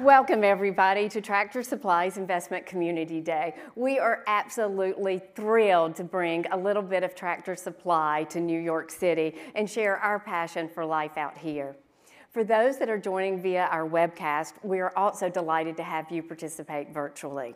Welcome, everybody, to Tractor Supply's Investment Community Day. We are absolutely thrilled to bring a little bit of Tractor Supply to New York City and share our passion for Life Out Here. For those that are joining via our webcast, we are also delighted to have you participate virtually.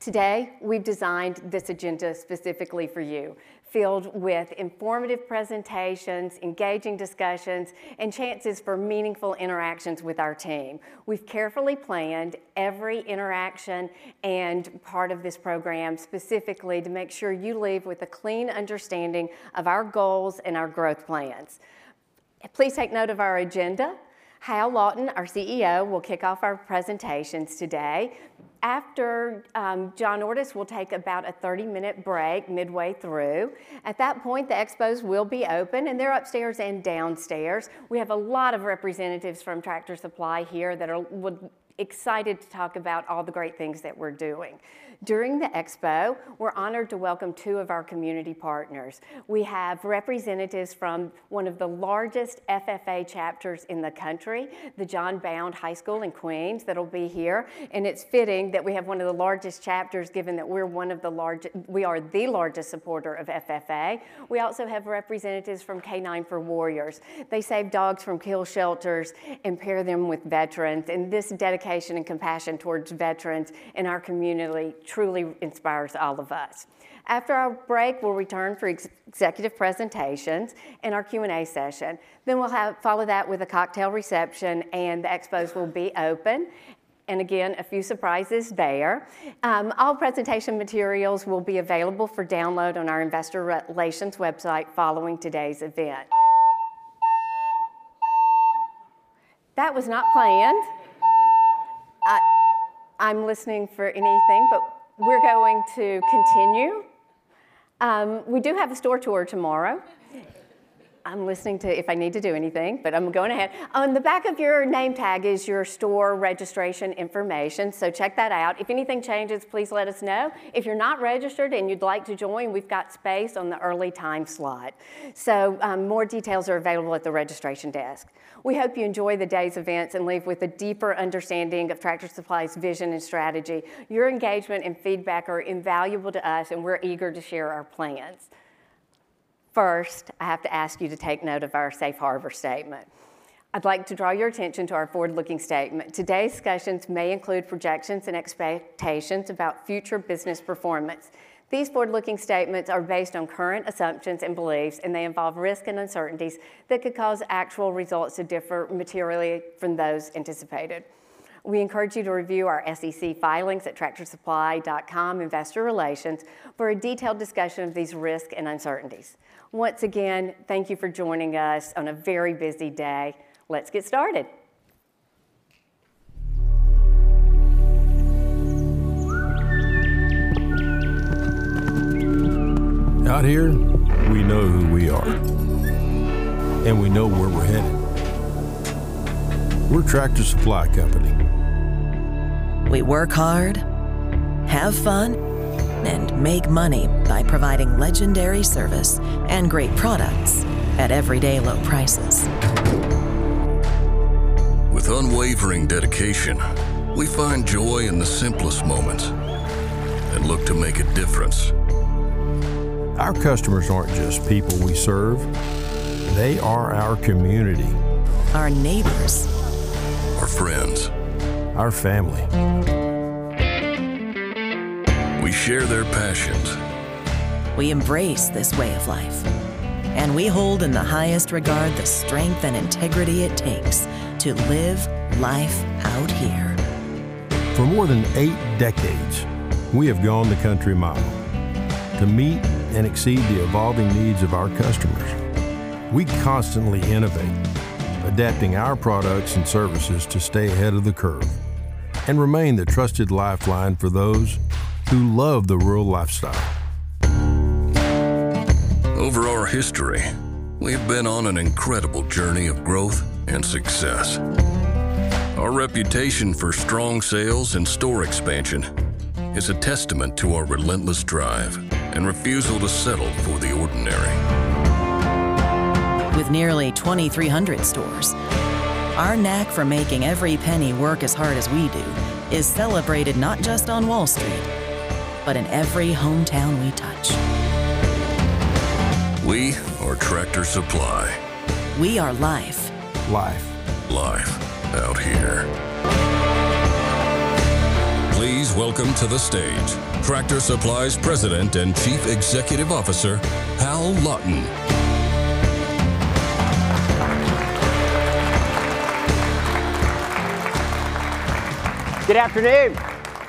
Today, we've designed this agenda specifically for you, filled with informative presentations, engaging discussions, and chances for meaningful interactions with our team. We've carefully planned every interaction and part of this program specifically to make sure you leave with a clean understanding of our goals and our growth plans. Please take note of our agenda. Hal Lawton, our CEO, will kick off our presentations today. After John Ordus, we'll take about a 30-minute break midway through. At that point, the expos will be open, and they're upstairs and downstairs. We have a lot of representatives from Tractor Supply here that are excited to talk about all the great things that we're doing. During the expo, we're honored to welcome two of our community partners. We have representatives from one of the largest FFA chapters in the country, the John Bowne High School in Queens. That'll be here. And it's fitting that we have one of the largest chapters, given that we're one of the largest, we are the largest supporter of FFA. We also have representatives from K9s For Warriors. They save dogs from kill shelters and pair them with veterans. And this dedication and compassion towards veterans in our community truly inspires all of us. After our break, we'll return for executive presentations and our Q&A session. Then we'll follow that with a cocktail reception, and the expos will be open. And again, a few surprises there. All presentation materials will be available for download on our Investor Relations website following today's event. That was not planned. I'm listening for anything, but we're going to continue. We do have a store tour tomorrow. I'm listening to if I need to do anything, but I'm going ahead. On the back of your name tag is your store registration information, so check that out. If anything changes, please let us know. If you're not registered and you'd like to join, we've got space on the early time slot. So more details are available at the registration desk. We hope you enjoy the day's events and leave with a deeper understanding of Tractor Supply's vision and strategy. Your engagement and feedback are invaluable to us, and we're eager to share our plans. First, I have to ask you to take note of our Safe Harbor statement. I'd like to draw your attention to our forward-looking statement. Today's discussions may include projections and expectations about future business performance. These forward-looking statements are based on current assumptions and beliefs, and they involve risk and uncertainties that could cause actual results to differ materially from those anticipated. We encourage you to review our SEC filings at tractorsupply.com Investor Relations for a detailed discussion of these risks and uncertainties. Once again, thank you for joining us on a very busy day. Let's get started. Out here, we know who we are, and we know where we're headed. We're Tractor Supply Company. We work hard, have fun, and make money by providing legendary service and great products at everyday low prices. With unwavering dedication, we find joy in the simplest moments and look to make a difference. Our customers aren't just people we serve. They are our community. Our neighbors. Our friends. Our family. We share their passions. We embrace this way of life, and we hold in the highest regard the strength and integrity it takes to live Life Out Here. For more than eight decades, we have gone the country mile to meet and exceed the evolving needs of our customers. We constantly innovate, adapting our products and services to stay ahead of the curve and remain the trusted lifeline for those who love the rural lifestyle. Over our history, we've been on an incredible journey of growth and success. Our reputation for strong sales and store expansion is a testament to our relentless drive and refusal to settle for the ordinary. With nearly 2,300 stores, our knack for making every penny work as hard as we do is celebrated not just on Wall Street, but in every hometown we touch. We are Tractor Supply. We are life. Life. Life out here. Please welcome to the stage Tractor Supply's President and Chief Executive Officer, Hal Lawton. Good afternoon.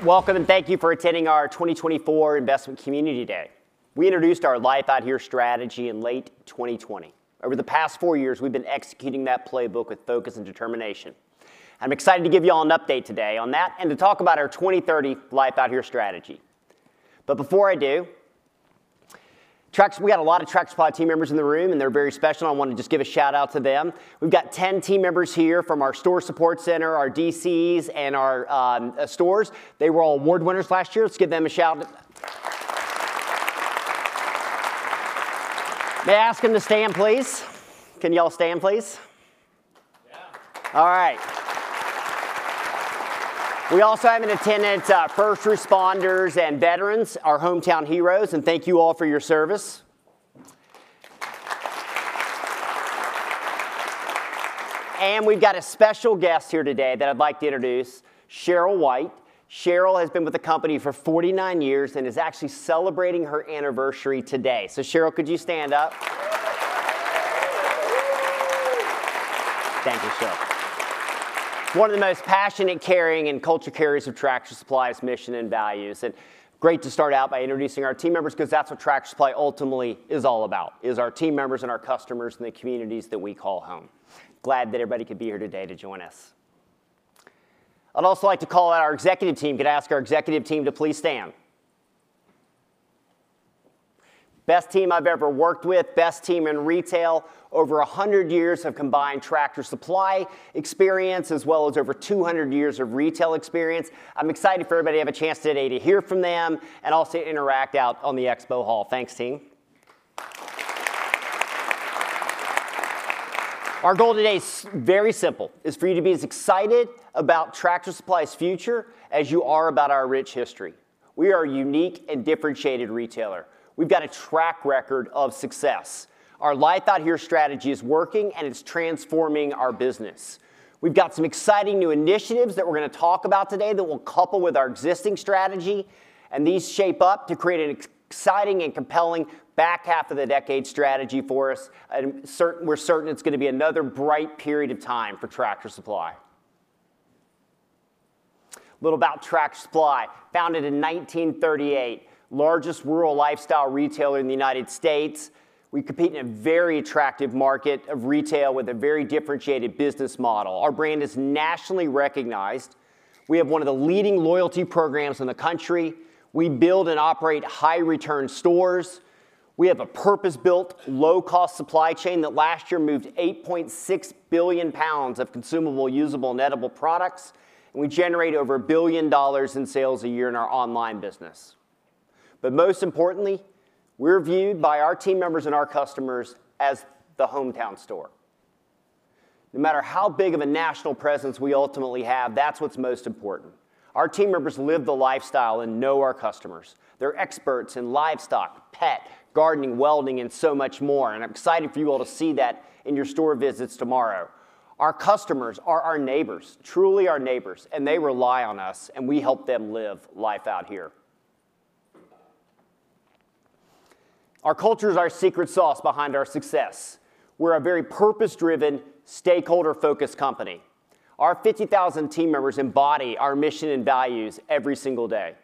Welcome, and thank you for attending our 2024 Investment Community Day. We introduced our Life Out Here strategy in late 2020. Over the past four years, we've been executing that playbook with focus and determination. I'm excited to give you all an update today on that and to talk about our 2030 Life Out Here strategy. But before I do, we got a lot of Tractor Supply team members in the room, and they're very special. I want to just give a shout-out to them. We've got 10 team members here from our Store Support Center, our DCs, and our stores. They were all award winners last year. Let's give them a shout. May I ask them to stand, please? Can y'all stand, please? Yeah. All right. We also have an audience of first responders and veterans, our hometown heroes, and thank you all for your service, and we've got a special guest here today that I'd like to introduce, Cheryl White. Cheryl has been with the company for 49 years and is actually celebrating her anniversary today. So Cheryl, could you stand up? Thank you, Cheryl. One of the most passionate, caring, and culture-carrying of Tractor Supply's mission and values, and great to start out by introducing our team members, because that's what Tractor Supply ultimately is all about, is our team members and our customers and the communities that we call home. Glad that everybody could be here today to join us. I'd also like to call out our executive team. Could I ask our executive team to please stand? Best team I've ever worked with, best team in retail, over 100 years of combined Tractor Supply experience, as well as over 200 years of retail experience. I'm excited for everybody to have a chance today to hear from them and also interact out on the expo hall. Thanks, team. Our goal today is very simple: for you to be as excited about Tractor Supply's future as you are about our rich history. We are a unique and differentiated retailer. We've got a track record of success. Our Life Out Here strategy is working, and it's transforming our business. We've got some exciting new initiatives that we're going to talk about today that will couple with our existing strategy. And these shape up to create an exciting and compelling back half of the decade strategy for us. We're certain it's going to be another bright period of time for Tractor Supply. A little about Tractor Supply: founded in 1938, the largest rural lifestyle retailer in the United States. We compete in a very attractive market of retail with a very differentiated business model. Our brand is nationally recognized. We have one of the leading loyalty programs in the country. We build and operate high-return stores. We have a purpose-built, low-cost supply chain that last year moved 8.6 billion pounds of consumable, usable, and edible products. And we generate over $1 billion in sales a year in our online business. But most importantly, we're viewed by our team members and our customers as the hometown store. No matter how big of a national presence we ultimately have, that's what's most important. Our team members live the lifestyle and know our customers. They're experts in livestock, pet, gardening, welding, and so much more, and I'm excited for you all to see that in your store visits tomorrow. Our customers are our neighbors, truly our neighbors, and they rely on us, and we help them live Life Out Here. Our culture is our secret sauce behind our success. We're a very purpose-driven, stakeholder-focused company. Our 50,000 team members embody our mission and values every single day.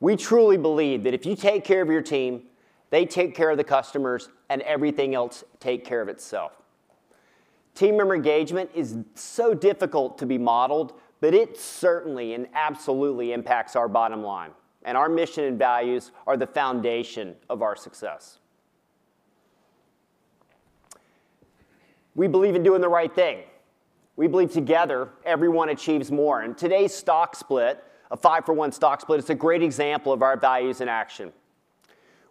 We truly believe that if you take care of your team, they take care of the customers, and everything else takes care of itself. Team member engagement is so difficult to be modeled, but it certainly and absolutely impacts our bottom line, and our mission and values are the foundation of our success. We believe in doing the right thing. We believe together, everyone achieves more. Today's stock split, a 5-for-1 stock split, is a great example of our values in action.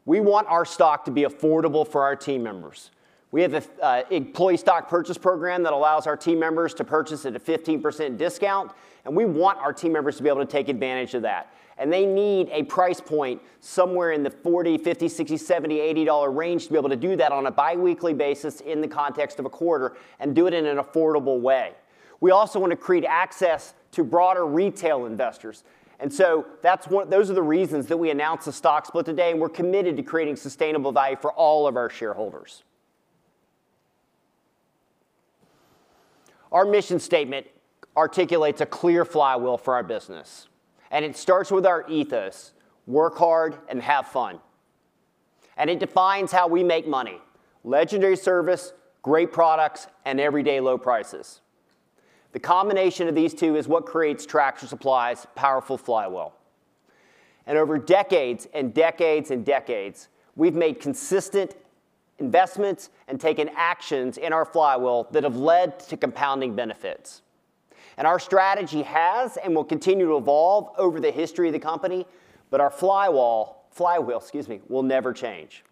We want our stock to be affordable for our team members. We have an employee stock purchase program that allows our team members to purchase at a 15% discount, and we want our team members to be able to take advantage of that. They need a price point somewhere in the $40-$80 range to be able to do that on a biweekly basis in the context of a quarter and do it in an affordable way. We also want to create access to broader retail investors. Those are the reasons that we announced the stock split today, and we're committed to creating sustainable value for all of our shareholders. Our mission statement articulates a clear flywheel for our business. And it starts with our ethos: work hard and have fun. And it defines how we make money: legendary service, great products, and everyday low prices. The combination of these two is what creates Tractor Supply's powerful flywheel. And over decades and decades and decades, we have made consistent investments and taken actions in our flywheel that have led to compounding benefits. And our strategy has and will continue to evolve over the history of the company, but our flywheel, flywheel, excuse me, will never change.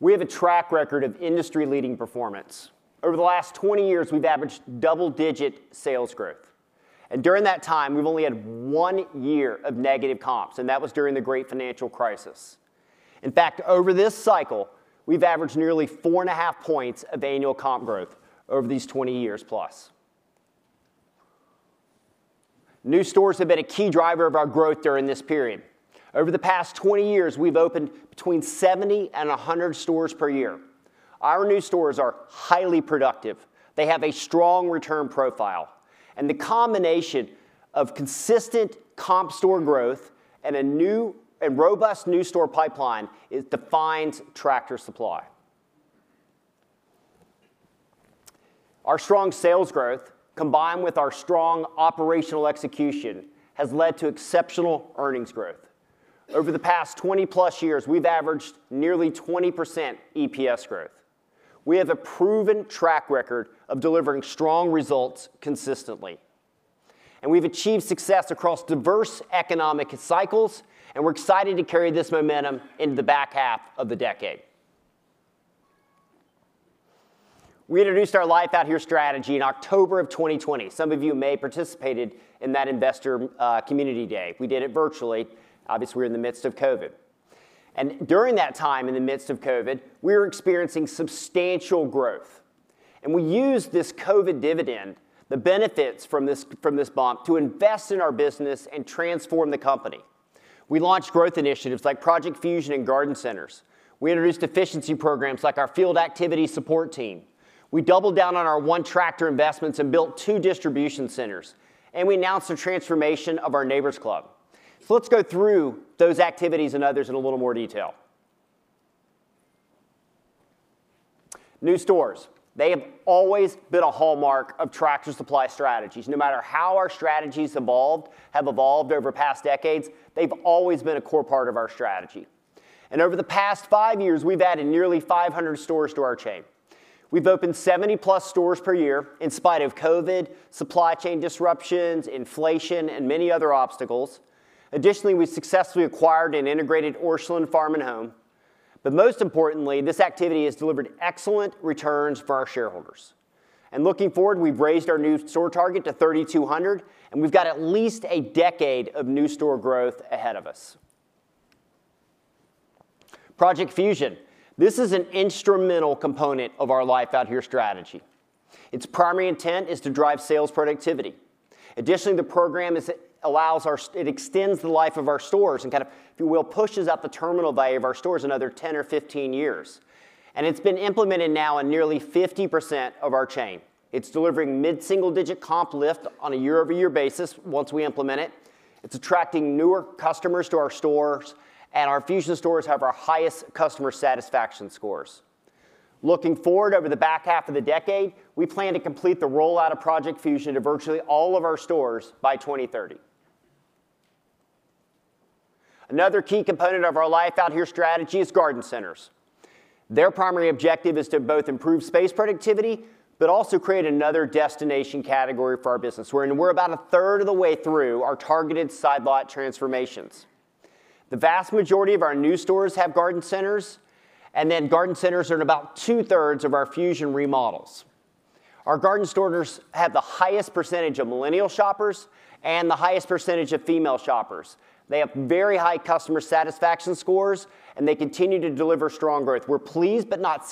We have a track record of industry-leading performance. Over the last 20 years, we have averaged double-digit sales growth. And during that time, we have only had one year of negative comps, and that was during the great financial crisis. In fact, over this cycle, we have averaged nearly four and a half points of annual comp growth over these 20 years plus. New stores have been a key driver of our growth during this period. Over the past 20 years, we've opened between 70 and 100 stores per year. Our new stores are highly productive. They have a strong return profile, and the combination of consistent comp store growth and a robust new store pipeline defines Tractor Supply. Our strong sales growth, combined with our strong operational execution, has led to exceptional earnings growth. Over the past 20-plus years, we've averaged nearly 20% EPS growth. We have a proven track record of delivering strong results consistently, and we've achieved success across diverse economic cycles, and we're excited to carry this momentum into the back half of the decade. We introduced our Life Out Here strategy in October of 2020. Some of you may have participated in that Investment Community Day. We did it virtually. Obviously, we're in the midst of COVID. During that time, in the midst of COVID, we were experiencing substantial growth. We used this COVID dividend, the benefits from this bump, to invest in our business and transform the company. We launched growth initiatives like Project Fusion and Garden Centers. We introduced efficiency programs like our Field Activity Support Team. We doubled down on our Tractor Supply investments and built two distribution centers. We announced a transformation of our Neighbor's Club. Let's go through those activities and others in a little more detail. New stores, they have always been a hallmark of Tractor Supply strategies. No matter how our strategies have evolved over past decades, they've always been a core part of our strategy. Over the past five years, we've added nearly 500 stores to our chain. We've opened 70-plus stores per year in spite of COVID, supply chain disruptions, inflation, and many other obstacles. Additionally, we successfully acquired and integrated Orscheln Farm and Home. But most importantly, this activity has delivered excellent returns for our shareholders. And looking forward, we've raised our new store target to 3,200, and we've got at least a decade of new store growth ahead of us. Project Fusion, this is an instrumental component of our Life Out Here strategy. Its primary intent is to drive sales productivity. Additionally, the program allows our—it extends the life of our stores and kind of, if you will, pushes up the terminal value of our stores another 10 or 15 years. And it's been implemented now in nearly 50% of our chain. It's delivering mid-single-digit comp lift on a year-over-year basis once we implement it. It's attracting newer customers to our stores, and our Fusion stores have our highest customer satisfaction scores. Looking forward over the back half of the decade, we plan to complete the rollout of Project Fusion to virtually all of our stores by 2030. Another key component of our Life Out Here strategy is garden centers. Their primary objective is to both improve space productivity, but also create another destination category for our business. We're about a third of the way through our targeted Side Lot transformations. The vast majority of our new stores have garden centers, and then garden centers are in about two-thirds of our Fusion remodels. Our garden stores have the highest percentage of millennial shoppers and the highest percentage of female shoppers. They have very high customer satisfaction scores, and they continue to deliver strong growth. We're pleased, but not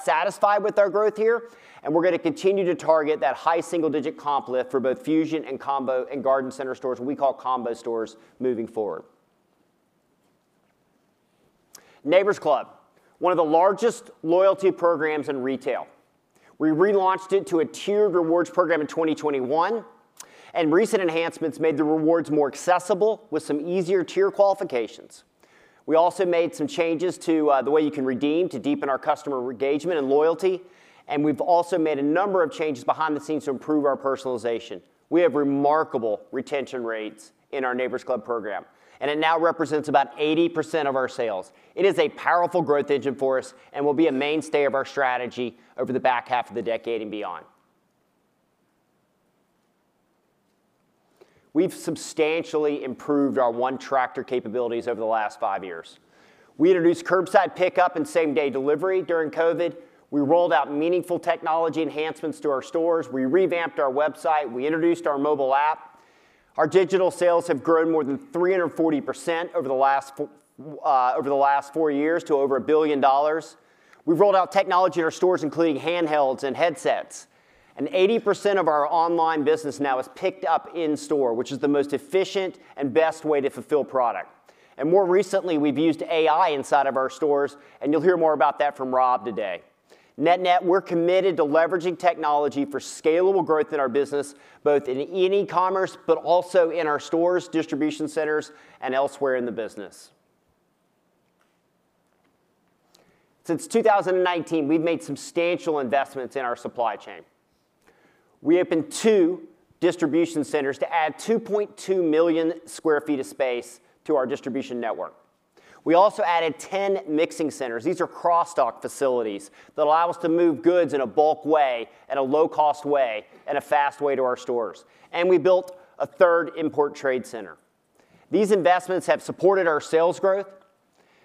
satisfied with our growth here, and we're going to continue to target that high single-digit comp lift for both Fusion and combo and garden center stores, what we call combo stores, moving forward. Neighbor's Club, one of the largest loyalty programs in retail. We relaunched it to a tiered rewards program in 2021, and recent enhancements made the rewards more accessible with some easier tier qualifications. We also made some changes to the way you can redeem to deepen our customer engagement and loyalty, and we've also made a number of changes behind the scenes to improve our personalization. We have remarkable retention rates in our Neighbor's Club program, and it now represents about 80% of our sales. It is a powerful growth engine for us and will be a mainstay of our strategy over the back half of the decade and beyond. We've substantially improved our omnichannel capabilities over the last five years. We introduced curbside pickup and same-day delivery during COVID. We rolled out meaningful technology enhancements to our stores. We revamped our website. We introduced our mobile app. Our digital sales have grown more than 340% over the last four years to over $1 billion. We've rolled out technology in our stores, including handhelds and headsets, and 80% of our online business now is picked up in store, which is the most efficient and best way to fulfill product, and more recently, we've used AI inside of our stores, and you'll hear more about that from Rob today. Net net, we're committed to leveraging technology for scalable growth in our business, both in e-commerce, but also in our stores, distribution centers, and elsewhere in the business. Since 2019, we've made substantial investments in our supply chain. We opened two distribution centers to add 2.2 million sq ft of space to our distribution network. We also added 10 mixing centers. These are cross-dock facilities that allow us to move goods in a bulk way, in a low-cost way, and a fast way to our stores. And we built a third import trade center. These investments have supported our sales growth.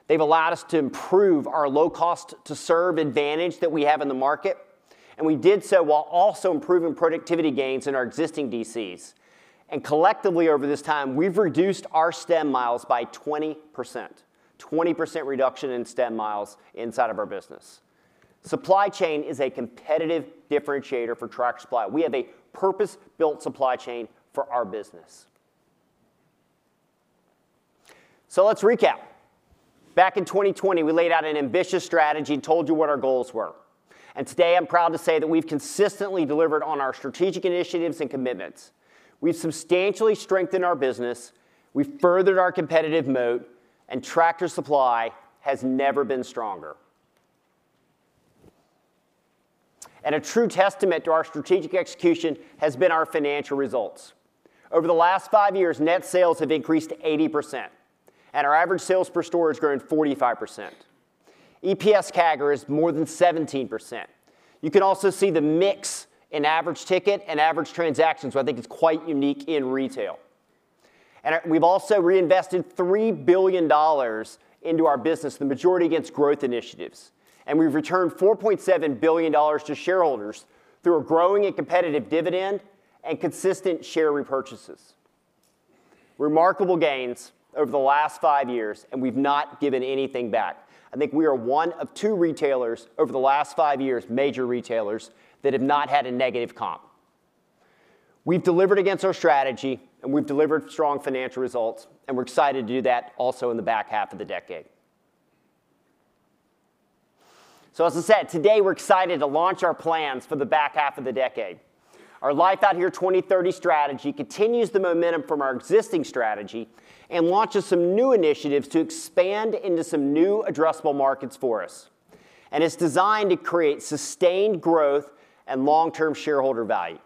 They've allowed us to improve our low-cost-to-serve advantage that we have in the market. And we did so while also improving productivity gains in our existing DCs. And collectively, over this time, we've reduced our stem miles by 20%, 20% reduction in stem miles inside of our business. Supply chain is a competitive differentiator for Tractor Supply. We have a purpose-built supply chain for our business. So let's recap. Back in 2020, we laid out an ambitious strategy and told you what our goals were. And today, I'm proud to say that we've consistently delivered on our strategic initiatives and commitments. We've substantially strengthened our business. We've furthered our competitive moat, and Tractor Supply has never been stronger. And a true testament to our strategic execution has been our financial results. Over the last five years, net sales have increased 80%, and our average sales per store has grown 45%. EPS CAGR is more than 17%. You can also see the mix in average ticket and average transactions, which I think is quite unique in retail. And we've also reinvested $3 billion into our business, the majority against growth initiatives. And we've returned $4.7 billion to shareholders through a growing and competitive dividend and consistent share repurchases. Remarkable gains over the last five years, and we've not given anything back. I think we are one of two retailers over the last five years, major retailers, that have not had a negative comp. We've delivered against our strategy, and we've delivered strong financial results, and we're excited to do that also in the back half of the decade, so as I said, today, we're excited to launch our plans for the back half of the decade. Our Life Out Here 2030 strategy continues the momentum from our existing strategy and launches some new initiatives to expand into some new addressable markets for us, and it's designed to create sustained growth and long-term shareholder value.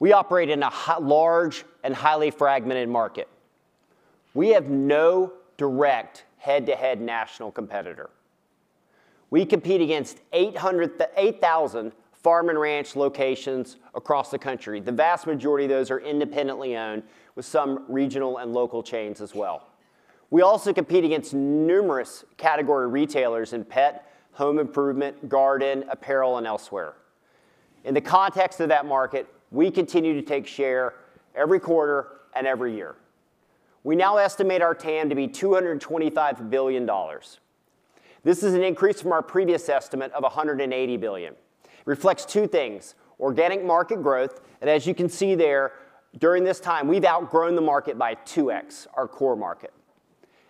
We operate in a large and highly fragmented market. We have no direct head-to-head national competitor. We compete against 8,000 farm and ranch locations across the country. The vast majority of those are independently owned with some regional and local chains as well. We also compete against numerous category retailers in pet, home improvement, garden, apparel, and elsewhere. In the context of that market, we continue to take share every quarter and every year. We now estimate our TAM to be $225 billion. This is an increase from our previous estimate of $180 billion. It reflects two things: organic market growth, and as you can see there, during this time, we've outgrown the market by 2X, our core market.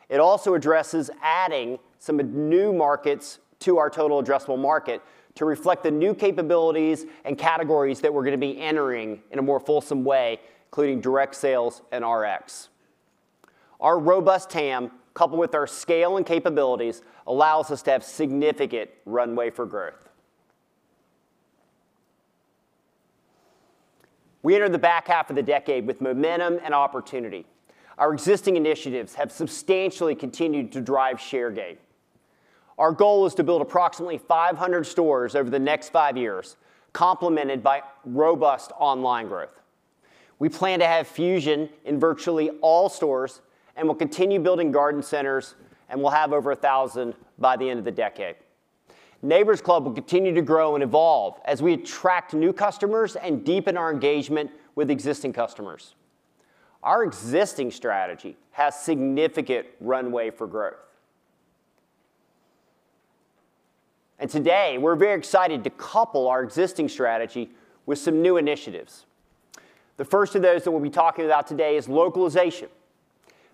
It also addresses adding some new markets to our total addressable market to reflect the new capabilities and categories that we're going to be entering in a more fulsome way, including direct sales and Rx. Our robust TAM, coupled with our scale and capabilities, allows us to have significant runway for growth. We entered the back half of the decade with momentum and opportunity. Our existing initiatives have substantially continued to drive share gain. Our goal is to build approximately 500 stores over the next five years, complemented by robust online growth. We plan to have Fusion in virtually all stores and will continue building garden centers, and we'll have over 1,000 by the end of the decade. Neighbor's Club will continue to grow and evolve as we attract new customers and deepen our engagement with existing customers. Our existing strategy has significant runway for growth, and today, we're very excited to couple our existing strategy with some new initiatives. The first of those that we'll be talking about today is localization.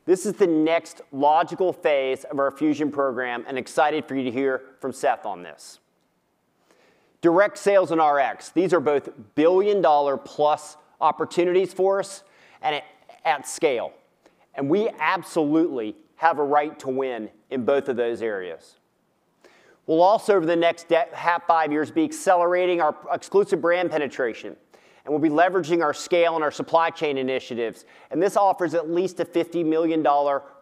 This is the next logical phase of our Fusion program, and excited for you to hear from Seth on this. Direct sales and Rx, these are both billion-dollar-plus opportunities for us and at scale, and we absolutely have a right to win in both of those areas. We'll also, over the next five and a half years, be accelerating our exclusive brand penetration, and we'll be leveraging our scale and our supply chain initiatives. This offers at least a $50 million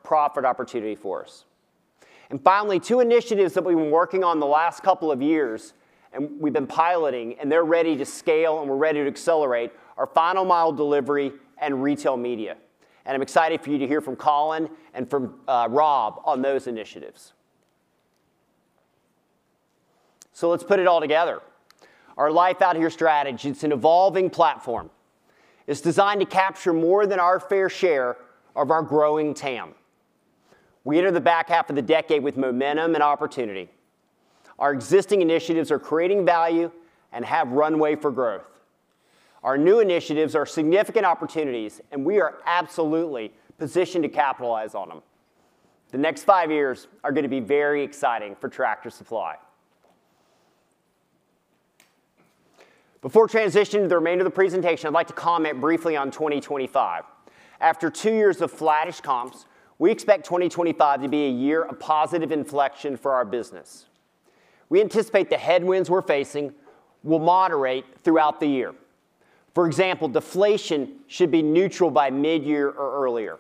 profit opportunity for us. Finally, two initiatives that we've been working on the last couple of years, and we've been piloting, and they're ready to scale, and we're ready to accelerate our final mile delivery and retail media. I'm excited for you to hear from Colin and from Rob on those initiatives. Let's put it all together. Our Life Out Here strategy, it's an evolving platform. It's designed to capture more than our fair share of our growing TAM. We entered the back half of the decade with momentum and opportunity. Our existing initiatives are creating value and have runway for growth. Our new initiatives are significant opportunities, and we are absolutely positioned to capitalize on them. The next five years are going to be very exciting for Tractor Supply. Before transitioning to the remainder of the presentation, I'd like to comment briefly on 2025. After two years of flattish comps, we expect 2025 to be a year of positive inflection for our business. We anticipate the headwinds we're facing will moderate throughout the year. For example, deflation should be neutral by mid-year or earlier.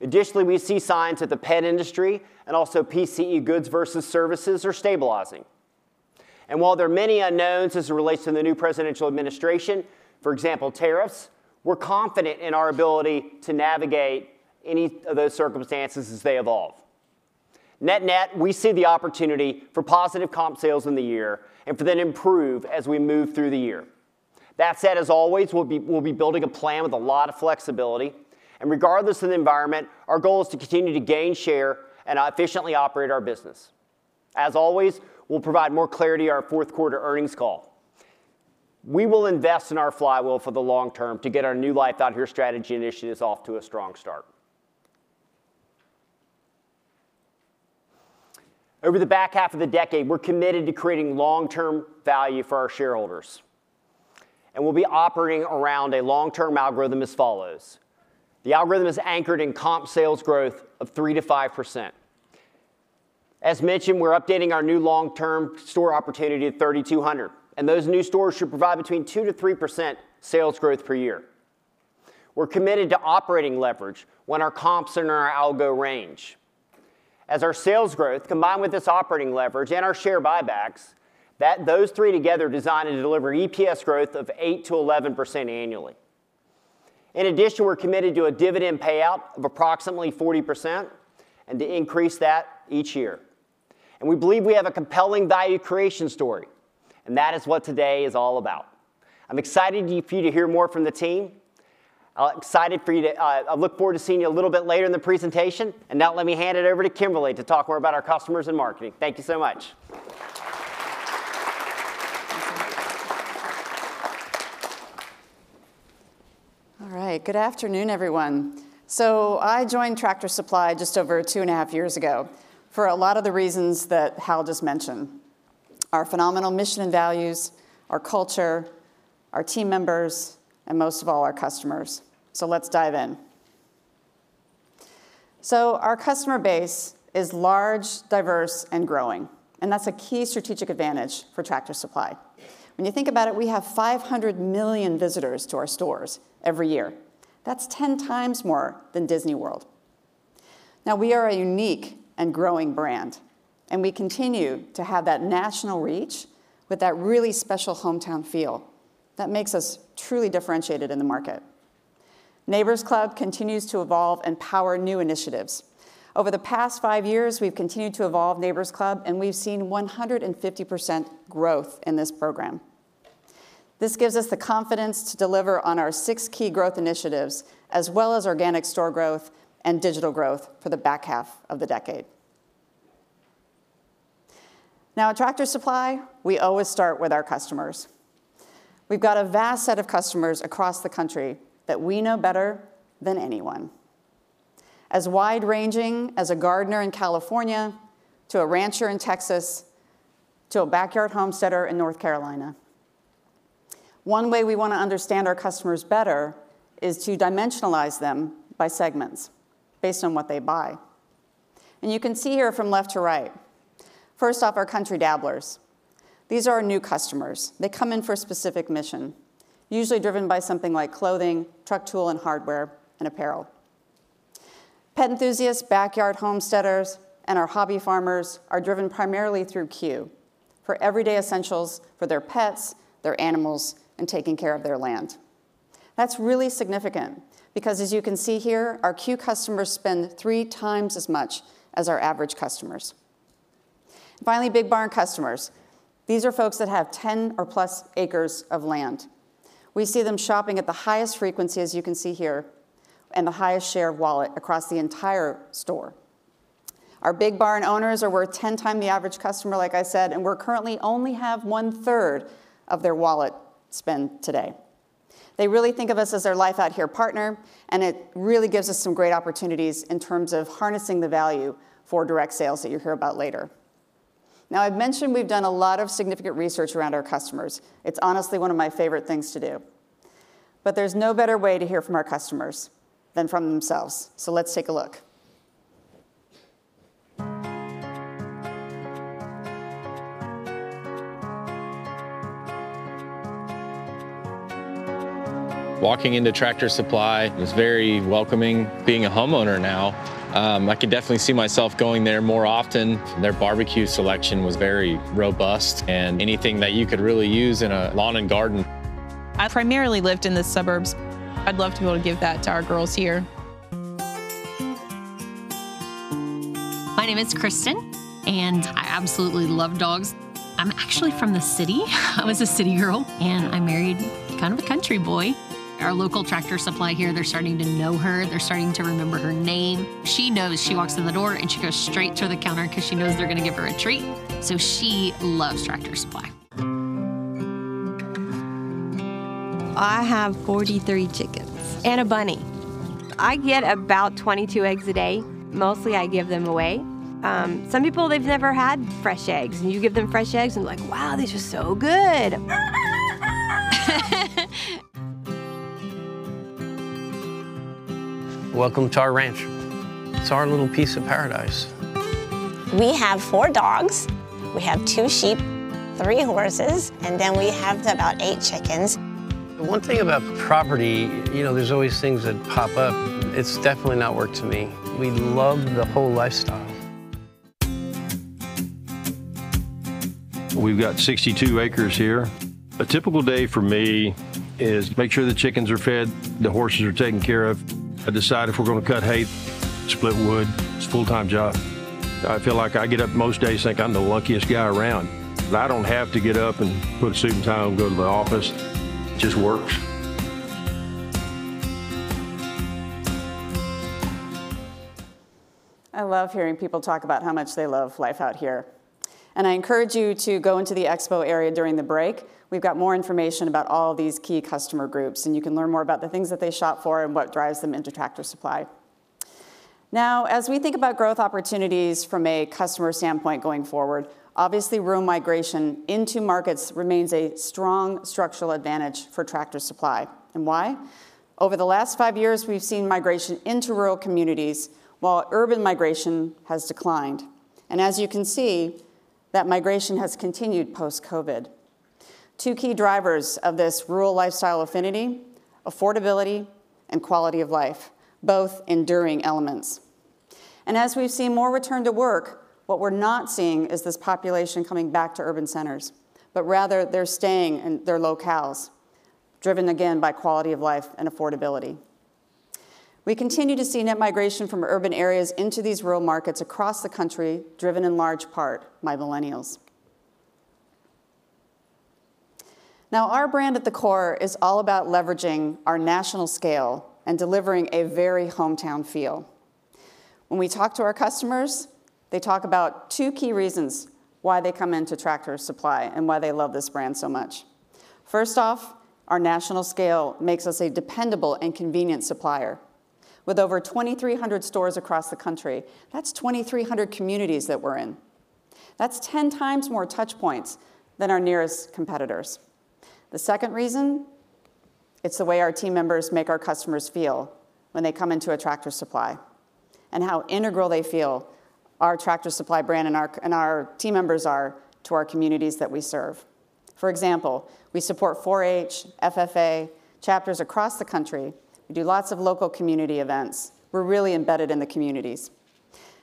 Additionally, we see signs that the pet industry and also PCE goods versus services are stabilizing, and while there are many unknowns as it relates to the new presidential administration, for example, tariffs, we're confident in our ability to navigate any of those circumstances as they evolve. NetNet, we see the opportunity for positive comp sales in the year and for them to improve as we move through the year. That said, as always, we'll be building a plan with a lot of flexibility, and regardless of the environment, our goal is to continue to gain share and efficiently operate our business. As always, we'll provide more clarity in our fourth quarter earnings call. We will invest in our flywheel for the long term to get our new Life Out Here strategy initiatives off to a strong start. Over the back half of the decade, we're committed to creating long-term value for our shareholders, and we'll be operating around a long-term algorithm as follows. The algorithm is anchored in comp sales growth of 3%-5%. As mentioned, we're updating our new long-term store opportunity at 3,200. And those new stores should provide between 2%-3% sales growth per year. We're committed to operating leverage when our comps are in our algo range. As our sales growth, combined with this operating leverage and our share buybacks, those three together design and deliver EPS growth of 8%-11% annually. In addition, we're committed to a dividend payout of approximately 40% and to increase that each year. And we believe we have a compelling value creation story, and that is what today is all about. I'm excited for you to hear more from the team. I'm excited for you to look forward to seeing you a little bit later in the presentation. And now let me hand it over to Kimberley to talk more about our customers and marketing. Thank you so much. All right. Good afternoon, everyone. So I joined Tractor Supply just over two and a half years ago for a lot of the reasons that Hal just mentioned: our phenomenal mission and values, our culture, our team members, and most of all, our customers. So let's dive in. So our customer base is large, diverse, and growing, and that's a key strategic advantage for Tractor Supply. When you think about it, we have 500 million visitors to our stores every year. That's 10 times more than Disney World. Now, we are a unique and growing brand, and we continue to have that national reach with that really special hometown feel that makes us truly differentiated in the market. Neighbor's Club continues to evolve and power new initiatives. Over the past five years, we've continued to evolve Neighbor's Club, and we've seen 150% growth in this program. This gives us the confidence to deliver on our six key growth initiatives, as well as organic store growth and digital growth for the back half of the decade. Now, at Tractor Supply, we always start with our customers. We've got a vast set of customers across the country that we know better than anyone, as wide-ranging as a gardener in California to a rancher in Texas to a Backyard Homesteader in North Carolina. One way we want to understand our customers better is to dimensionalize them by segments based on what they buy. And you can see here from left to right, first off, our Country Dabblers. These are our new customers. They come in for a specific mission, usually driven by something like clothing, truck tool and hardware, and apparel. Pet Enthusiasts, Backyard Homesteaders, and our Hobby Farmers are driven primarily through C.U.E. for everyday essentials for their pets, their animals, and taking care of their land. That's really significant because, as you can see here, our C.U.E. customers spend three times as much as our average customers. Finally, Big Barn customers. These are folks that have 10 or plus acres of land. We see them shopping at the highest frequency, as you can see here, and the highest share of wallet across the entire store. Our Big Barn owners are worth 10 times the average customer, like I said, and we currently only have one-third of their wallet spent today. They really think of us as their Life Out Here partner, and it really gives us some great opportunities in terms of harnessing the value for direct sales that you'll hear about later. Now, I've mentioned we've done a lot of significant research around our customers. It's honestly one of my favorite things to do. But there's no better way to hear from our customers than from themselves. So let's take a look. Walking into Tractor Supply, it was very welcoming. Being a homeowner now, I could definitely see myself going there more often. Their barbecue selection was very robust, and anything that you could really use in a lawn and garden. I primarily lived in the suburbs. I'd love to be able to give that to our girls here. My name is Kristin, and I absolutely love dogs. I'm actually from the city. I was a city girl, and I married kind of a country boy. Our local Tractor Supply here, they're starting to know her. They're starting to remember her name. She knows she walks in the door, and she goes straight to the counter because she knows they're going to give her a treat. So she loves Tractor Supply. I have 43 chickens and a bunny. I get about 22 eggs a day. Mostly, I give them away. Some people, they've never had fresh eggs. And you give them fresh eggs, and they're like, "Wow, these are so good. Welcome to our ranch. It's our little piece of paradise. We have four dogs. We have two sheep, three horses, and then we have about eight chickens. The one thing about property, you know, there's always things that pop up. It's definitely not work to me. We love the whole lifestyle. We've got 62 acres here. A typical day for me is make sure the chickens are fed, the horses are taken care of. I decide if we're going to cut hay, split wood. It's a full-time job. I feel like I get up most days thinking I'm the luckiest guy around. I don't have to get up and put a suit and tie on, go to the office. It just works. I love hearing people talk about how much they love Life Out Here. And I encourage you to go into the expo area during the break. We've got more information about all these key customer groups, and you can learn more about the things that they shop for and what drives them into Tractor Supply. Now, as we think about growth opportunities from a customer standpoint going forward, obviously, rural migration into markets remains a strong structural advantage for Tractor Supply. And why? Over the last five years, we've seen migration into rural communities, while urban migration has declined. And as you can see, that migration has continued post-COVID. Two key drivers of this rural lifestyle affinity: affordability and quality of life, both enduring elements. As we've seen more return to work, what we're not seeing is this population coming back to urban centers, but rather they're staying in their locales, driven again by quality of life and affordability. We continue to see net migration from urban areas into these rural markets across the country, driven in large part by millennials. Now, our brand at the core is all about leveraging our national scale and delivering a very hometown feel. When we talk to our customers, they talk about two key reasons why they come into Tractor Supply and why they love this brand so much. First off, our national scale makes us a dependable and convenient supplier. With over 2,300 stores across the country, that's 2,300 communities that we're in. That's 10 times more touchpoints than our nearest competitors. The second reason, it's the way our team members make our customers feel when they come into a Tractor Supply and how integral they feel our Tractor Supply brand and our team members are to our communities that we serve. For example, we support 4-H, FFA, chapters across the country. We do lots of local community events. We're really embedded in the communities,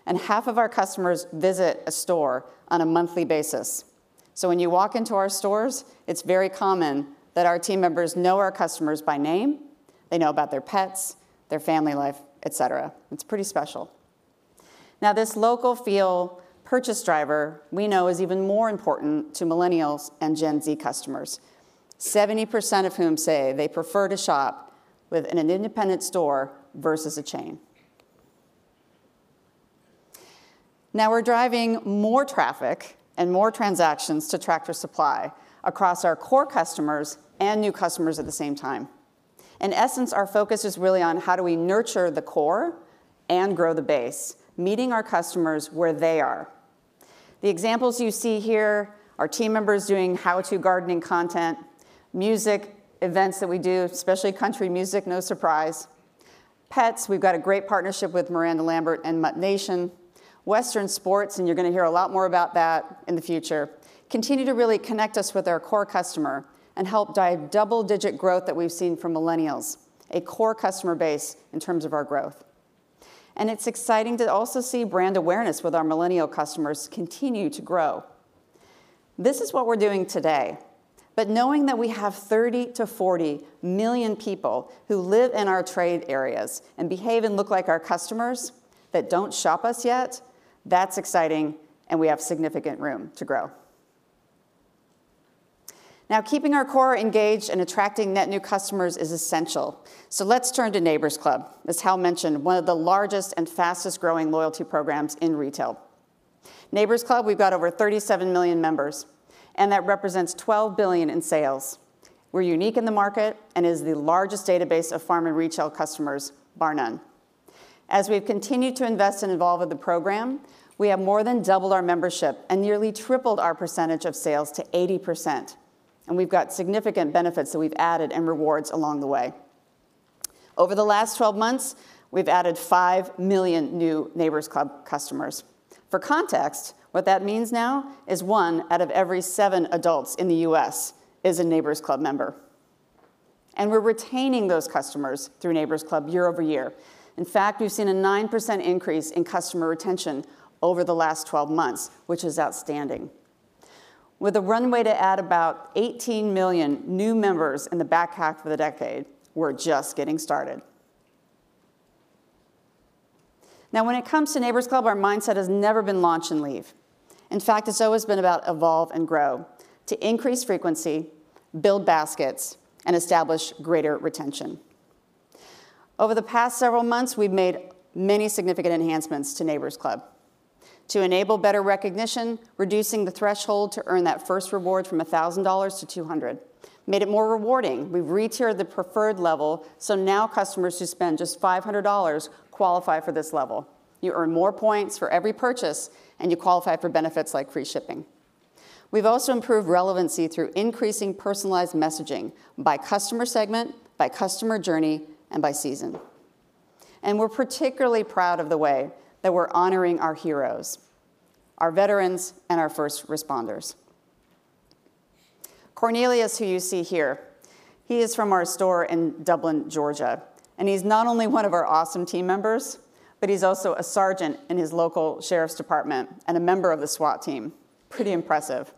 and half of our customers visit a store on a monthly basis, so when you walk into our stores, it's very common that our team members know our customers by name. They know about their pets, their family life, etc. It's pretty special. Now, this local feel purchase driver we know is even more important to millennials and Gen Z customers, 70% of whom say they prefer to shop with an independent store versus a chain. Now, we're driving more traffic and more transactions to Tractor Supply across our core customers and new customers at the same time. In essence, our focus is really on how do we nurture the core and grow the base, meeting our customers where they are. The examples you see here are team members doing how-to gardening content, music, events that we do, especially country music, no surprise. Pets, we've got a great partnership with Miranda Lambert and MuttNation. Western sports, and you're going to hear a lot more about that in the future, continue to really connect us with our core customer and help drive double-digit growth that we've seen from millennials, a core customer base in terms of our growth. It's exciting to also see brand awareness with our millennial customers continue to grow. This is what we're doing today. But knowing that we have 30-40 million people who live in our trade areas and behave and look like our customers that don't shop us yet, that's exciting, and we have significant room to grow. Now, keeping our core engaged and attracting net new customers is essential. So let's turn to Neighbor's Club. As Hal mentioned, one of the largest and fastest-growing loyalty programs in retail. Neighbor's Club, we've got over 37 million members, and that represents $12 billion in sales. We're unique in the market, and it is the largest database of farm and retail customers, bar none. As we've continued to invest and evolve with the program, we have more than doubled our membership and nearly tripled our percentage of sales to 80%. And we've got significant benefits that we've added and rewards along the way. Over the last 12 months, we've added 5 million new Neighbor's Club customers. For context, what that means now is one out of every seven adults in the U.S. is a Neighbor's Club member. We're retaining those customers through Neighbor's Club year over year. In fact, we've seen a 9% increase in customer retention over the last 12 months, which is outstanding. With a runway to add about 18 million new members in the back half of the decade, we're just getting started. Now, when it comes to Neighbor's Club, our mindset has never been launch and leave. In fact, it's always been about evolve and grow to increase frequency, build baskets, and establish greater retention. Over the past several months, we've made many significant enhancements to Neighbor's Club to enable better recognition, reducing the threshold to earn that first reward from $1,000 to $200, made it more rewarding. We've retired the preferred level, so now customers who spend just $500 qualify for this level. You earn more points for every purchase, and you qualify for benefits like free shipping. We've also improved relevancy through increasing personalized messaging by customer segment, by customer journey, and by season. And we're particularly proud of the way that we're honoring our heroes, our veterans, and our first responders. Cornelius, who you see here, he is from our store in Dublin, Georgia. And he's not only one of our awesome team members, but he's also a sergeant in his local sheriff's department and a member of the SWAT team. Pretty impressive.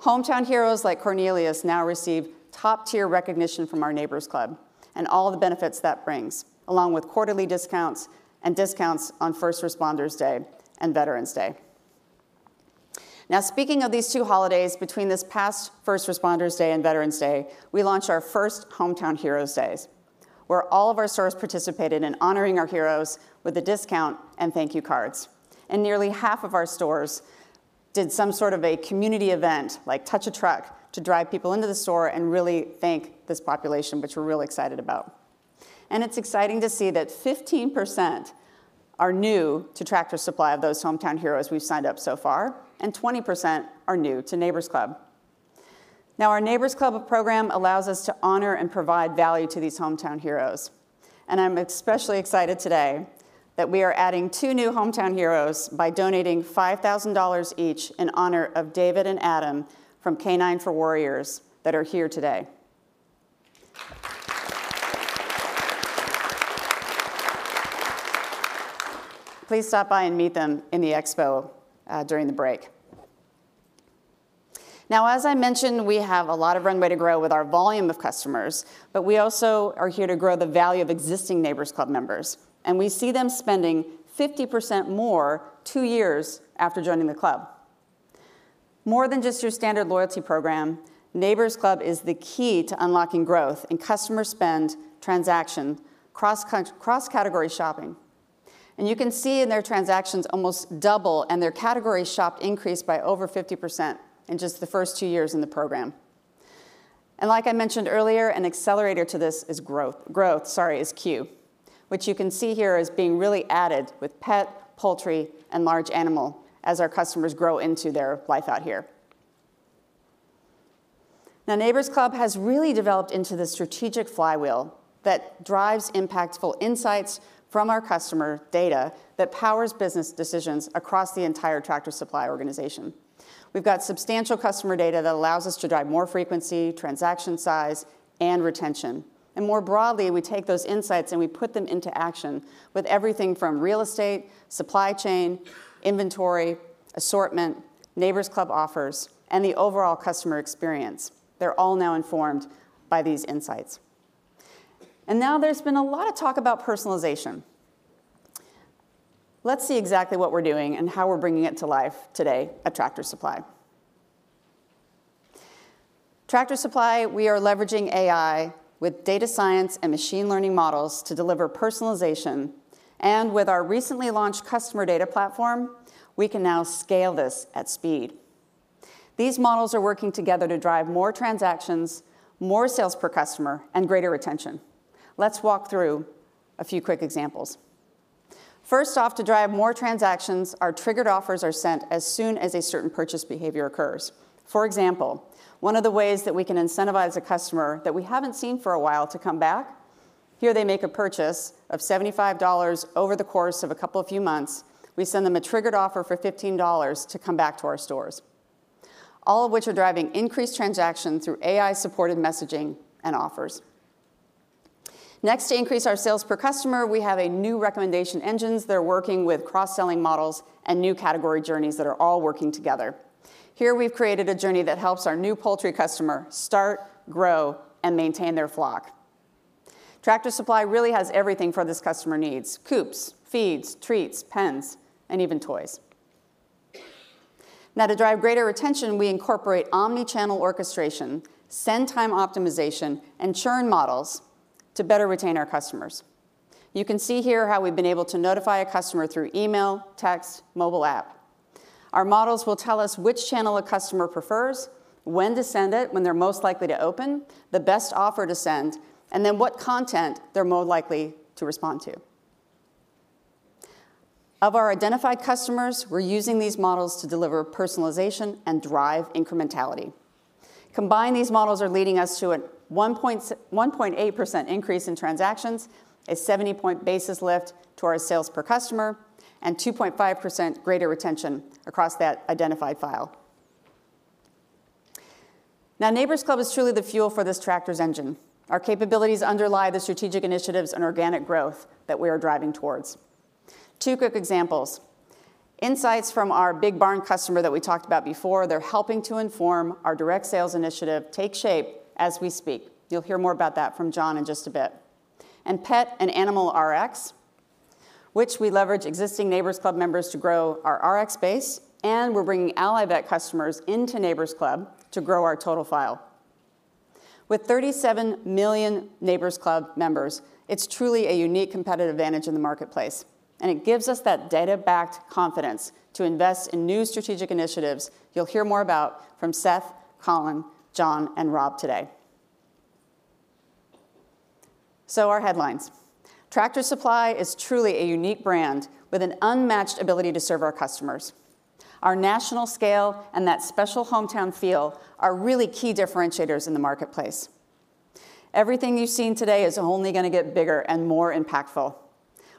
Hometown heroes like Cornelius now receive top-tier recognition from our Neighbor's Club and all the benefits that brings, along with quarterly discounts and discounts on First Responders Day and Veterans Day. Now, speaking of these two holidays, between this past First Responders Day and Veterans Day, we launched our first Hometown Heroes Days, where all of our stores participated in honoring our heroes with a discount and thank you cards. And nearly half of our stores did some sort of a community event, like Touch-a-Truck, to drive people into the store and really thank this population, which we're really excited about. And it's exciting to see that 15% are new to Tractor Supply of those Hometown Heroes we've signed up so far, and 20% are new to Neighbor's Club. Now, our Neighbor's Club program allows us to honor and provide value to these Hometown Heroes. And I'm especially excited today that we are adding two new Hometown Heroes by donating $5,000 each in honor of David and Adam from K9s For Warriors that are here today. Please stop by and meet them in the expo during the break. Now, as I mentioned, we have a lot of runway to grow with our volume of customers, but we also are here to grow the value of existing Neighbor's Club members. And we see them spending 50% more two years after joining the club. More than just your standard loyalty program, Neighbor's Club is the key to unlocking growth in customer spend, transaction, cross-category shopping. And you can see in their transactions almost double, and their category shop increased by over 50% in just the first two years in the program. And like I mentioned earlier, an accelerator to this is growth, sorry, is C.U.E., which you can see here as being really added with pet, poultry, and large animal as our customers grow into their Life Out Here. Now, Neighbor's Club has really developed into the strategic flywheel that drives impactful insights from our customer data that powers business decisions across the entire Tractor Supply organization. We've got substantial customer data that allows us to drive more frequency, transaction size, and retention. And more broadly, we take those insights and we put them into action with everything from real estate, supply chain, inventory, assortment, Neighbor's Club offers, and the overall customer experience. They're all now informed by these insights. And now there's been a lot of talk about personalization. Let's see exactly what we're doing and how we're bringing it to life today at Tractor Supply. At Tractor Supply, we are leveraging AI with data science and machine learning models to deliver personalization. And with our recently launched customer data platform, we can now scale this at speed. These models are working together to drive more transactions, more sales per customer, and greater retention. Let's walk through a few quick examples. First off, to drive more transactions, our triggered offers are sent as soon as a certain purchase behavior occurs. For example, one of the ways that we can incentivize a customer that we haven't seen for a while to come back, here they make a purchase of $75 over the course of a couple of months. We send them a triggered offer for $15 to come back to our stores, all of which are driving increased transaction through AI-supported messaging and offers. Next, to increase our sales per customer, we have a new recommendation engine that's working with cross-selling models and new category journeys that are all working together. Here, we've created a journey that helps our new poultry customer start, grow, and maintain their flock. Tractor Supply really has everything for this customer needs: coops, feeds, treats, pens, and even toys. Now, to drive greater retention, we incorporate omnichannel orchestration, send-time optimization, and churn models to better retain our customers. You can see here how we've been able to notify a customer through email, text, mobile app. Our models will tell us which channel a customer prefers, when to send it, when they're most likely to open, the best offer to send, and then what content they're more likely to respond to. Of our identified customers, we're using these models to deliver personalization and drive incrementality. Combined, these models are leading us to a 1.8% increase in transactions, a 70-point basis lift to our sales per customer, and 2.5% greater retention across that identified file. Now, Neighbor's Club is truly the fuel for this tractor's engine. Our capabilities underlie the strategic initiatives and organic growth that we are driving towards. Two quick examples. Insights from our Big Barn customer that we talked about before, they're helping to inform our direct sales initiative to take shape as we speak. You'll hear more about that from John in just a bit. And Pet and Animal Rx, which we leverage existing Neighbor's Club members to grow our Rx base. And we're bringing Allivet customers into Neighbor's Club to grow our total file. With 37 million Neighbor's Club members, it's truly a unique competitive advantage in the marketplace. And it gives us that data-backed confidence to invest in new strategic initiatives you'll hear more about from Seth, Colin, John, and Rob today. So our headlines. Tractor Supply is truly a unique brand with an unmatched ability to serve our customers. Our national scale and that special hometown feel are really key differentiators in the marketplace. Everything you've seen today is only going to get bigger and more impactful.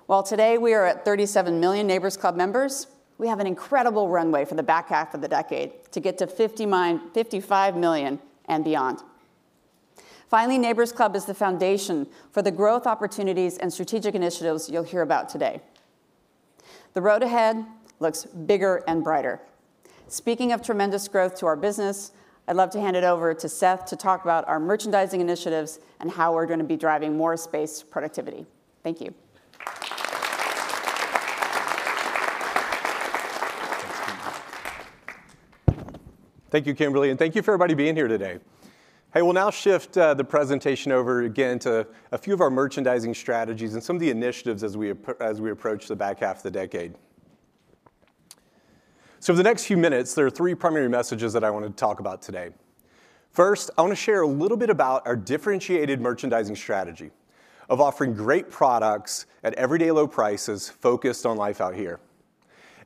While today we are at 37 million Neighbor's Club members, we have an incredible runway for the back half of the decade to get to 55 million and beyond. Finally, Neighbor's Club is the foundation for the growth opportunities and strategic initiatives you'll hear about today. The road ahead looks bigger and brighter. Speaking of tremendous growth to our business, I'd love to hand it over to Seth to talk about our merchandising initiatives and how we're going to be driving more space productivity. Thank you. Thank you, Kimberly, and thank you for everybody being here today. Hey, we'll now shift the presentation over again to a few of our merchandising strategies and some of the initiatives as we approach the back half of the decade. So for the next few minutes, there are three primary messages that I want to talk about today. First, I want to share a little bit about our differentiated merchandising strategy of offering great products at everyday low prices focused on Life Out Here.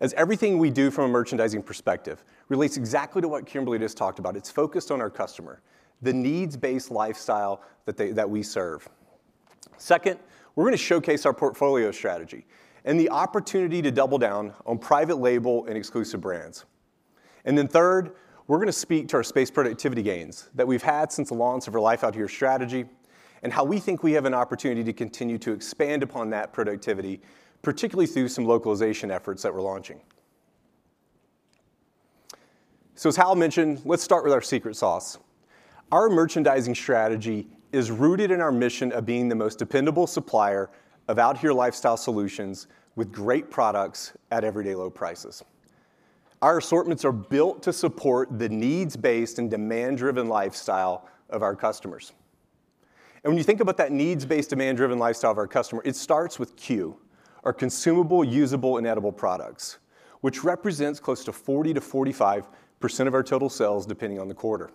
As everything we do from a merchandising perspective relates exactly to what Kimberly just talked about, it's focused on our customer, the needs-based lifestyle that we serve. Second, we're going to showcase our portfolio strategy and the opportunity to double down on private label and exclusive brands. And then third, we're going to speak to our space productivity gains that we've had since the launch of our Life Out Here strategy and how we think we have an opportunity to continue to expand upon that productivity, particularly through some localization efforts that we're launching. So as Hal mentioned, let's start with our secret sauce. Our merchandising strategy is rooted in our mission of being the most dependable supplier of Out Here lifestyle solutions with great products at everyday low prices. Our assortments are built to support the needs-based and demand-driven lifestyle of our customers. And when you think about that needs-based demand-driven lifestyle of our customer, it starts with C.U.E., our consumable, usable, and edible products, which represents close to 40%-45% of our total sales depending on the quarter.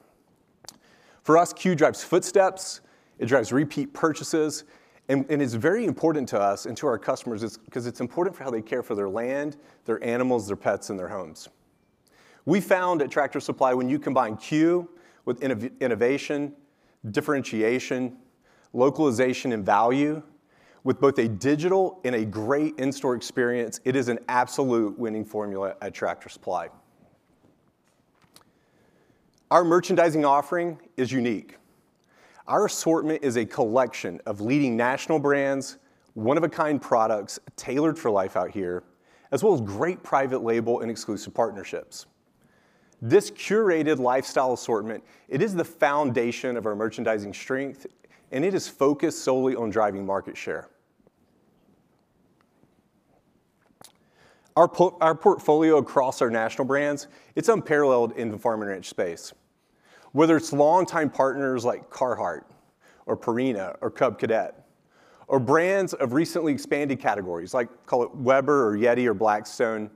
For us, C.U.E. drives footsteps. It drives repeat purchases. And it's very important to us and to our customers because it's important for how they care for their land, their animals, their pets, and their homes. We found at Tractor Supply, when you combine C.U.E. with innovation, differentiation, localization, and value with both a digital and a great in-store experience, it is an absolute winning formula at Tractor Supply. Our merchandising offering is unique. Our assortment is a collection of leading national brands, one-of-a-kind products tailored for Life Out Here, as well as great private label and exclusive partnerships. This curated lifestyle assortment, it is the foundation of our merchandising strength, and it is focused solely on driving market share. Our portfolio across our national brands, it's unparalleled in the farm and ranch space. Whether it's longtime partners like Carhartt or Purina or Cub Cadet or brands of recently expanded categories like we call it Weber or YETI or Blackstone,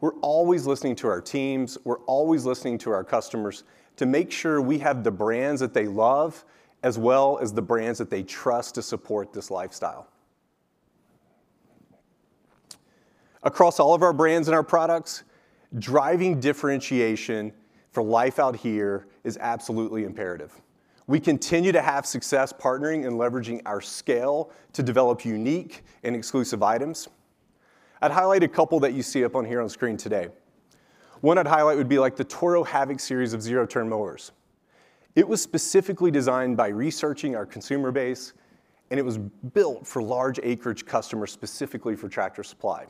we're always listening to our teams. We're always listening to our customers to make sure we have the brands that they love as well as the brands that they trust to support this lifestyle. Across all of our brands and our products, driving differentiation for Life Out Here is absolutely imperative. We continue to have success partnering and leveraging our scale to develop unique and exclusive items. I'd highlight a couple that you see up here on screen today. One I'd highlight would be like the Toro Havoc series of zero-turn mowers. It was specifically designed by researching our consumer base, and it was built for large acreage customers specifically for Tractor Supply.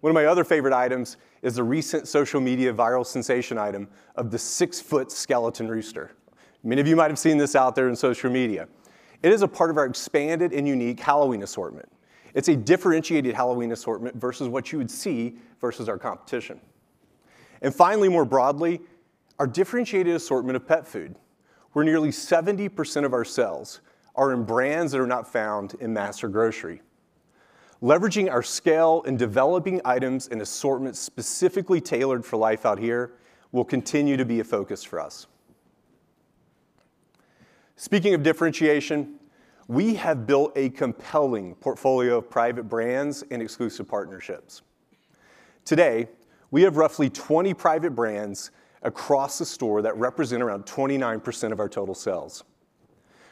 One of my other favorite items is the recent social media viral sensation item of the six-foot skeleton rooster. Many of you might have seen this out there on social media. It is a part of our expanded and unique Halloween assortment. It's a differentiated Halloween assortment versus what you would see versus our competition. And finally, more broadly, our differentiated assortment of pet food, where nearly 70% of our sales are in brands that are not found in mass grocery. Leveraging our scale and developing items and assortments specifically tailored for Life Out Here will continue to be a focus for us. Speaking of differentiation, we have built a compelling portfolio of private brands and exclusive partnerships. Today, we have roughly 20 private brands across the store that represent around 29% of our total sales.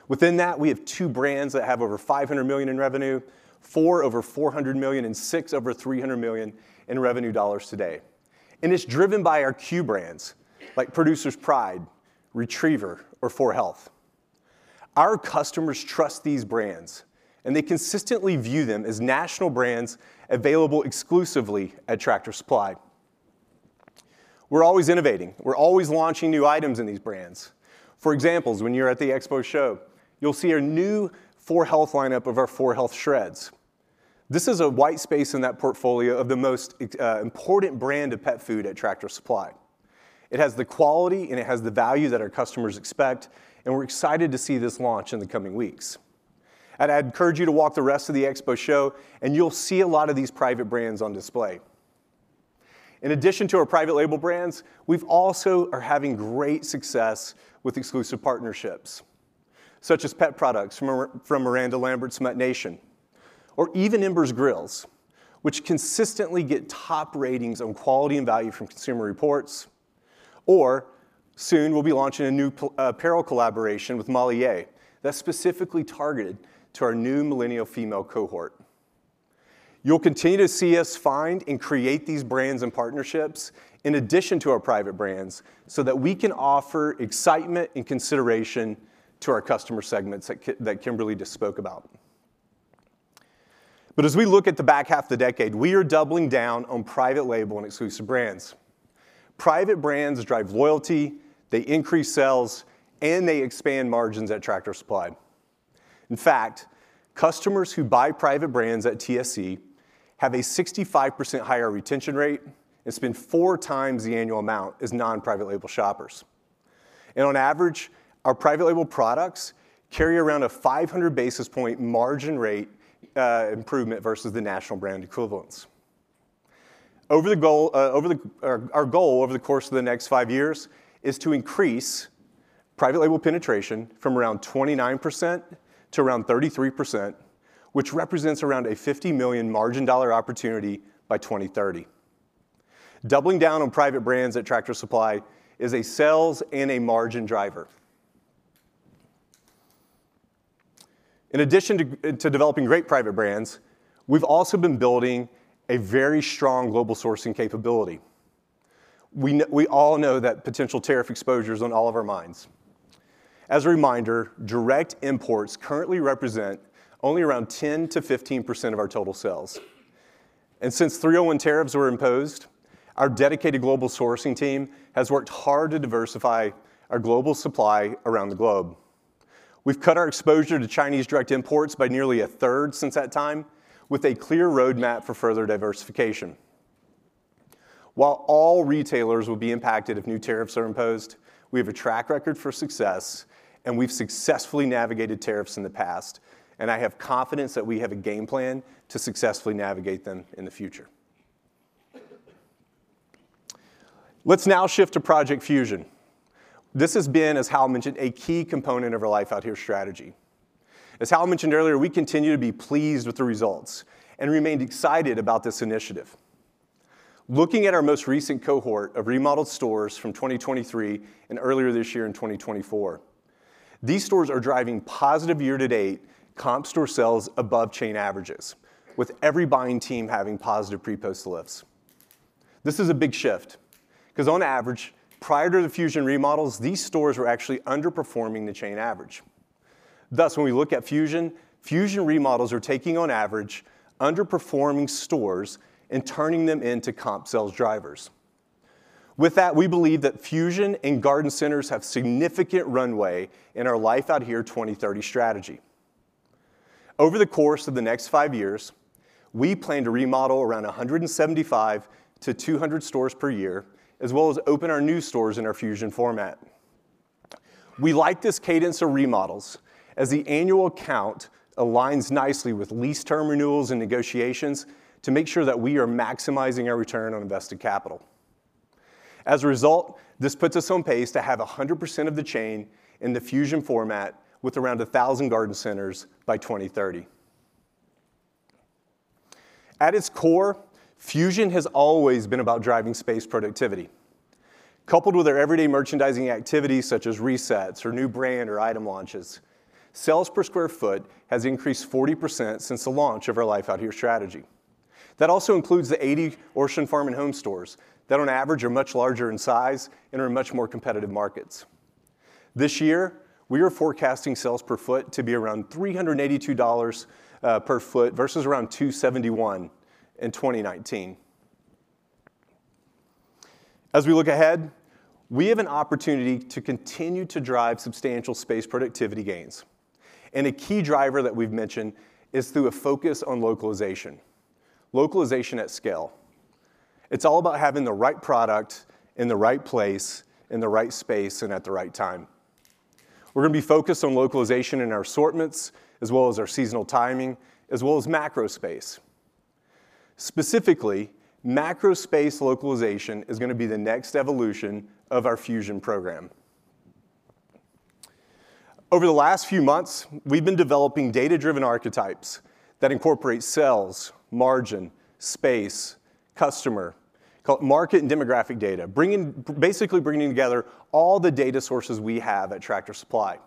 Within that, we have two brands that have over $500 million in revenue, four over $400 million, and six over $300 million in revenue dollars today. And it's driven by our C.U.E. brands like Producer's Pride, Retriever, or 4health. Our customers trust these brands, and they consistently view them as national brands available exclusively at Tractor Supply. We're always innovating. We're always launching new items in these brands. For example, when you're at the expo show, you'll see our new 4health lineup of our 4health shreds. This is a white space in that portfolio of the most important brand of pet food at Tractor Supply. It has the quality, and it has the value that our customers expect. And we're excited to see this launch in the coming weeks. I'd encourage you to walk the rest of the expo show, and you'll see a lot of these private brands on display. In addition to our private label brands, we also are having great success with exclusive partnerships, such as pet products from Miranda Lambert's MuttNation or Even Embers Grills, which consistently get top ratings on quality and value from Consumer Reports. Or soon, we'll be launching a new apparel collaboration with Molly Yeh that's specifically targeted to our new millennial female cohort. You'll continue to see us find and create these brands and partnerships in addition to our private brands so that we can offer excitement and consideration to our customer segments that Kimberly just spoke about. But as we look at the back half of the decade, we are doubling down on private label and exclusive brands. Private brands drive loyalty. They increase sales, and they expand margins at Tractor Supply. In fact, customers who buy private brands at TSC have a 65% higher retention rate. It's been four times the annual amount as non-private label shoppers. And on average, our private label products carry around a 500 basis point margin rate improvement versus the national brand equivalents. Our goal over the course of the next five years is to increase private label penetration from around 29%-33%, which represents around a $50 million margin dollar opportunity by 2030. Doubling down on private brands at Tractor Supply is a sales and a margin driver. In addition to developing great private brands, we've also been building a very strong global sourcing capability. We all know that potential tariff exposure is on all of our minds. As a reminder, direct imports currently represent only around 10%-15% of our total sales. And since 301 Tariffs were imposed, our dedicated global sourcing team has worked hard to diversify our global supply around the globe. We've cut our exposure to Chinese direct imports by nearly a third since that time, with a clear roadmap for further diversification. While all retailers will be impacted if new tariffs are imposed, we have a track record for success, and we've successfully navigated tariffs in the past. And I have confidence that we have a game plan to successfully navigate them in the future. Let's now shift to Project Fusion. This has been, as Hal mentioned, a key component of our Life Out Here strategy. As Hal mentioned earlier, we continue to be pleased with the results and remained excited about this initiative. Looking at our most recent cohort of remodeled stores from 2023 and earlier this year in 2024, these stores are driving positive year-to-date comp store sales above chain averages, with every buying team having positive pre-post lifts. This is a big shift because, on average, prior to the Fusion remodels, these stores were actually underperforming the chain average. Thus, when we look at Fusion, Fusion remodels are taking, on average, underperforming stores and turning them into comp sales drivers. With that, we believe that Fusion and Garden Centers have significant runway in our Life Out Here 2030 strategy. Over the course of the next five years, we plan to remodel around 175-200 stores per year, as well as open our new stores in our Fusion format. We like this cadence of remodels as the annual count aligns nicely with lease term renewals and negotiations to make sure that we are maximizing our return on invested capital. As a result, this puts us on pace to have 100% of the chain in the Fusion format with around 1,000 Garden Centers by 2030. At its core, Fusion has always been about driving space productivity. Coupled with our everyday merchandising activities such as resets or new brand or item launches, sales per square foot has increased 40% since the launch of our Life Out Here strategy. That also includes the 80 Orscheln Farm and Home stores that, on average, are much larger in size and are much more competitive markets. This year, we are forecasting sales per foot to be around $382 per foot versus around $271 in 2019. As we look ahead, we have an opportunity to continue to drive substantial space productivity gains. And a key driver that we've mentioned is through a focus on localization, localization at scale. It's all about having the right product in the right place, in the right space, and at the right time. We're going to be focused on localization in our assortments as well as our seasonal timing as well as macro space. Specifically, macro space localization is going to be the next evolution of our Fusion program. Over the last few months, we've been developing data-driven archetypes that incorporate sales, margin, space, customer, market, and demographic data, basically bringing together all the data sources we have at Tractor Supply.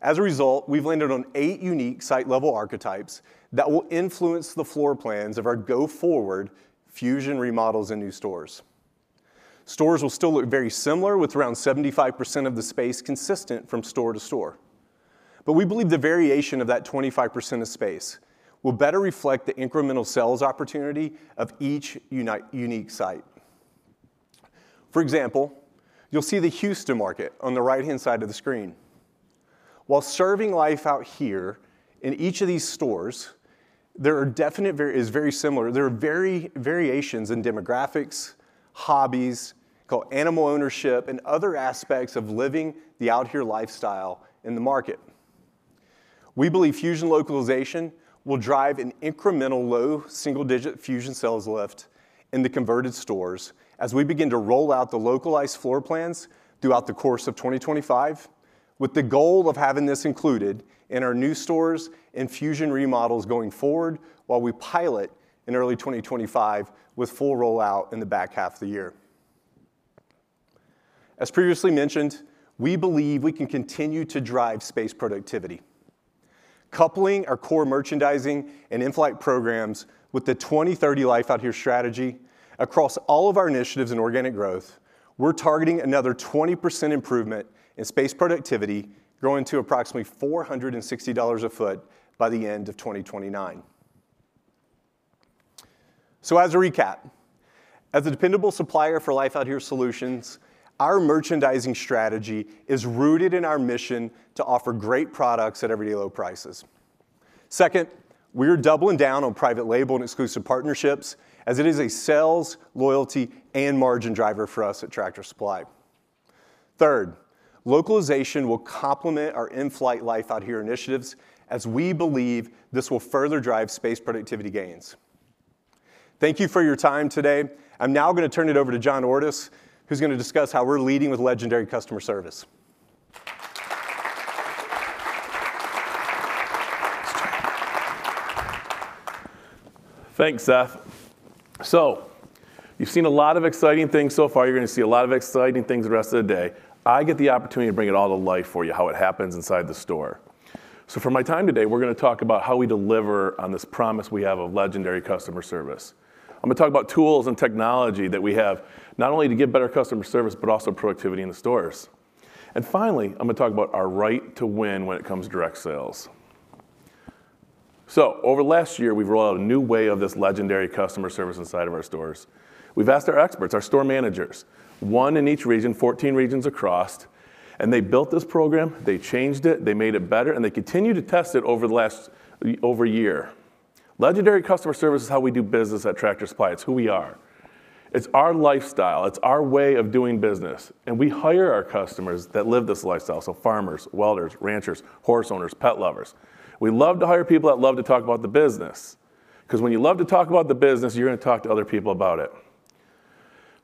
As a result, we've landed on eight unique site-level archetypes that will influence the floor plans of our go-forward Fusion remodels and new stores. Stores will still look very similar with around 75% of the space consistent from store to store. But we believe the variation of that 25% of space will better reflect the incremental sales opportunity of each unique site. For example, you'll see the Houston market on the right-hand side of the screen. While serving Life Out Here in each of these stores, there is very similar variations in demographics, hobbies, animal ownership, and other aspects of living the Out Here lifestyle in the market. We believe Fusion localization will drive an incremental low single-digit Fusion sales lift in the converted stores as we begin to roll out the localized floor plans throughout the course of 2025, with the goal of having this included in our new stores and Fusion remodels going forward while we pilot in early 2025 with full rollout in the back half of the year. As previously mentioned, we believe we can continue to drive space productivity. Coupling our core merchandising and impact programs with the 2030 Life Out Here Strategy across all of our initiatives in organic growth, we're targeting another 20% improvement in space productivity growing to approximately $460 a foot by the end of 2029. As a recap, as a dependable supplier for Life Out Here solutions, our merchandising strategy is rooted in our mission to offer great products at everyday low prices. Second, we are doubling down on private label and exclusive partnerships as it is a sales, loyalty, and margin driver for us at Tractor Supply. Third, localization will complement our in-flight Life Out Here initiatives as we believe this will further drive space productivity gains. Thank you for your time today. I'm now going to turn it over to John Ordus, who's going to discuss how we're leading with legendary customer service. Thanks, Seth. So, you've seen a lot of exciting things so far. You're going to see a lot of exciting things the rest of the day. I get the opportunity to bring it all to life for you, how it happens inside the store. So, for my time today, we're going to talk about how we deliver on this promise we have of legendary customer service. I'm going to talk about tools and technology that we have not only to give better customer service, but also productivity in the stores. And finally, I'm going to talk about our right to win when it comes to direct sales. So, over last year, we've rolled out a new way of this legendary customer service inside of our stores. We've asked our experts, our store managers, one in each region, 14 regions across, and they built this program. They changed it. They made it better, and they continue to test it over the last year. Legendary customer service is how we do business at Tractor Supply. It's who we are. It's our lifestyle. It's our way of doing business. And we hire our customers that live this lifestyle, so farmers, welders, ranchers, horse owners, pet lovers. We love to hire people that love to talk about the business because when you love to talk about the business, you're going to talk to other people about it.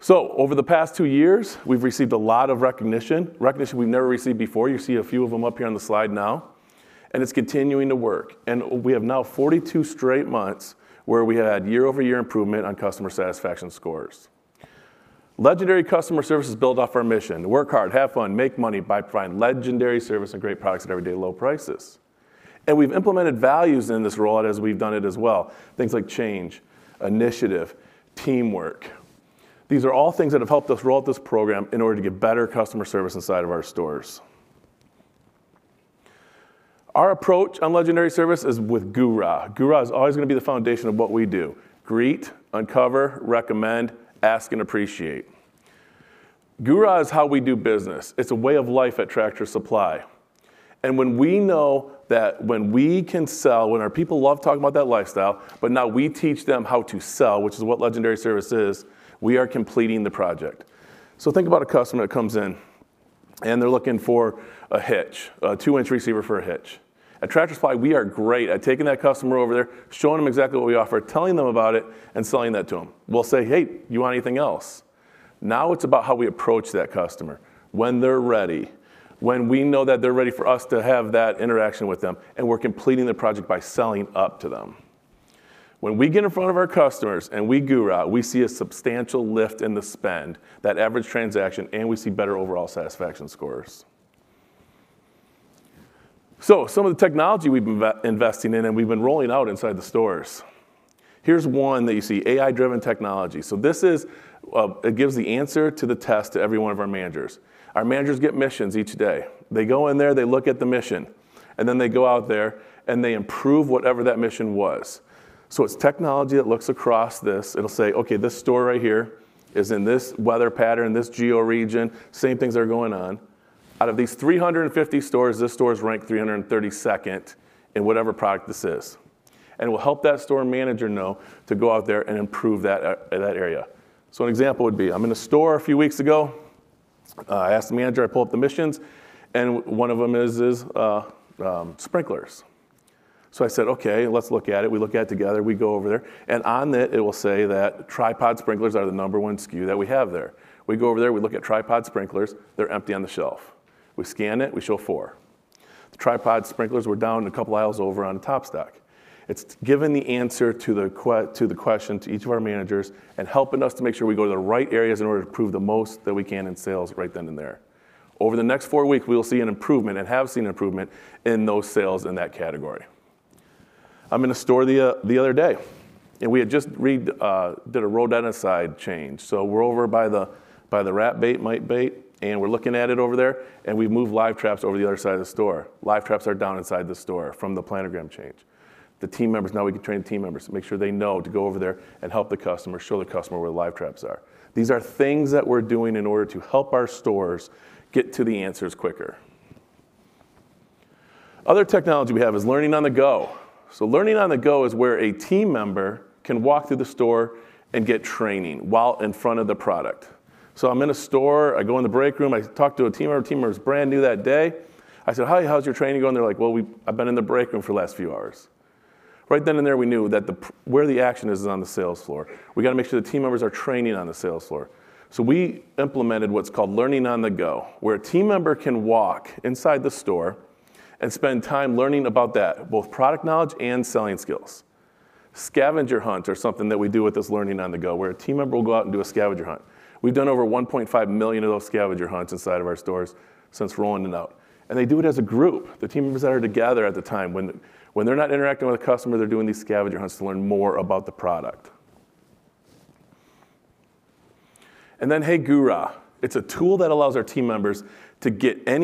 So, over the past two years, we've received a lot of recognition, recognition we've never received before. You see a few of them up here on the slide now. And it's continuing to work. And we have now 42 straight months where we have had year-over-year improvement on customer satisfaction scores. Legendary customer service is built off our mission: work hard, have fun, make money by providing legendary service and great products at everyday low prices. We've implemented values in this rollout as we've done it as well, things like change, initiative, teamwork. These are all things that have helped us roll out this program in order to get better customer service inside of our stores. Our approach on legendary service is with GURA. GURA is always going to be the foundation of what we do: greet, uncover, recommend, ask, and appreciate. GURA is how we do business. It's a way of life at Tractor Supply. When we know that when we can sell, when our people love talking about that lifestyle, but now we teach them how to sell, which is what legendary service is, we are completing the project. Think about a customer that comes in, and they're looking for a hitch, a two-inch receiver for a hitch. At Tractor Supply, we are great at taking that customer over there, showing them exactly what we offer, telling them about it, and selling that to them. We'll say, "Hey, do you want anything else?" Now it's about how we approach that customer when they're ready, when we know that they're ready for us to have that interaction with them, and we're completing the project by selling up to them. When we get in front of our customers and we GURA, we see a substantial lift in the spend, that average transaction, and we see better overall satisfaction scores. Some of the technology we've been investing in, and we've been rolling out inside the stores. Here's one that you see: AI-driven technology. So, this gives the answer to the test to every one of our managers. Our managers get missions each day. They go in there, they look at the mission, and then they go out there and they improve whatever that mission was. So, it's technology that looks across this. It'll say, "Okay, this store right here is in this weather pattern, this geo region, same things are going on. Out of these 350 stores, this store is ranked 332nd in whatever product this is." And it will help that store manager know to go out there and improve that area. So, an example would be: I'm in a store a few weeks ago. I asked the manager, I pulled up the missions, and one of them is sprinklers. So, I said, "Okay, let's look at it." We look at it together. We go over there. On it, it will say that tripod sprinklers are the number one SKU that we have there. We go over there, we look at tripod sprinklers. They're empty on the shelf. We scan it. We show four. The tripod sprinklers were down a couple aisles over on top stock. It's given the answer to the question to each of our managers and helping us to make sure we go to the right areas in order to prove the most that we can in sales right then and there. Over the next four weeks, we will see an improvement and have seen an improvement in those sales in that category. I'm in a store the other day, and we had just did a roll down a side change. We're over by the rat bait, mite bait, and we're looking at it over there, and we've moved live traps over the other side of the store. Live traps are down inside the store from the planogram change. The team members, now we can train the team members, make sure they know to go over there and help the customer, show the customer where the live traps are. These are things that we're doing in order to help our stores get to the answers quicker. Other technology we have is learning on the go. Learning on the go is where a team member can walk through the store and get training while in front of the product. I'm in a store. I go in the break room. I talked to a team member. The team member is brand new that day. I said, "Hi, how's your training going?" They're like, "Well, I've been in the break room for the last few hours." Right then and there, we knew that where the action is, is on the sales floor. We got to make sure the team members are training on the sales floor. So, we implemented what's called learning on the go, where a team member can walk inside the store and spend time learning about that, both product knowledge and selling skills. Scavenger hunt is something that we do with this learning on the go, where a team member will go out and do a scavenger hunt. We've done over 1.5 million of those scavenger hunts inside of our stores since rolling it out. And they do it as a group. The team members that are together at the time, when they're not interacting with a customer, they're doing these scavenger hunts to learn more about the product. And then, Hey GURA. It's a tool that allows our team members to get an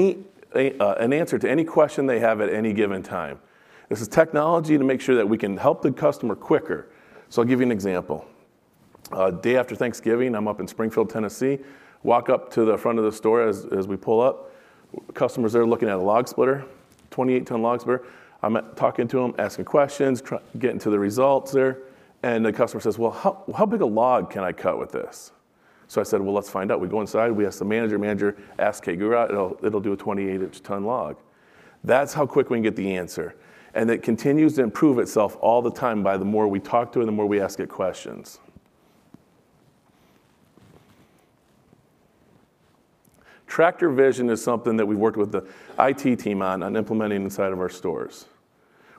answer to any question they have at any given time. This is technology to make sure that we can help the customer quicker. So, I'll give you an example. A day after Thanksgiving, I'm up in Springfield, Tennessee. Walk up to the front of the store as we pull up. Customers are looking at a log splitter, 28-ton log splitter. I'm talking to them, asking questions, getting to the results there. And the customer says, "Well, how big a log can I cut with this?" So, I said, "Well, let's find out." We go inside. We ask the manager. Manager asks, "Hey, GURA, it'll do a 28-inch ton log." That's how quick we can get the answer. And it continues to improve itself all the time by the more we talk to it and the more we ask it questions. Tractor Vision is something that we've worked with the IT team on, on implementing inside of our stores.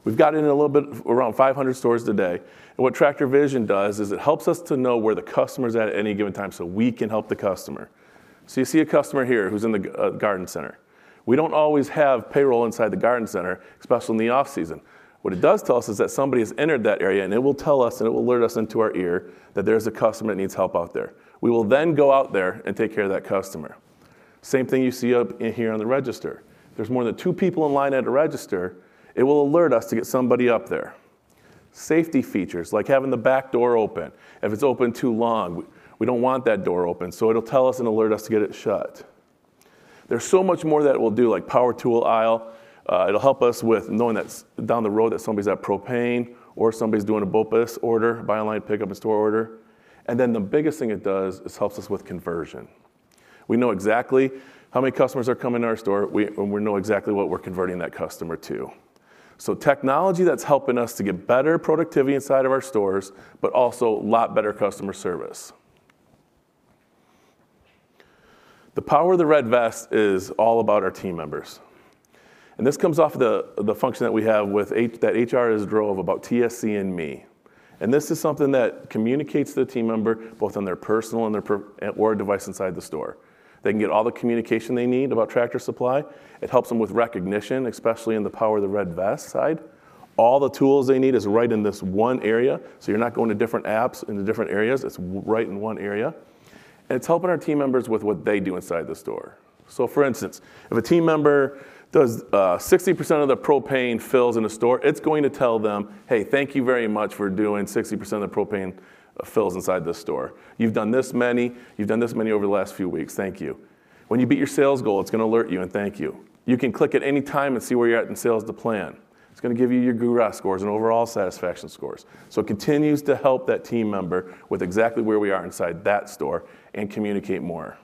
We've gotten in a little bit around 500 stores today. And what Tractor Vision does is it helps us to know where the customer's at at any given time so we can help the customer. So, you see a customer here who's in the garden center. We don't always have payroll inside the garden center, especially in the off-season. What it does tell us is that somebody has entered that area, and it will tell us, and it will alert us into our ear that there's a customer that needs help out there. We will then go out there and take care of that customer. Same thing you see up here on the register. If there's more than two people in line at a register, it will alert us to get somebody up there. Safety features like having the back door open. If it's open too long, we don't want that door open, so it'll tell us and alert us to get it shut. There's so much more that it will do, like power tool aisle. It'll help us with knowing that down the road that somebody's at propane or somebody's doing a BOPIS order, buy online, pick up in store order. And then the biggest thing it does is helps us with conversion. We know exactly how many customers are coming to our store, and we know exactly what we're converting that customer to. So, technology that's helping us to get better productivity inside of our stores, but also a lot better customer service. The Power of the Red Vest is all about our team members. And this comes off of the function that we have with that HRIS draw of about TSC and Me. And this is something that communicates to the team member both on their personal and their device inside the store. They can get all the communication they need about Tractor Supply. It helps them with recognition, especially in the Power of the Red Vest side. All the tools they need is right in this one area, so you're not going to different apps in the different areas. It's right in one area. And it's helping our team members with what they do inside the store. So, for instance, if a team member does 60% of the propane fills in a store, it's going to tell them, "Hey, thank you very much for doing 60% of the propane fills inside this store. You've done this many. You've done this many over the last few weeks. Thank you." When you beat your sales goal, it's going to alert you and thank you. You can click at any time and see where you're at in sales to plan. It's going to give you your GURA scores and overall satisfaction scores. It continues to help that team member with exactly where we are inside that store and communicate more.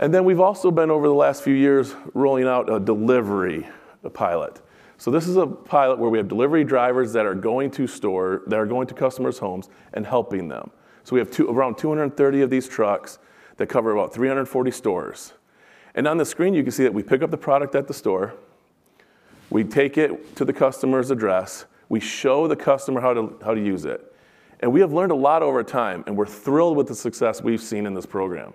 We've also been, over the last few years, rolling out a delivery pilot. This is a pilot where we have delivery drivers that are going to stores, that are going to customers' homes and helping them. We have around 230 of these trucks that cover about 340 stores. On the screen, you can see that we pick up the product at the store. We take it to the customer's address. We show the customer how to use it. We have learned a lot over time, and we're thrilled with the success we've seen in this program.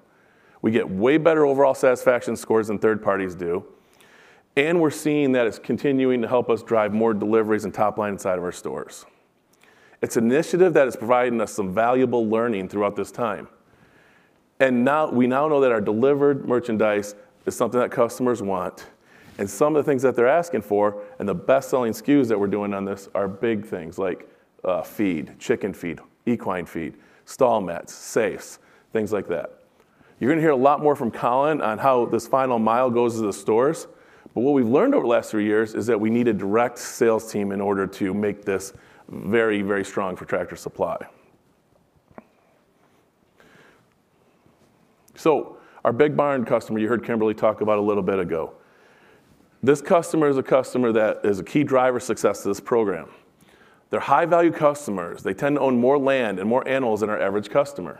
We get way better overall satisfaction scores than third parties do. We're seeing that it's continuing to help us drive more deliveries and top line inside of our stores. It's an initiative that has provided us some valuable learning throughout this time. And now we know that our delivered merchandise is something that customers want, and some of the things that they're asking for and the best-selling SKUs that we're doing on this are big things like feed, chicken feed, equine feed, stall mats, safes, things like that. You're going to hear a lot more from Colin on how this final mile goes to the stores. But what we've learned over the last three years is that we need a direct sales team in order to make this very, very strong for Tractor Supply. So, our Big Barn customer you heard Kimberly talk about a little bit ago. This customer is a customer that is a key driver of success to this program. They're high-value customers. They tend to own more land and more animals than our average customer.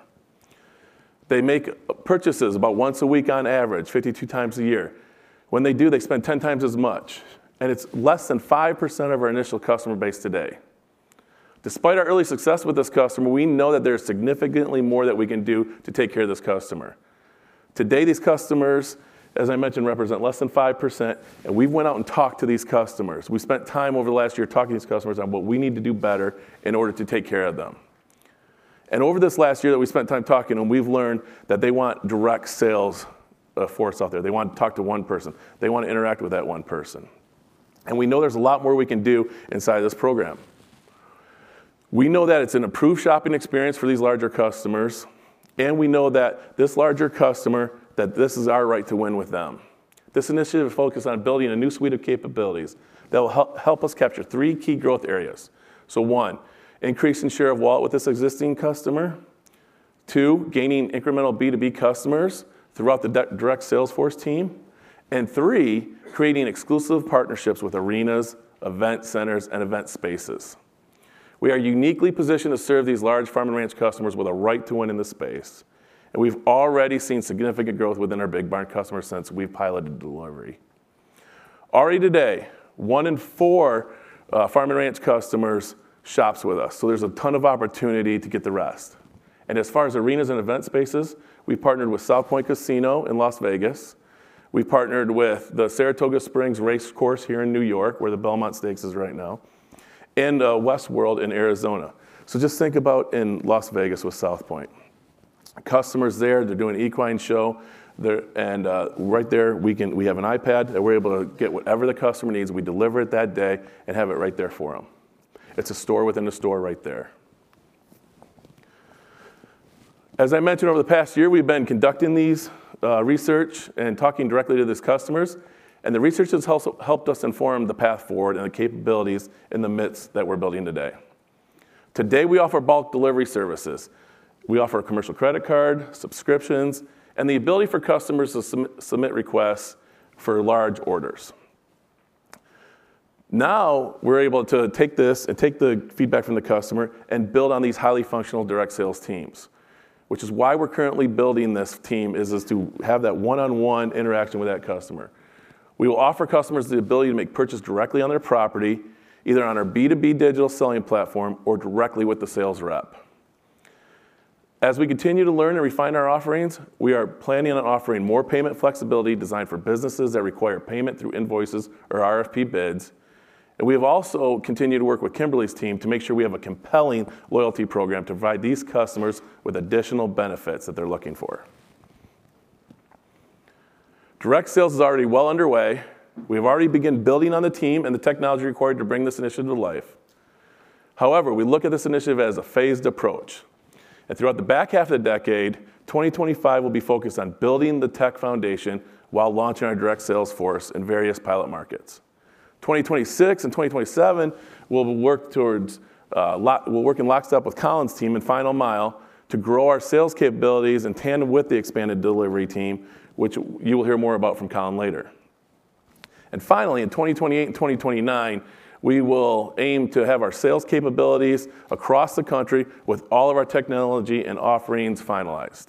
They make purchases about once a week on average, 52 times a year. When they do, they spend 10 times as much. And it's less than 5% of our initial customer base today. Despite our early success with this customer, we know that there is significantly more that we can do to take care of this customer. Today, these customers, as I mentioned, represent less than 5%, and we went out and talked to these customers. We spent time over the last year talking to these customers on what we need to do better in order to take care of them. Over this last year that we spent time talking, we've learned that they want direct sales force out there. They want to talk to one person. They want to interact with that one person. And we know there's a lot more we can do inside of this program. We know that it's an improved shopping experience for these larger customers, and we know that this larger customer, that this is our right to win with them. This initiative focuses on building a new suite of capabilities that will help us capture three key growth areas. So, one, increasing share of wallet with this existing customer. Two, gaining incremental B2B customers throughout the direct sales force team. And three, creating exclusive partnerships with arenas, event centers, and event spaces. We are uniquely positioned to serve these large farm and ranch customers with a right to win in this space. We've already seen significant growth within our Big Barn customers since we've piloted delivery. Already today, one in four farm and ranch customers shops with us. There's a ton of opportunity to get the rest. As far as arenas and event spaces, we've partnered with South Point Casino in Las Vegas. We've partnered with the Saratoga Springs Race Course here in New York, where the Belmont Stakes is right now, and WestWorld in Arizona. Just think about in Las Vegas with South Point. Customers there, they're doing an equine show. Right there, we have an iPad that we're able to get whatever the customer needs. We deliver it that day and have it right there for them. It's a store within a store right there. As I mentioned, over the past year, we've been conducting this research and talking directly to these customers. The research has helped us inform the path forward and the capabilities in the mix that we're building today. Today, we offer bulk delivery services. We offer a commercial credit card, subscriptions, and the ability for customers to submit requests for large orders. Now, we're able to take this and take the feedback from the customer and build on these highly functional direct sales teams, which is why we're currently building this team, is to have that one-on-one interaction with that customer. We will offer customers the ability to make purchases directly on their property, either on our B2B digital selling platform or directly with the sales rep. As we continue to learn and refine our offerings, we are planning on offering more payment flexibility designed for businesses that require payment through invoices or RFP bids. We have also continued to work with Kimberly's team to make sure we have a compelling loyalty program to provide these customers with additional benefits that they're looking for. Direct sales is already well underway. We have already begun building on the team and the technology required to bring this initiative to life. However, we look at this initiative as a phased approach. Throughout the back half of the decade, 2025 will be focused on building the tech foundation while launching our direct sales force in various pilot markets. 2026 and 2027, we'll work in lockstep with Colin's team in final mile to grow our sales capabilities in tandem with the expanded delivery team, which you will hear more about from Colin later. Finally, in 2028 and 2029, we will aim to have our sales capabilities across the country with all of our technology and offerings finalized.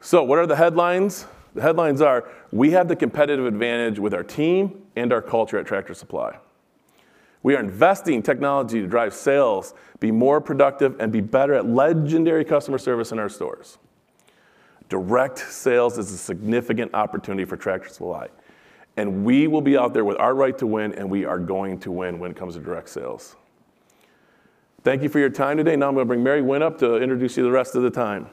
So, what are the headlines? The headlines are, we have the competitive advantage with our team and our culture at Tractor Supply. We are investing in technology to drive sales, be more productive, and be better at legendary customer service in our stores. Direct sales is a significant opportunity for Tractor Supply. And we will be out there with our right to win, and we are going to win when it comes to direct sales. Thank you for your time today. Now, I'm going to bring Mary Winn up to introduce you to the rest of the time.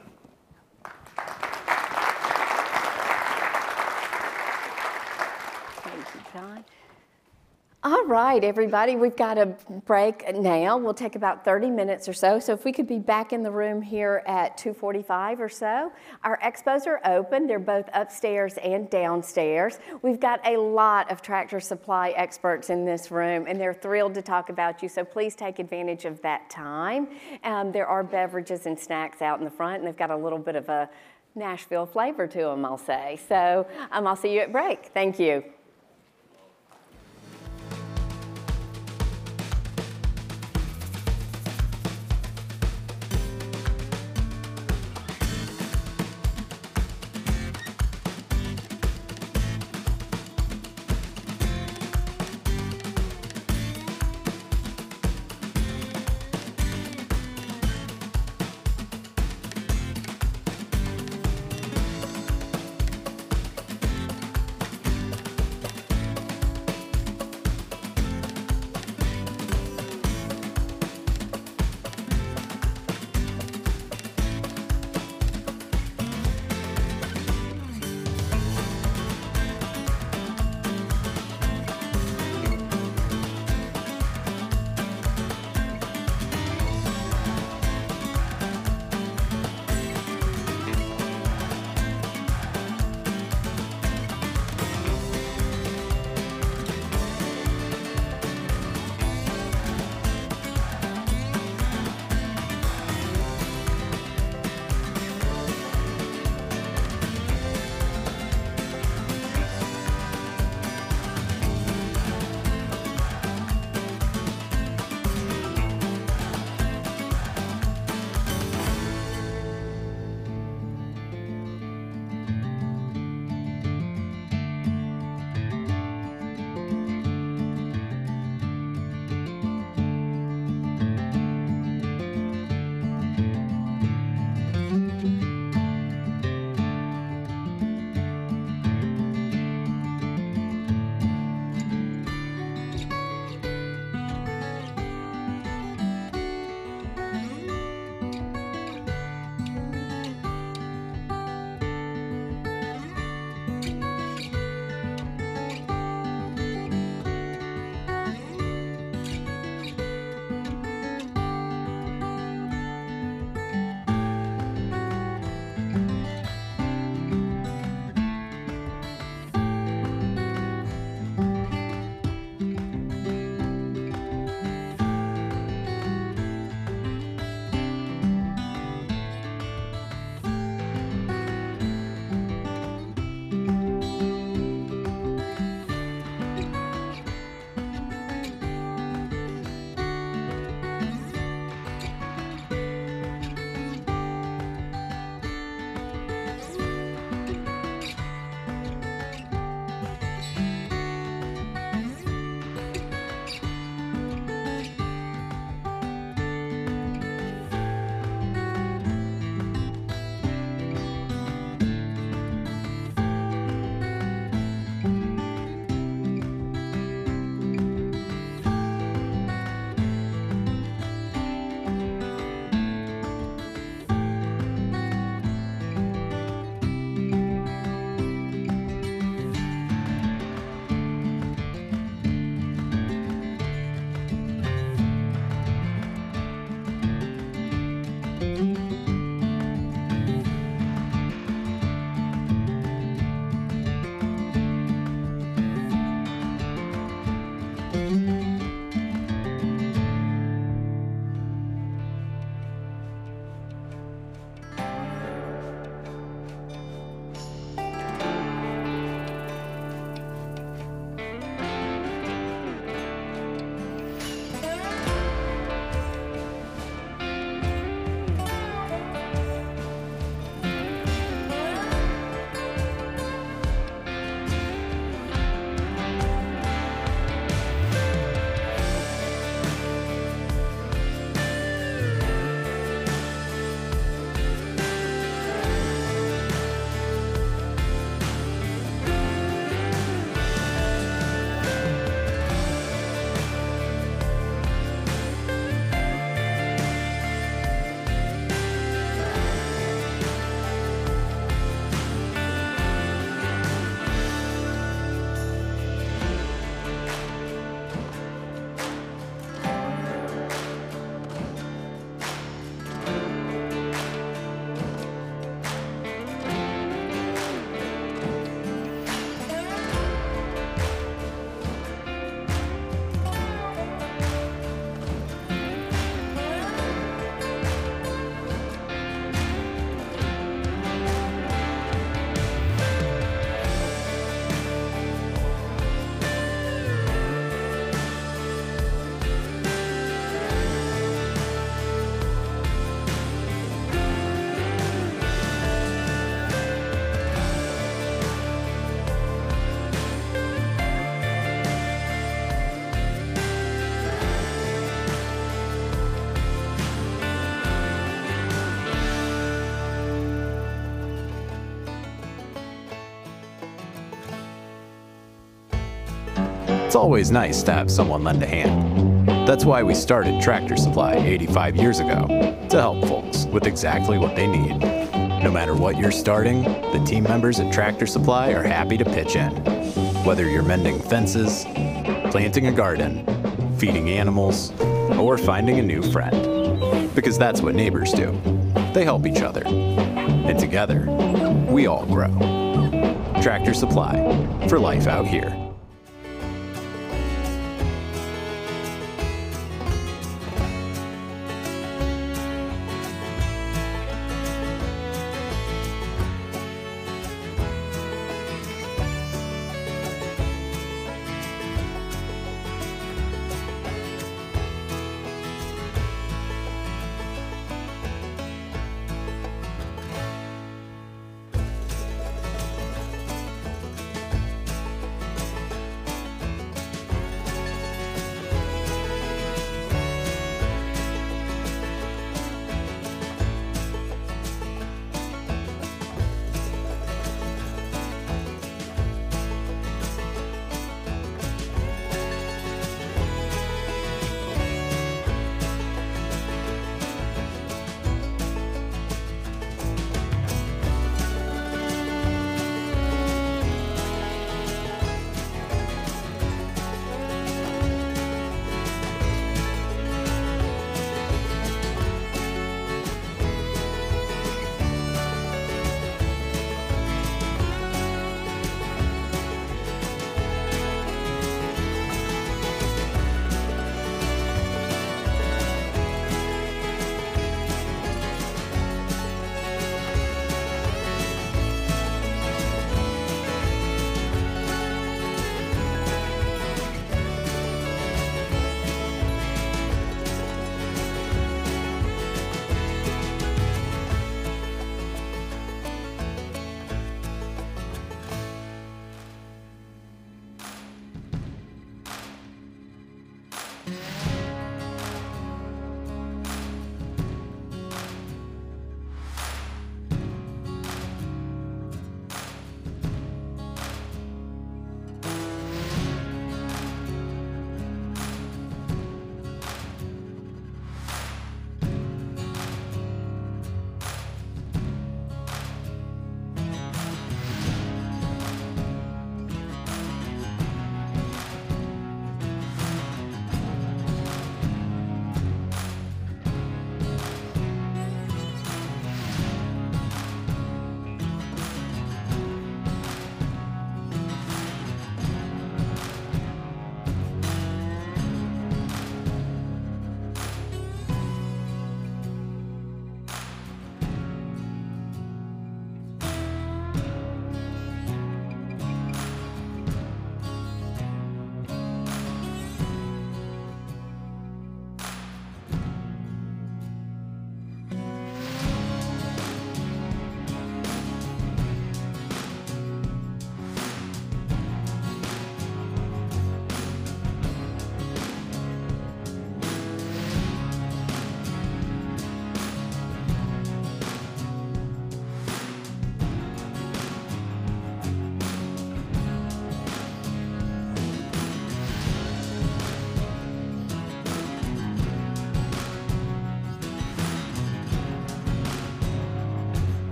Thank you, John. All right, everybody, we've got a break now. We'll take about 30 minutes or so. So, if we could be back in the room here at 2:45 or so. Our expos are open. They're both upstairs and downstairs. We've got a lot of Tractor Supply experts in this room, and they're thrilled to talk about you. So, please take advantage of that time. There are beverages and snacks out in the front, and they've got a little bit of a Nashville flavor to them, I'll say. So, I'll see you at break. Thank you. It's always nice to have someone lend a hand. That's why we started Tractor Supply 85 years ago, to help folks with exactly what they need. No matter what you're starting, the team members at Tractor Supply are happy to pitch in, whether you're mending fences, planting a garden, feeding animals, or finding a new friend. Because that's what neighbors do. They help each other. And together, we all grow. Tractor Supply, for Life Out Here.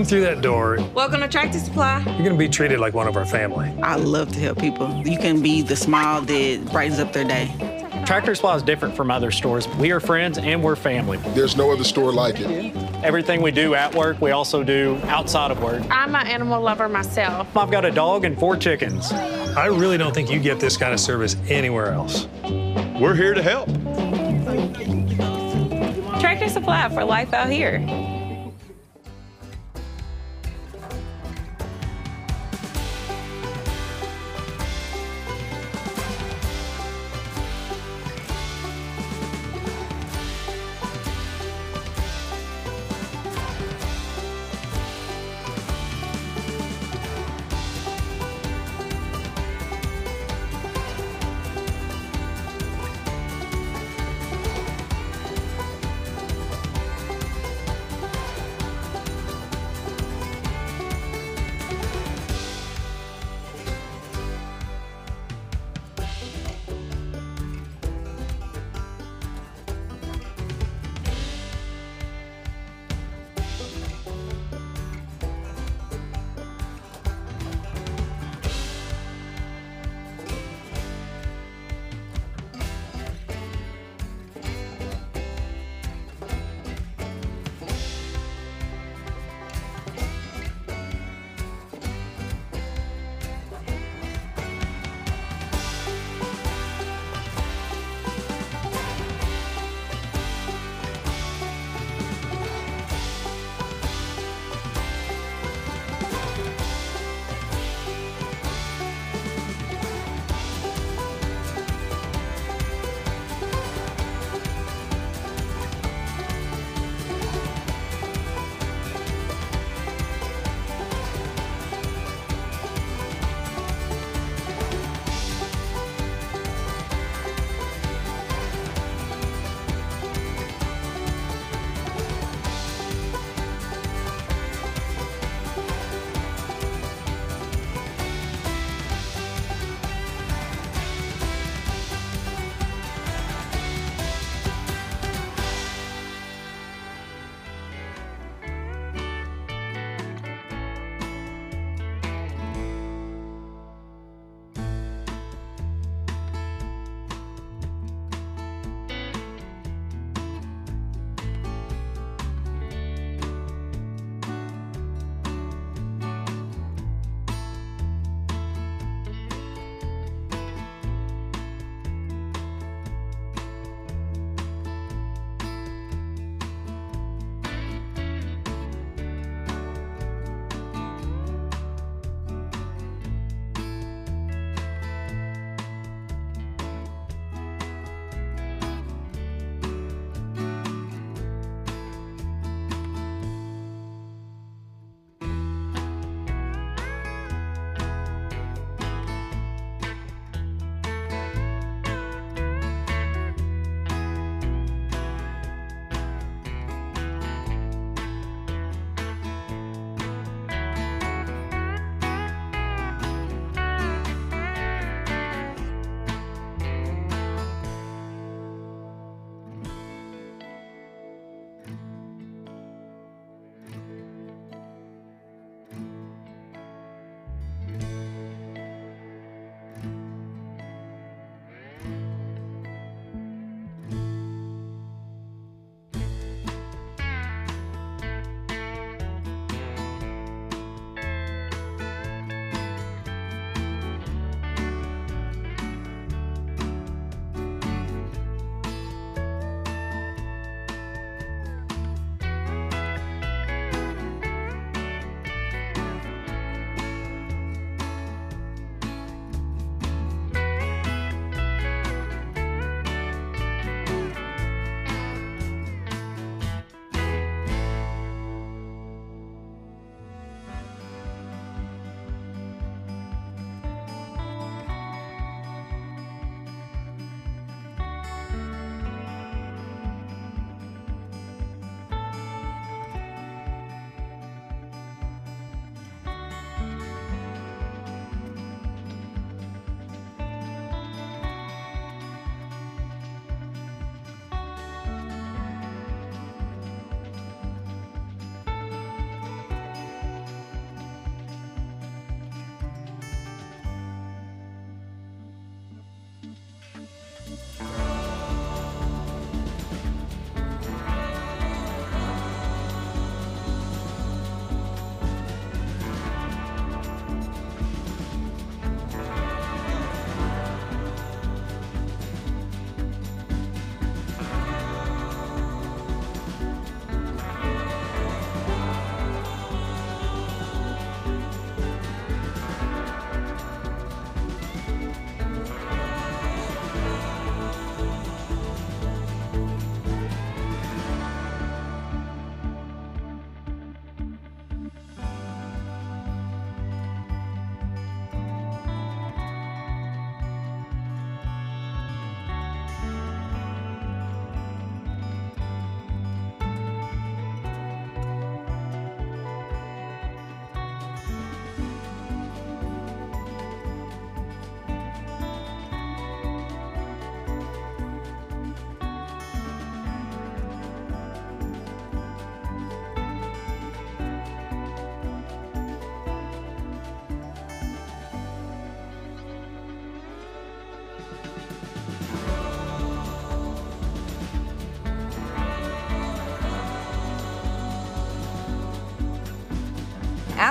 When you come through that door... Welcome to Tractor Supply. You're going to be treated like one of our family. I love to help people. You can be the smile that brightens up their day. Tractor Supply is different from other stores. We are friends and we're family. There's no other store like it. Everything we do at work, we also do outside of work. I'm an animal lover myself. I've got a dog and four chickens. I really don't think you get this kind of service anywhere else. We're here to help. Tractor Supply for Life Out Here.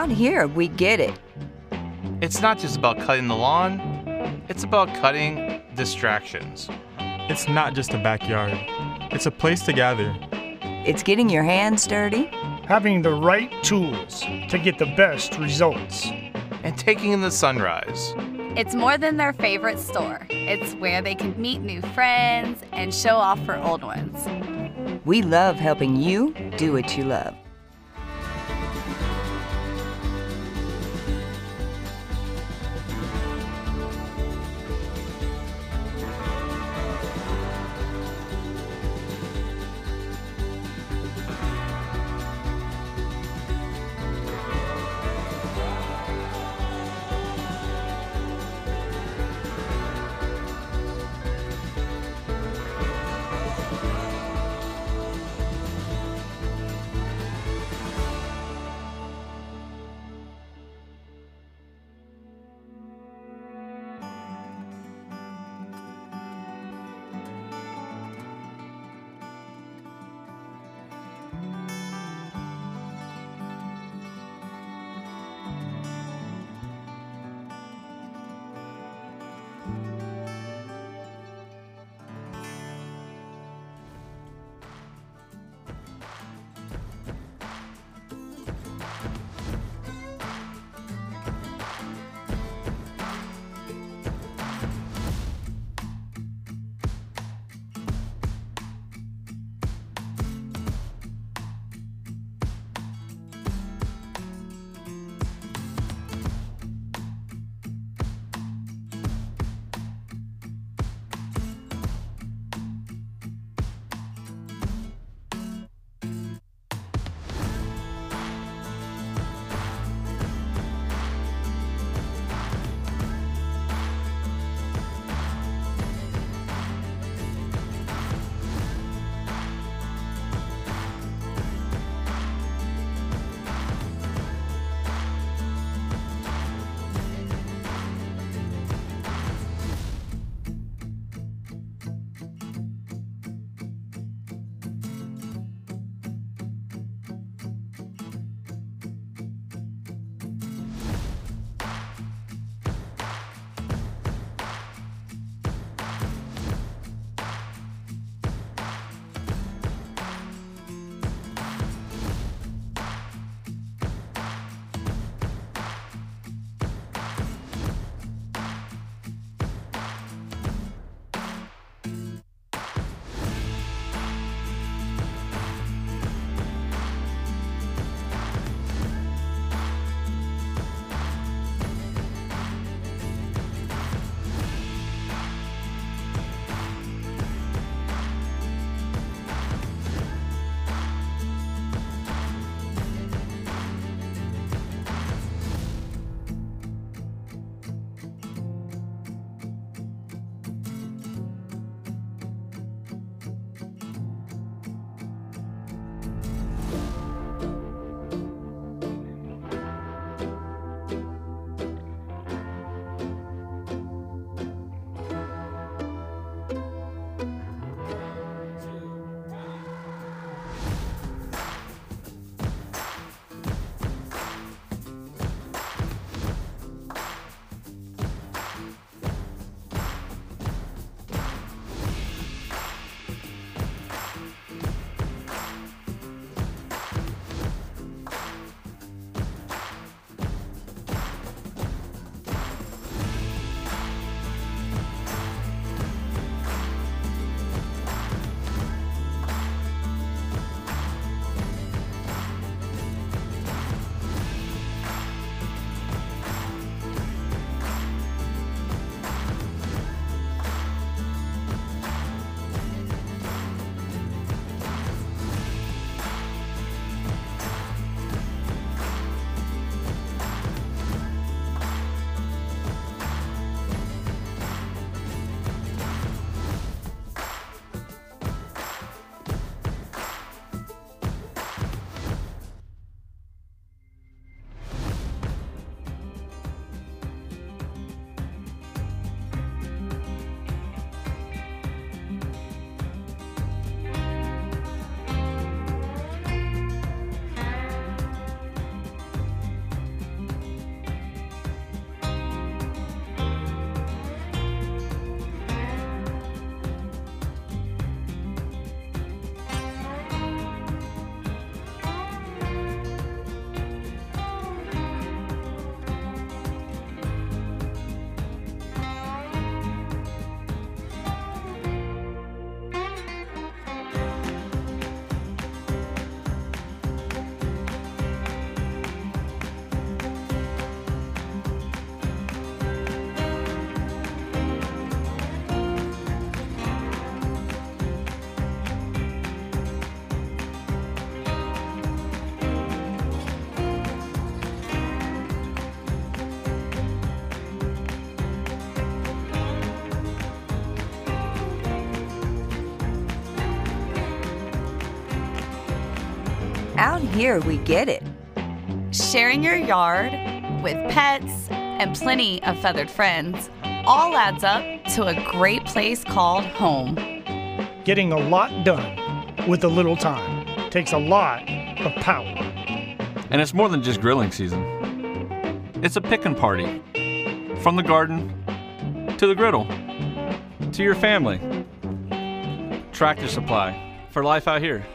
Out here, we get it. It's not just about cutting the lawn. It's about cutting distractions. It's not just a backyard. It's a place to gather. It's getting your hands dirty. Having the right tools to get the best results. Taking in the sunrise. It's more than their favorite store. It's where they can meet new friends and show off for old ones. We love helping you do what you love. Out here, we get it. Sharing your yard with pets and plenty of feathered friends all adds up to a great place called home. Getting a lot done with a little time takes a lot of power. And it's more than just grilling season. It's a picking party. From the garden to the griddle to your family. Tractor Supply for Life Out Here.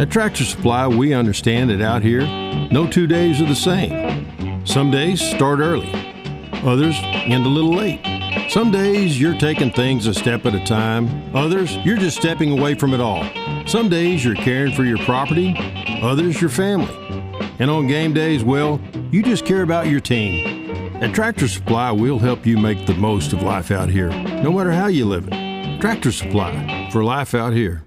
At Tractor Supply, we understand that out here, no two days are the same. Some days start early. Others end a little late. Some days you're taking things a step at a time. Others you're just stepping away from it all. Some days you're caring for your property. Others your family. And on game days, well, you just care about your team. At Tractor Supply, we'll help you make the most of Life Out Here, no matter how you live it. Tractor Supply for Life Out Here.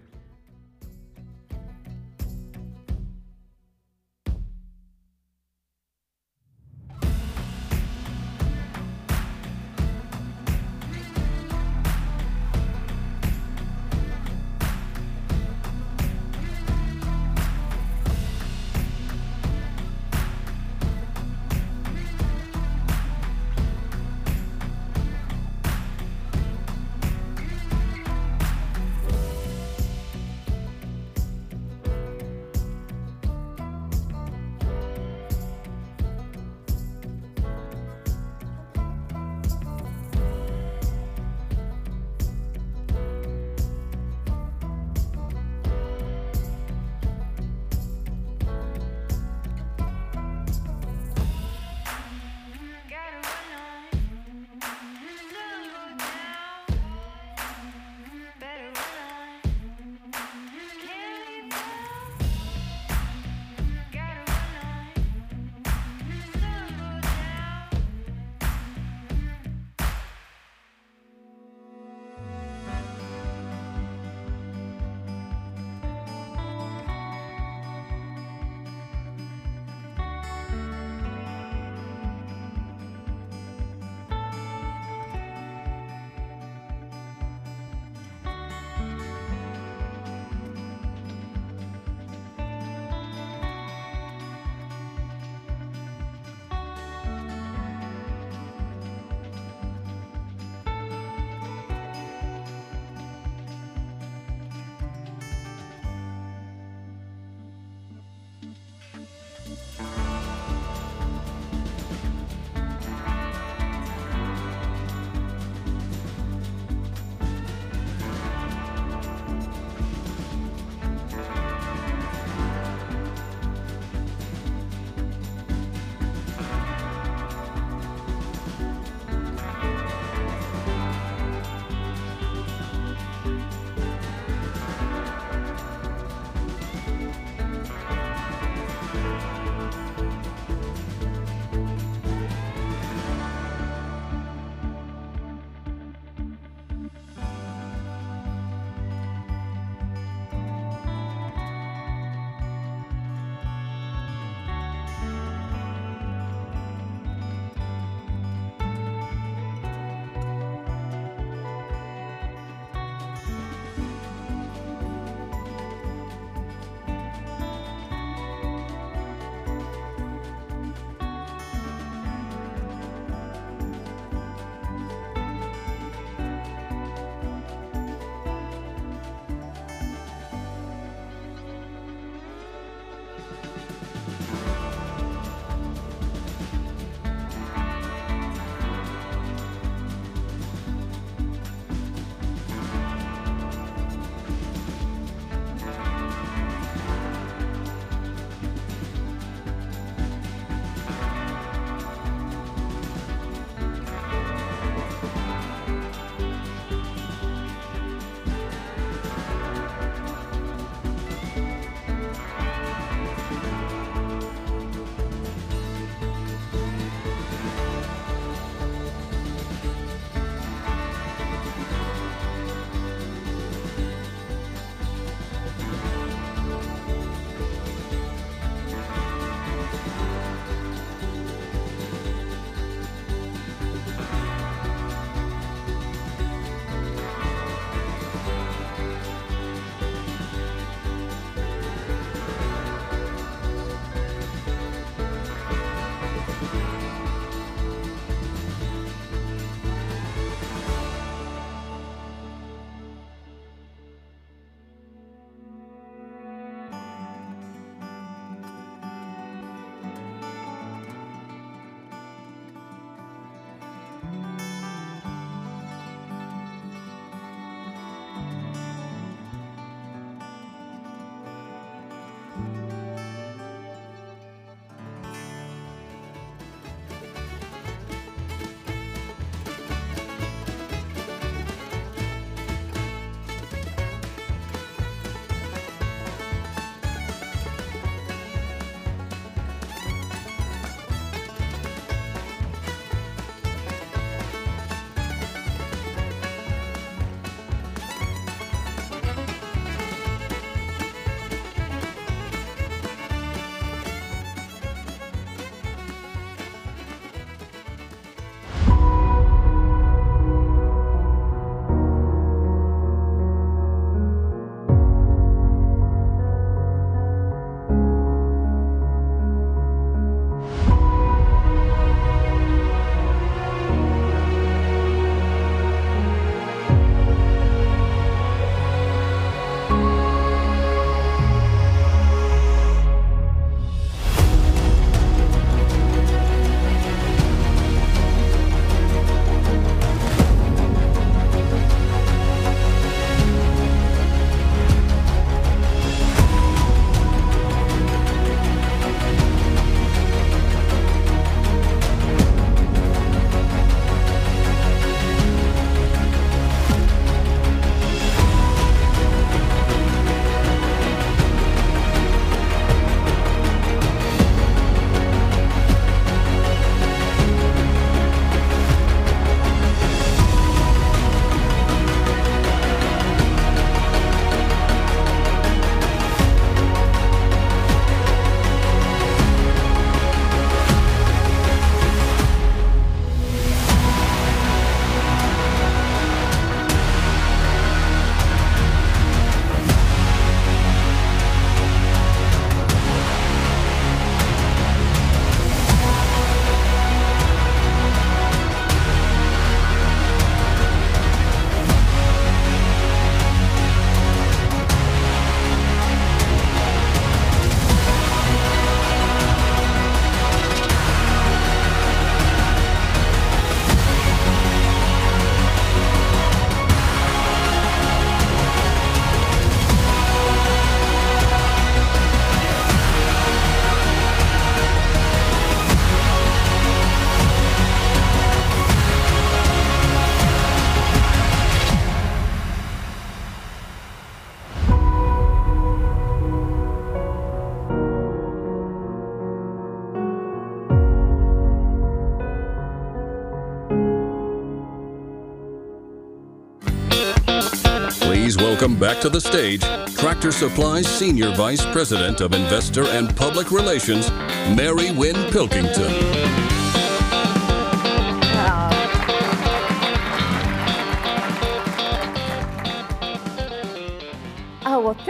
Please welcome back to the stage Tractor Supply's Senior Vice President, Investor and Public Relations, Mary Winn Pilkington.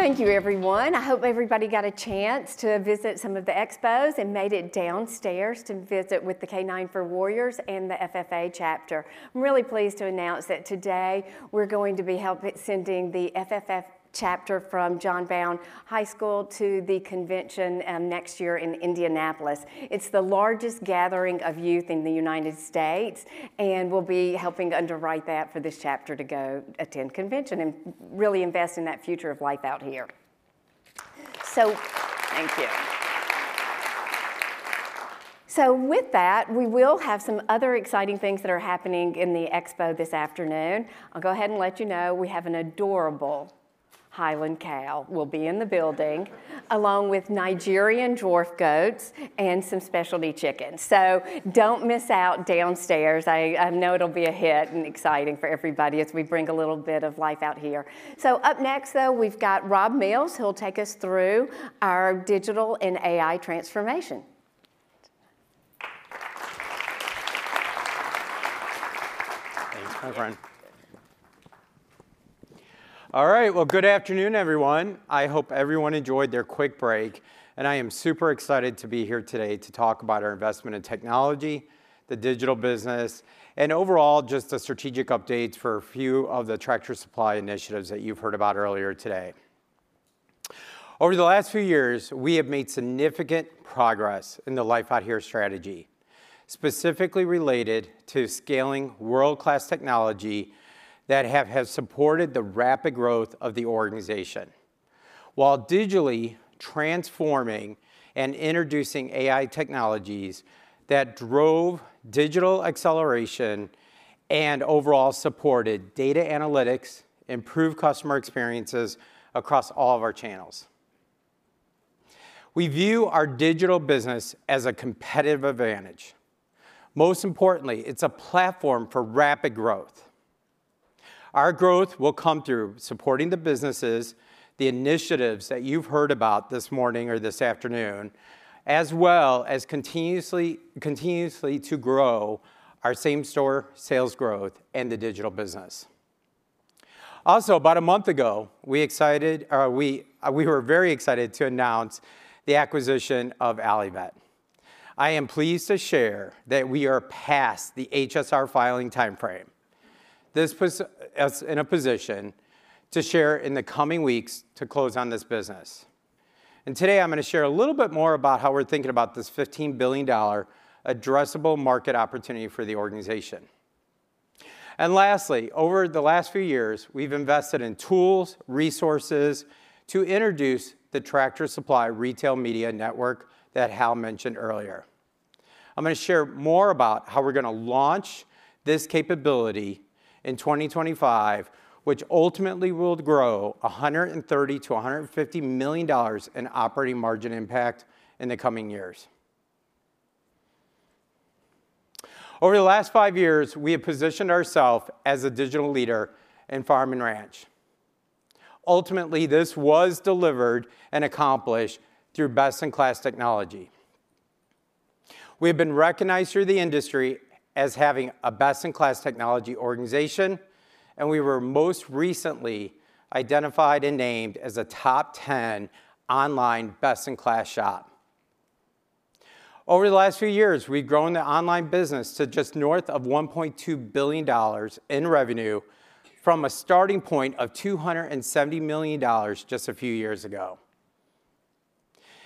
Oh, well, thank you, everyone. I hope everybody got a chance to visit some of the expos and made it downstairs to visit with the K9s For Warriors and the FFA chapter. I'm really pleased to announce that today we're going to be helping send the FFA chapter from John Bowne High School to the convention next year in Indianapolis. It's the largest gathering of youth in the United States, and we'll be helping underwrite that for this chapter to go attend convention and really invest in that future of Life Out Here. So, thank you. So with that, we will have some other exciting things that are happening in the expo this afternoon. I'll go ahead and let you know we have an adorable Highland cow. We'll be in the building along with Nigerian dwarf goats and some specialty chickens. So don't miss out downstairs. I know it'll be a hit and exciting for everybody as we bring a little bit of Life Out Here. So up next, though, we've got Rob Mills. He'll take us through our digital and AI transformation. Thanks, my friend. All right, well, good afternoon, everyone. I hope everyone enjoyed their quick break, and I am super excited to be here today to talk about our investment in technology, the digital business, and overall, just the strategic updates for a few of the Tractor Supply initiatives that you've heard about earlier today. Over the last few years, we have made significant progress in the Life Out Here strategy, specifically related to scaling world-class technology that have supported the rapid growth of the organization. While digitally transforming and introducing AI technologies that drove digital acceleration and overall supported data analytics improved customer experiences across all of our channels. We view our digital business as a competitive advantage. Most importantly, it's a platform for rapid growth. Our growth will come through supporting the businesses, the initiatives that you've heard about this morning or this afternoon, as well as continuously to grow our same-store sales growth and the digital business. Also, about a month ago, we were very excited to announce the acquisition of Allivet. I am pleased to share that we are past the HSR filing timeframe. This puts us in a position to share in the coming weeks to close on this business. And today I'm going to share a little bit more about how we're thinking about this $15 billion addressable market opportunity for the organization. And lastly, over the last few years, we've invested in tools, resources to introduce the Tractor Supply retail media network that Hal mentioned earlier. I'm going to share more about how we're going to launch this capability in 2025, which ultimately will grow $130-$150 million in operating margin impact in the coming years. Over the last five years, we have positioned ourselves as a digital leader in Farm and Ranch. Ultimately, this was delivered and accomplished through best-in-class technology. We have been recognized through the industry as having a best-in-class technology organization, and we were most recently identified and named as a top 10 online best-in-class shop. Over the last few years, we've grown the online business to just north of $1.2 billion in revenue from a starting point of $270 million just a few years ago.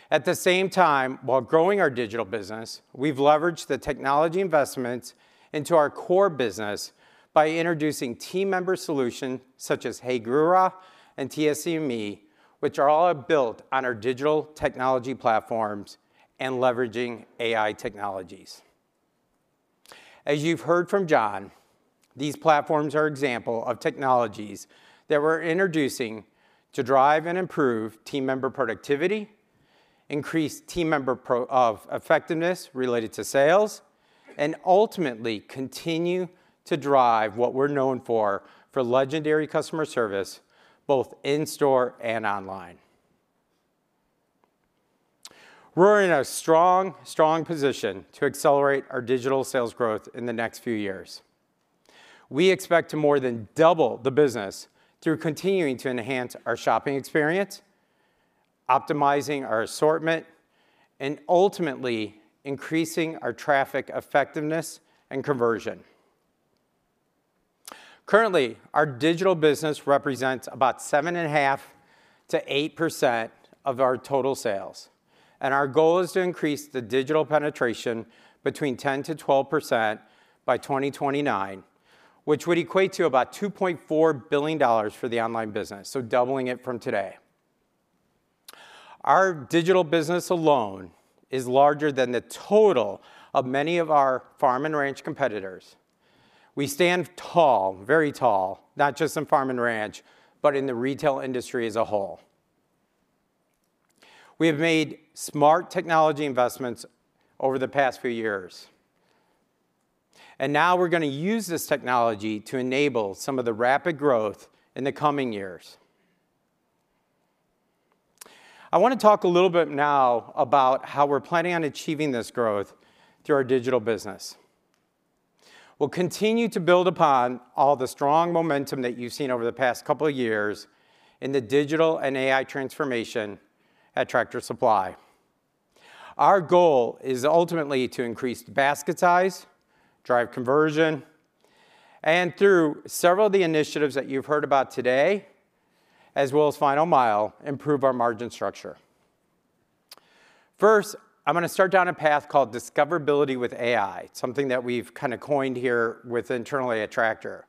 At the same time, while growing our digital business, we've leveraged the technology investments into our core business by introducing team member solutions such as Hey GURA and TSC and Me, which are all built on our digital technology platforms and leveraging AI technologies. As you've heard from John, these platforms are examples of technologies that we're introducing to drive and improve team member productivity, increase team member effectiveness related to sales, and ultimately continue to drive what we're known for, for legendary customer service both in store and online. We're in a strong, strong position to accelerate our digital sales growth in the next few years. We expect to more than double the business through continuing to enhance our shopping experience, optimizing our assortment, and ultimately increasing our traffic effectiveness and conversion. Currently, our digital business represents about 7.5%-8% of our total sales, and our goal is to increase the digital penetration between 10%-12% by 2029, which would equate to about $2.4 billion for the online business, so doubling it from today. Our digital business alone is larger than the total of many of our Farm and Ranch competitors. We stand tall, very tall, not just in Farm and Ranch, but in the retail industry as a whole. We have made smart technology investments over the past few years, and now we're going to use this technology to enable some of the rapid growth in the coming years. I want to talk a little bit now about how we're planning on achieving this growth through our digital business. We'll continue to build upon all the strong momentum that you've seen over the past couple of years in the digital and AI transformation at Tractor Supply. Our goal is ultimately to increase basket size, drive conversion, and through several of the initiatives that you've heard about today, as well as final mile, improve our margin structure. First, I'm going to start down a path called discoverability with AI, something that we've kind of coined here within internally at Tractor.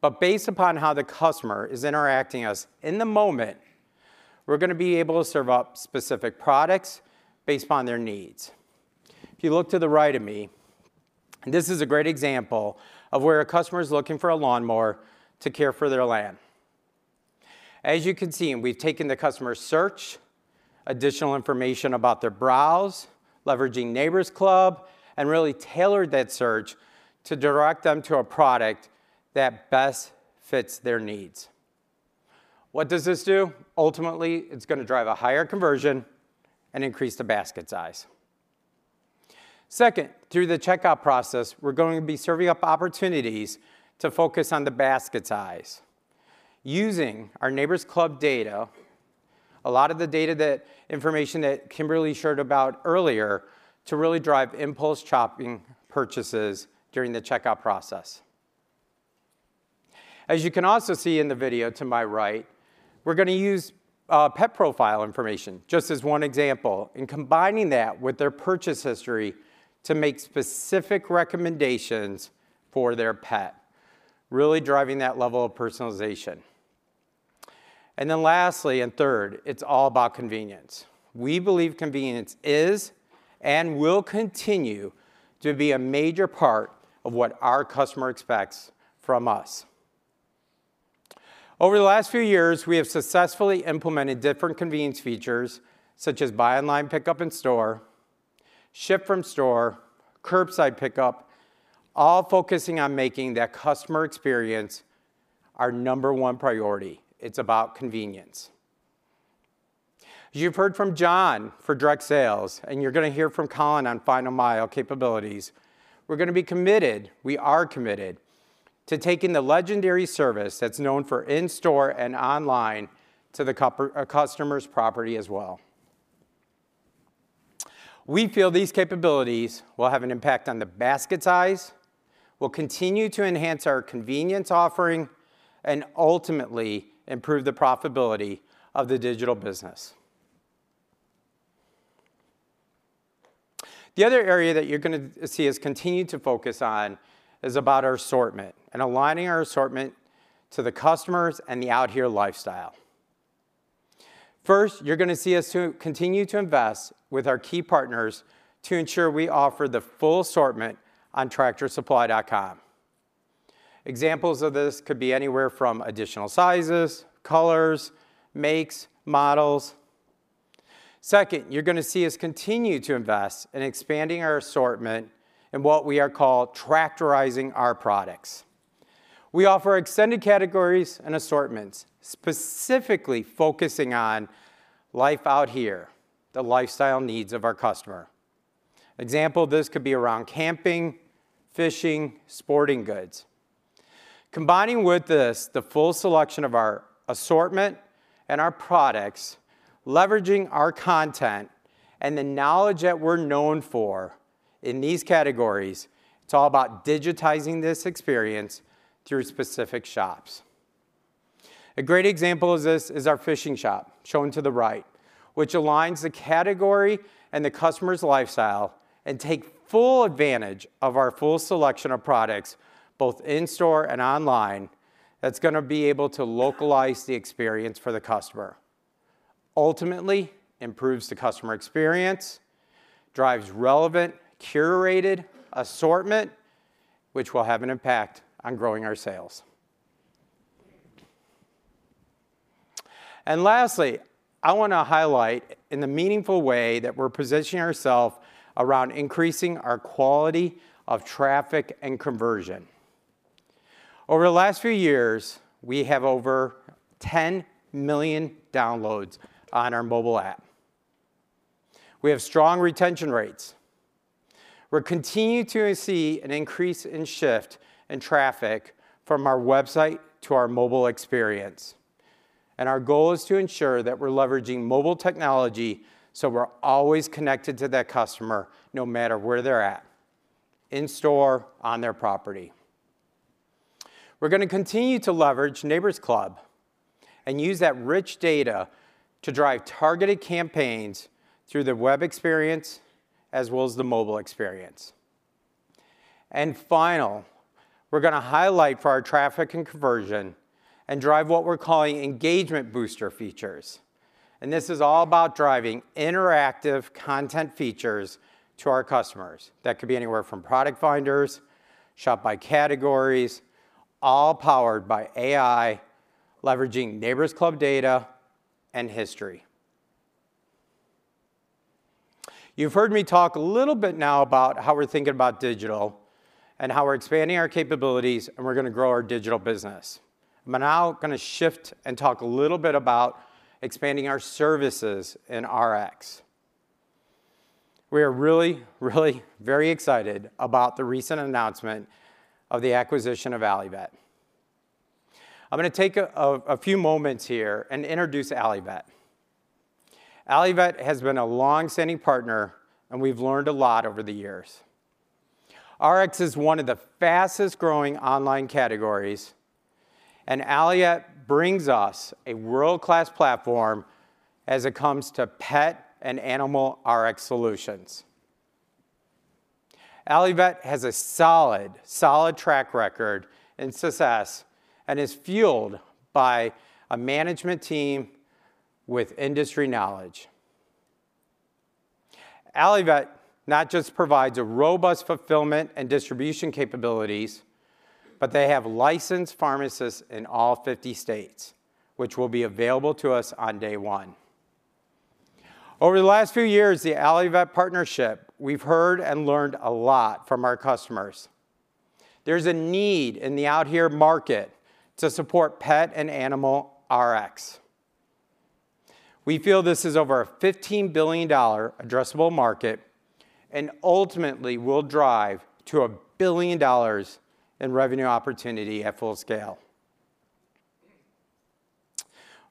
But based upon how the customer is interacting with us in the moment, we're going to be able to serve up specific products based upon their needs. If you look to the right of me, this is a great example of where a customer is looking for a lawnmower to care for their land. As you can see, we've taken the customer search, additional information about their browse, leveraging Neighbor's Club, and really tailored that search to direct them to a product that best fits their needs. What does this do? Ultimately, it's going to drive a higher conversion and increase the basket size. Second, through the checkout process, we're going to be serving up opportunities to focus on the basket size, using our Neighbor's Club data, a lot of the information that Kimberly shared about earlier to really drive impulse shopping purchases during the checkout process. As you can also see in the video to my right, we're going to use pet profile information just as one example and combining that with their purchase history to make specific recommendations for their pet, really driving that level of personalization. And then lastly, and third, it's all about convenience. We believe convenience is and will continue to be a major part of what our customer expects from us. Over the last few years, we have successfully implemented different convenience features such as buy online, pick up in store, ship from store, curbside pick up, all focusing on making that customer experience our number one priority. It's about convenience. As you've heard from John for direct sales, and you're going to hear from Colin on final mile capabilities, we're going to be committed, we are committed, to taking the legendary service that's known for in store and online to the customer's property as well. We feel these capabilities will have an impact on the basket size, will continue to enhance our convenience offering, and ultimately improve the profitability of the digital business. The other area that you're going to see us continue to focus on is about our assortment and aligning our assortment to the customers and the out here lifestyle. First, you're going to see us continue to invest with our key partners to ensure we offer the full assortment on TractorSupply.com. Examples of this could be anywhere from additional sizes, colors, makes, models. Second, you're going to see us continue to invest in expanding our assortment and what we are called tractorizing our products. We offer extended categories and assortments, specifically focusing on Life Out Here, the lifestyle needs of our customer. Example of this could be around camping, fishing, sporting goods. Combining with this, the full selection of our assortment and our products, leveraging our content and the knowledge that we're known for in these categories, it's all about digitizing this experience through specific shops. A great example of this is our fishing shop shown to the right, which aligns the category and the customer's lifestyle and takes full advantage of our full selection of products, both in store and online. That's going to be able to localize the experience for the customer, ultimately improves the customer experience, drives relevant curated assortment, which will have an impact on growing our sales. And lastly, I want to highlight in the meaningful way that we're positioning ourselves around increasing our quality of traffic and conversion. Over the last few years, we have over 10 million downloads on our mobile app. We have strong retention rates. We're continuing to see an increase in shift in traffic from our website to our mobile experience. Our goal is to ensure that we're leveraging mobile technology so we're always connected to that customer no matter where they're at, in store, on their property. We're going to continue to leverage Neighbor's Club and use that rich data to drive targeted campaigns through the web experience as well as the mobile experience. And finally, we're going to highlight for our traffic and conversion and drive what we're calling engagement booster features. And this is all about driving interactive content features to our customers that could be anywhere from product finders, shop by categories, all powered by AI, leveraging Neighbor's Club data and history. You've heard me talk a little bit now about how we're thinking about digital and how we're expanding our capabilities, and we're going to grow our digital business. I'm now going to shift and talk a little bit about expanding our services in Rx. We are really, really very excited about the recent announcement of the acquisition of Allivet. I'm going to take a few moments here and introduce Allivet. Allivet has been a longstanding partner, and we've learned a lot over the years. Rx is one of the fastest growing online categories, and Allivet brings us a world-class platform when it comes to pet and animal Rx solutions. Allivet has a solid, solid track record of success and is fueled by a management team with industry knowledge. Allivet not just provides a robust fulfillment and distribution capabilities, but they have licensed pharmacists in all 50 states, which will be available to us on day one. Over the last few years, the Allivet partnership, we've heard and learned a lot from our customers. There's a need in the out here market to support pet and animal Rx. We feel this is over a $15 billion addressable market and ultimately will drive to $1 billion in revenue opportunity at full scale.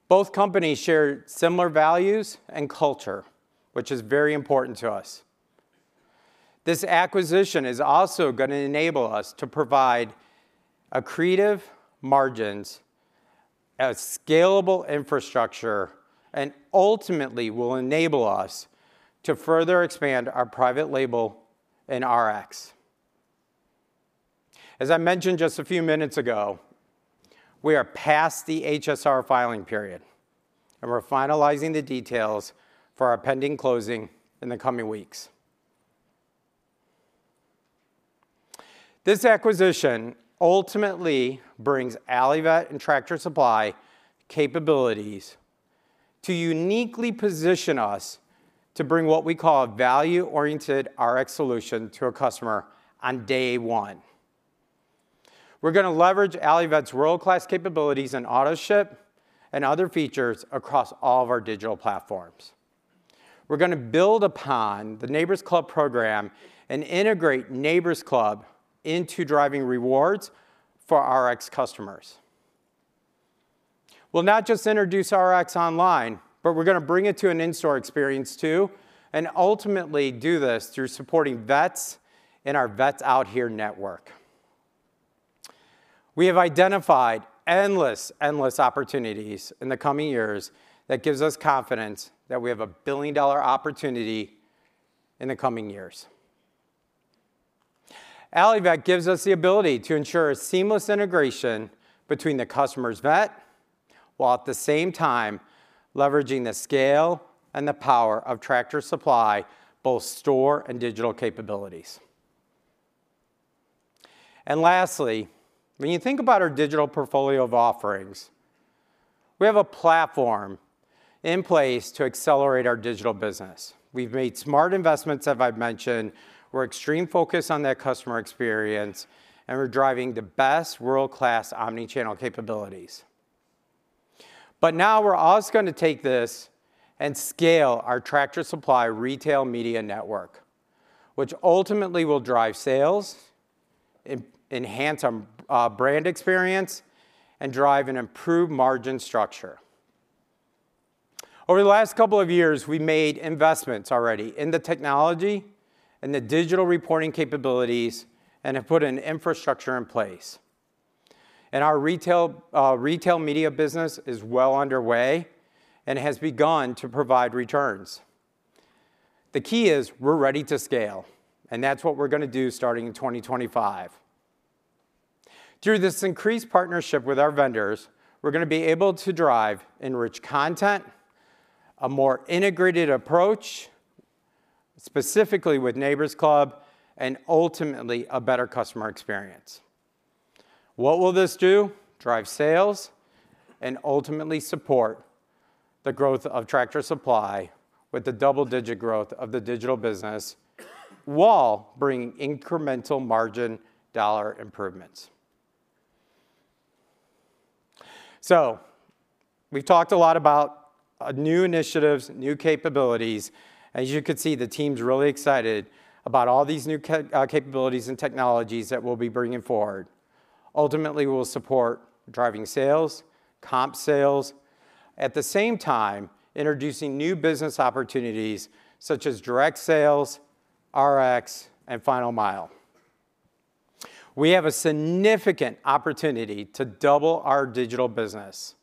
Both companies share similar values and culture, which is very important to us. This acquisition is also going to enable us to provide accretive margins, a scalable infrastructure, and ultimately will enable us to further expand our private label in Rx. As I mentioned just a few minutes ago, we are past the HSR filing period, and we're finalizing the details for our pending closing in the coming weeks. This acquisition ultimately brings Allivet and Tractor Supply capabilities to uniquely position us to bring what we call a value-oriented Rx solution to a customer on day one. We're going to leverage Allivet's world-class capabilities in AutoShip and other features across all of our digital platforms. We're going to build upon the Neighbor's Club program and integrate Neighbor's Club into driving rewards for our Rx customers. We'll not just introduce Rx online, but we're going to bring it to an in-store experience too and ultimately do this through supporting vets in our Vets Out Here network. We have identified endless, endless opportunities in the coming years that gives us confidence that we have a billion-dollar opportunity in the coming years. Allivet gives us the ability to ensure a seamless integration between the customer's vet while at the same time leveraging the scale and the power of Tractor Supply, both store and digital capabilities. Lastly, when you think about our digital portfolio of offerings, we have a platform in place to accelerate our digital business. We've made smart investments, as I've mentioned. We're extremely focused on that customer experience, and we're driving the best world-class omnichannel capabilities. But now we're also going to take this and scale our Tractor Supply retail media network, which ultimately will drive sales, enhance our brand experience, and drive an improved margin structure. Over the last couple of years, we made investments already in the technology and the digital reporting capabilities and have put an infrastructure in place. And our retail media business is well underway and has begun to provide returns. The key is we're ready to scale, and that's what we're going to do starting in 2025. Through this increased partnership with our vendors, we're going to be able to drive enriched content, a more integrated approach, specifically with Neighbor's Club, and ultimately a better customer experience. What will this do? Drive sales and ultimately support the growth of Tractor Supply with the double-digit growth of the digital business while bringing incremental margin dollar improvements, so we've talked a lot about new initiatives, new capabilities. As you can see, the team's really excited about all these new capabilities and technologies that we'll be bringing forward. Ultimately, we'll support driving sales, comp sales, at the same time introducing new business opportunities such as direct sales, Rx, and final mile. We have a significant opportunity to double our digital business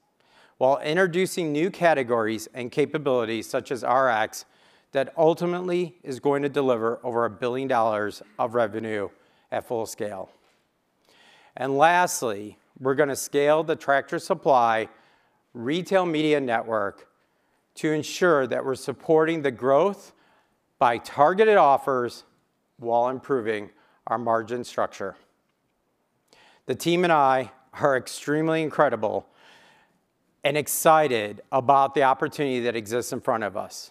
while introducing new categories and capabilities such as Rx that ultimately is going to deliver over $1 billion of revenue at full scale, and lastly, we're going to scale the Tractor Supply retail media network to ensure that we're supporting the growth by targeted offers while improving our margin structure. The team and I are extremely incredible and excited about the opportunity that exists in front of us.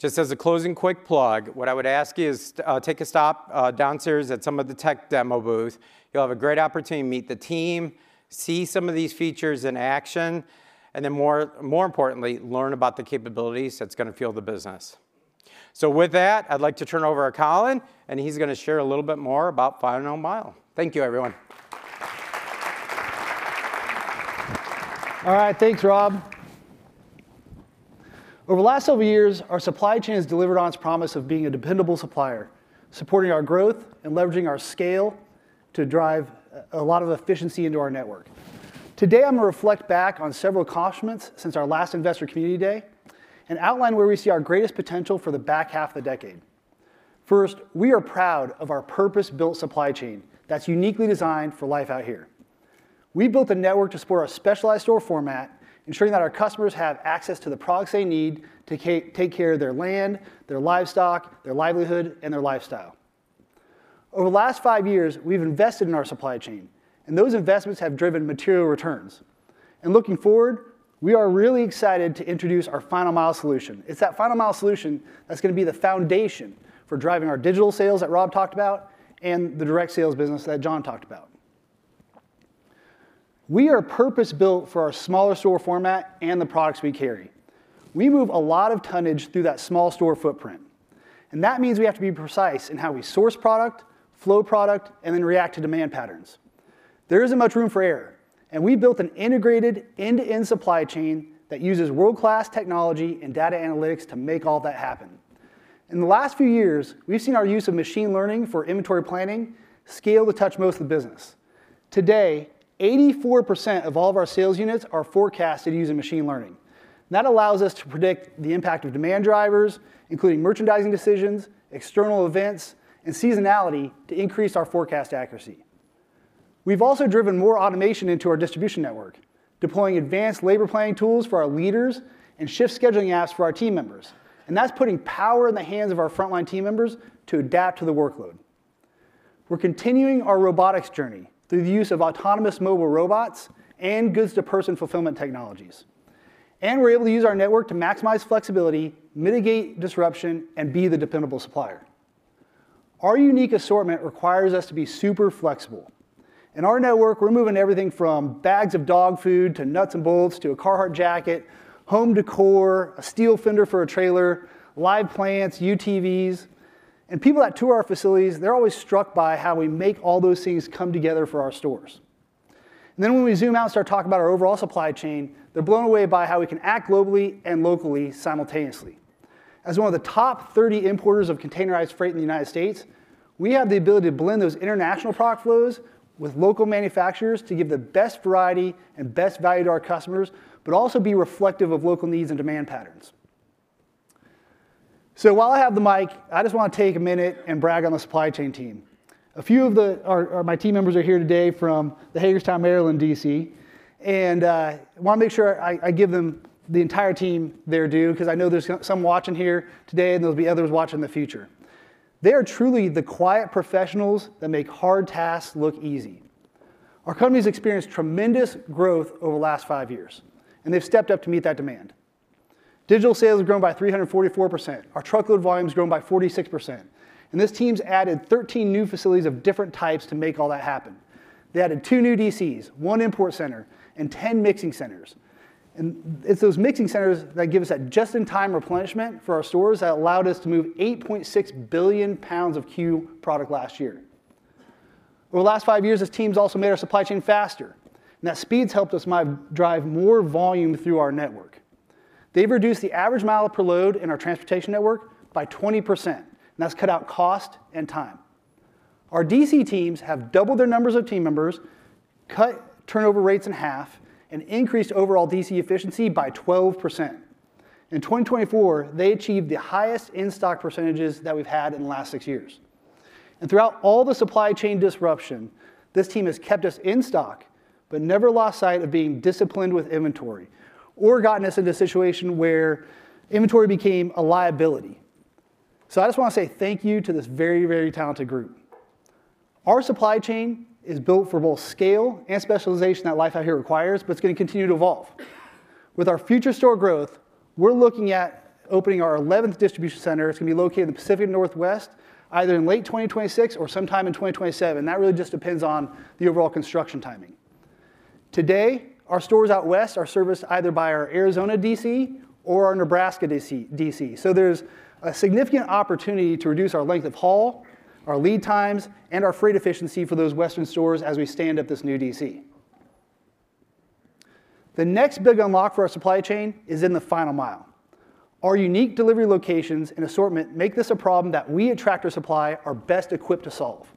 Just as a closing quick plug, what I would ask you is to take a stop downstairs at some of the tech demo booth. You'll have a great opportunity to meet the team, see some of these features in action, and then more importantly, learn about the capabilities that's going to fuel the business. So with that, I'd like to turn it over to Colin, and he's going to share a little bit more about final mile. Thank you, everyone. All right, thanks, Rob. Over the last several years, our supply chain has delivered on its promise of being a dependable supplier, supporting our growth and leveraging our scale to drive a lot of efficiency into our network. Today, I'm going to reflect back on several accomplishments since our last Investor Community Day and outline where we see our greatest potential for the back half of the decade. First, we are proud of our purpose-built supply chain that's uniquely designed for Life Out Here. We built a network to support a specialized store format, ensuring that our customers have access to the products they need to take care of their land, their livestock, their livelihood, and their lifestyle. Over the last five years, we've invested in our supply chain, and those investments have driven material returns, and looking forward, we are really excited to introduce our final mile solution. It's that final mile solution that's going to be the foundation for driving our digital sales that Rob talked about and the direct sales business that John talked about. We are purpose-built for our smaller store format and the products we carry. We move a lot of tonnage through that small store footprint, and that means we have to be precise in how we source product, flow product, and then react to demand patterns. There isn't much room for error, and we built an integrated end-to-end supply chain that uses world-class technology and data analytics to make all that happen. In the last few years, we've seen our use of machine learning for inventory planning scale to touch most of the business. Today, 84% of all of our sales units are forecasted using machine learning. That allows us to predict the impact of demand drivers, including merchandising decisions, external events, and seasonality to increase our forecast accuracy. We've also driven more automation into our distribution network, deploying advanced labor planning tools for our leaders and shift scheduling apps for our team members. And that's putting power in the hands of our frontline team members to adapt to the workload. We're continuing our robotics journey through the use of autonomous mobile robots and goods-to-person fulfillment technologies. And we're able to use our network to maximize flexibility, mitigate disruption, and be the dependable supplier. Our unique assortment requires us to be super flexible. In our network, we're moving everything from bags of dog food to nuts and bolts to a Carhartt jacket, home decor, a steel fender for a trailer, live plants, UTVs. And people that tour our facilities, they're always struck by how we make all those things come together for our stores. And then when we zoom out and start talking about our overall supply chain, they're blown away by how we can act globally and locally simultaneously. As one of the top 30 importers of containerized freight in the United States, we have the ability to blend those international product flows with local manufacturers to give the best variety and best value to our customers, but also be reflective of local needs and demand patterns. So while I have the mic, I just want to take a minute and brag on the supply chain team. A few of my team members are here today from the Hagerstown, Maryland, DC, and I want to make sure I give them the entire team their due because I know there's some watching here today, and there'll be others watching in the future. They are truly the quiet professionals that make hard tasks look easy. Our company's experienced tremendous growth over the last five years, and they've stepped up to meet that demand. Digital sales have grown by 344%. Our truckload volume has grown by 46%. And this team's added 13 new facilities of different types to make all that happen. They added two new DCs, one import center, and 10 mixing centers. And it's those mixing centers that give us that just-in-time replenishment for our stores that allowed us to move 8.6 billion pounds of CUE product last year. Over the last five years, this team's also made our supply chain faster, and that speed's helped us drive more volume through our network. They've reduced the average mile per load in our transportation network by 20%, and that's cut out cost and time. Our DC teams have doubled their numbers of team members, cut turnover rates in half, and increased overall DC efficiency by 12%. In 2024, they achieved the highest in-stock percentages that we've had in the last six years, and throughout all the supply chain disruption, this team has kept us in stock but never lost sight of being disciplined with inventory or gotten us into a situation where inventory became a liability, so I just want to say thank you to this very, very talented group. Our supply chain is built for both scale and specialization that Life Out Here requires, but it's going to continue to evolve. With our future store growth, we're looking at opening our 11th distribution center. It's going to be located in the Pacific Northwest, either in late 2026 or sometime in 2027. That really just depends on the overall construction timing. Today, our stores out west are serviced either by our Arizona DC or our Nebraska DC. So there's a significant opportunity to reduce our length of haul, our lead times, and our freight efficiency for those western stores as we stand up this new DC. The next big unlock for our supply chain is in the final mile. Our unique delivery locations and assortment make this a problem that we at Tractor Supply are best equipped to solve.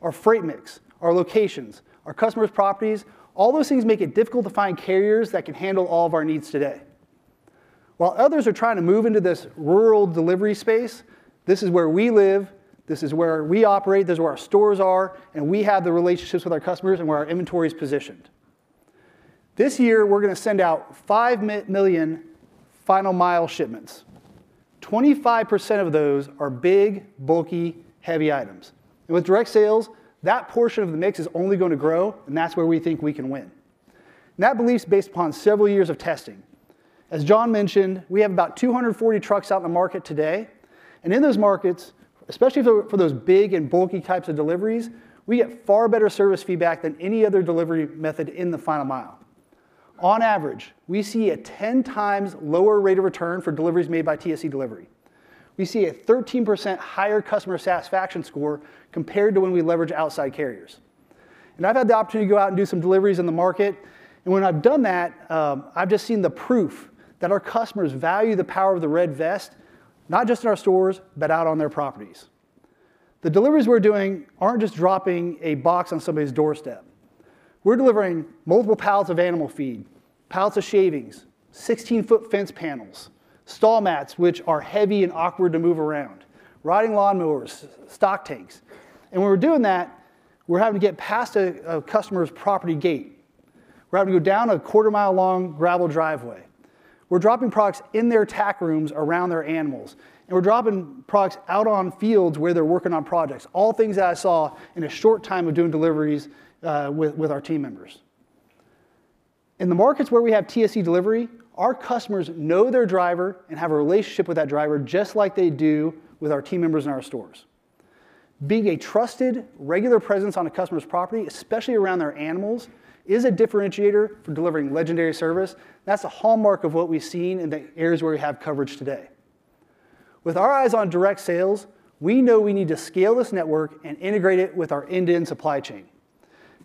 Our freight mix, our locations, our customers' properties, all those things make it difficult to find carriers that can handle all of our needs today. While others are trying to move into this rural delivery space, this is where we live, this is where we operate, this is where our stores are, and we have the relationships with our customers and where our inventory is positioned. This year, we're going to send out 5 million final mile shipments. 25% of those are big, bulky, heavy items. And with direct sales, that portion of the mix is only going to grow, and that's where we think we can win. And that belief's based upon several years of testing. As John mentioned, we have about 240 trucks out in the market today. And in those markets, especially for those big and bulky types of deliveries, we get far better service feedback than any other delivery method in the final mile. On average, we see a 10 times lower rate of return for deliveries made by TSC Delivery. We see a 13% higher customer satisfaction score compared to when we leverage outside carriers. And I've had the opportunity to go out and do some deliveries in the market. When I've done that, I've just seen the proof that our customers value the Power of the Red Vest, not just in our stores, but out on their properties. The deliveries we're doing aren't just dropping a box on somebody's doorstep. We're delivering multiple pallets of animal feed, pallets of shavings, 16-foot fence panels, stall mats, which are heavy and awkward to move around, riding lawnmowers, stock tanks. And when we're doing that, we're having to get past a customer's property gate. We're having to go down a quarter-mile-long gravel driveway. We're dropping products in their tack rooms around their animals, and we're dropping products out on fields where they're working on projects, all things that I saw in a short time of doing deliveries with our team members. In the markets where we have TSC Delivery, our customers know their driver and have a relationship with that driver just like they do with our team members in our stores. Being a trusted, regular presence on a customer's property, especially around their animals, is a differentiator for delivering legendary service. That's a hallmark of what we've seen in the areas where we have coverage today. With our eyes on direct sales, we know we need to scale this network and integrate it with our end-to-end supply chain.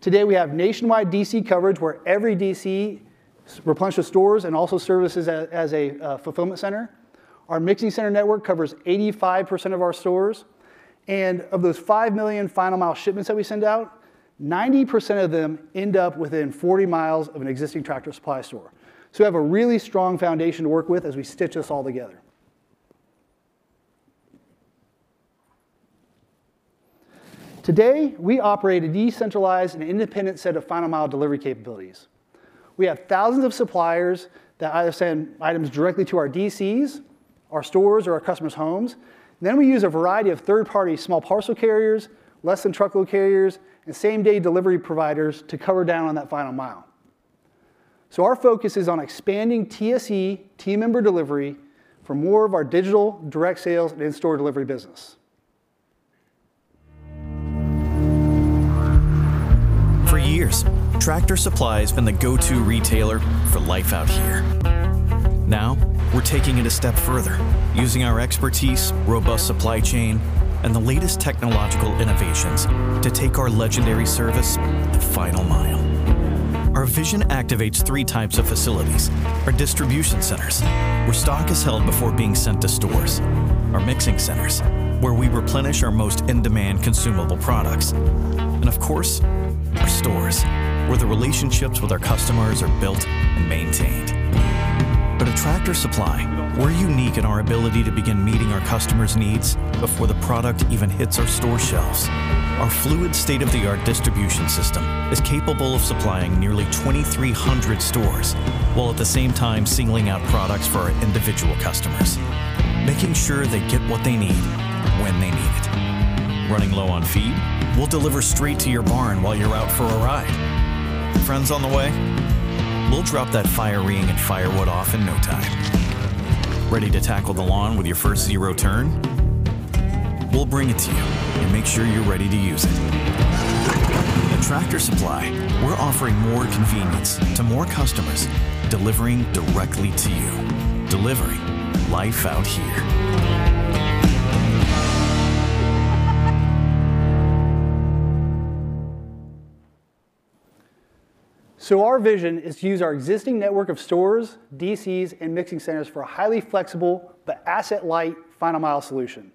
Today, we have nationwide DC coverage where every DC replenishes stores and also serves as a fulfillment center. Our mixing center network covers 85% of our stores, and of those five million final mile shipments that we send out, 90% of them end up within 40 miles of an existing Tractor Supply store. So we have a really strong foundation to work with as we stitch this all together. Today, we operate a decentralized and independent set of final mile delivery capabilities. We have thousands of suppliers that either send items directly to our DCs, our stores, or our customers' homes. Then we use a variety of third-party small parcel carriers, less-than-truckload carriers, and same-day delivery providers to cover down on that final mile. So our focus is on expanding TSC team member delivery for more of our digital direct sales and in-store delivery business. For years, Tractor Supply has been the go-to retailer for Life Out Here. Now, we're taking it a step further, using our expertise, robust supply chain, and the latest technological innovations to take our legendary service to final mile. Our vision activates three types of facilities: our distribution centers, where stock is held before being sent to stores, our mixing centers, where we replenish our most in-demand consumable products, and, of course, our stores, where the relationships with our customers are built and maintained. But at Tractor Supply, we're unique in our ability to begin meeting our customers' needs before the product even hits our store shelves. Our fluid state-of-the-art distribution system is capable of supplying nearly 2,300 stores while at the same time singling out products for our individual customers, making sure they get what they need when they need it. Running low on feed, we'll deliver straight to your barn while you're out for a ride. Friends on the way? We'll drop that fire ring and firewood off in no time. Ready to tackle the lawn with your first zero-turn? We'll bring it to you and make sure you're ready to use it. At Tractor Supply, we're offering more convenience to more customers, delivering directly to you. Delivering Life Out Here. So our vision is to use our existing network of stores, DCs, and mixing centers for a highly flexible, but asset-light final mile solution.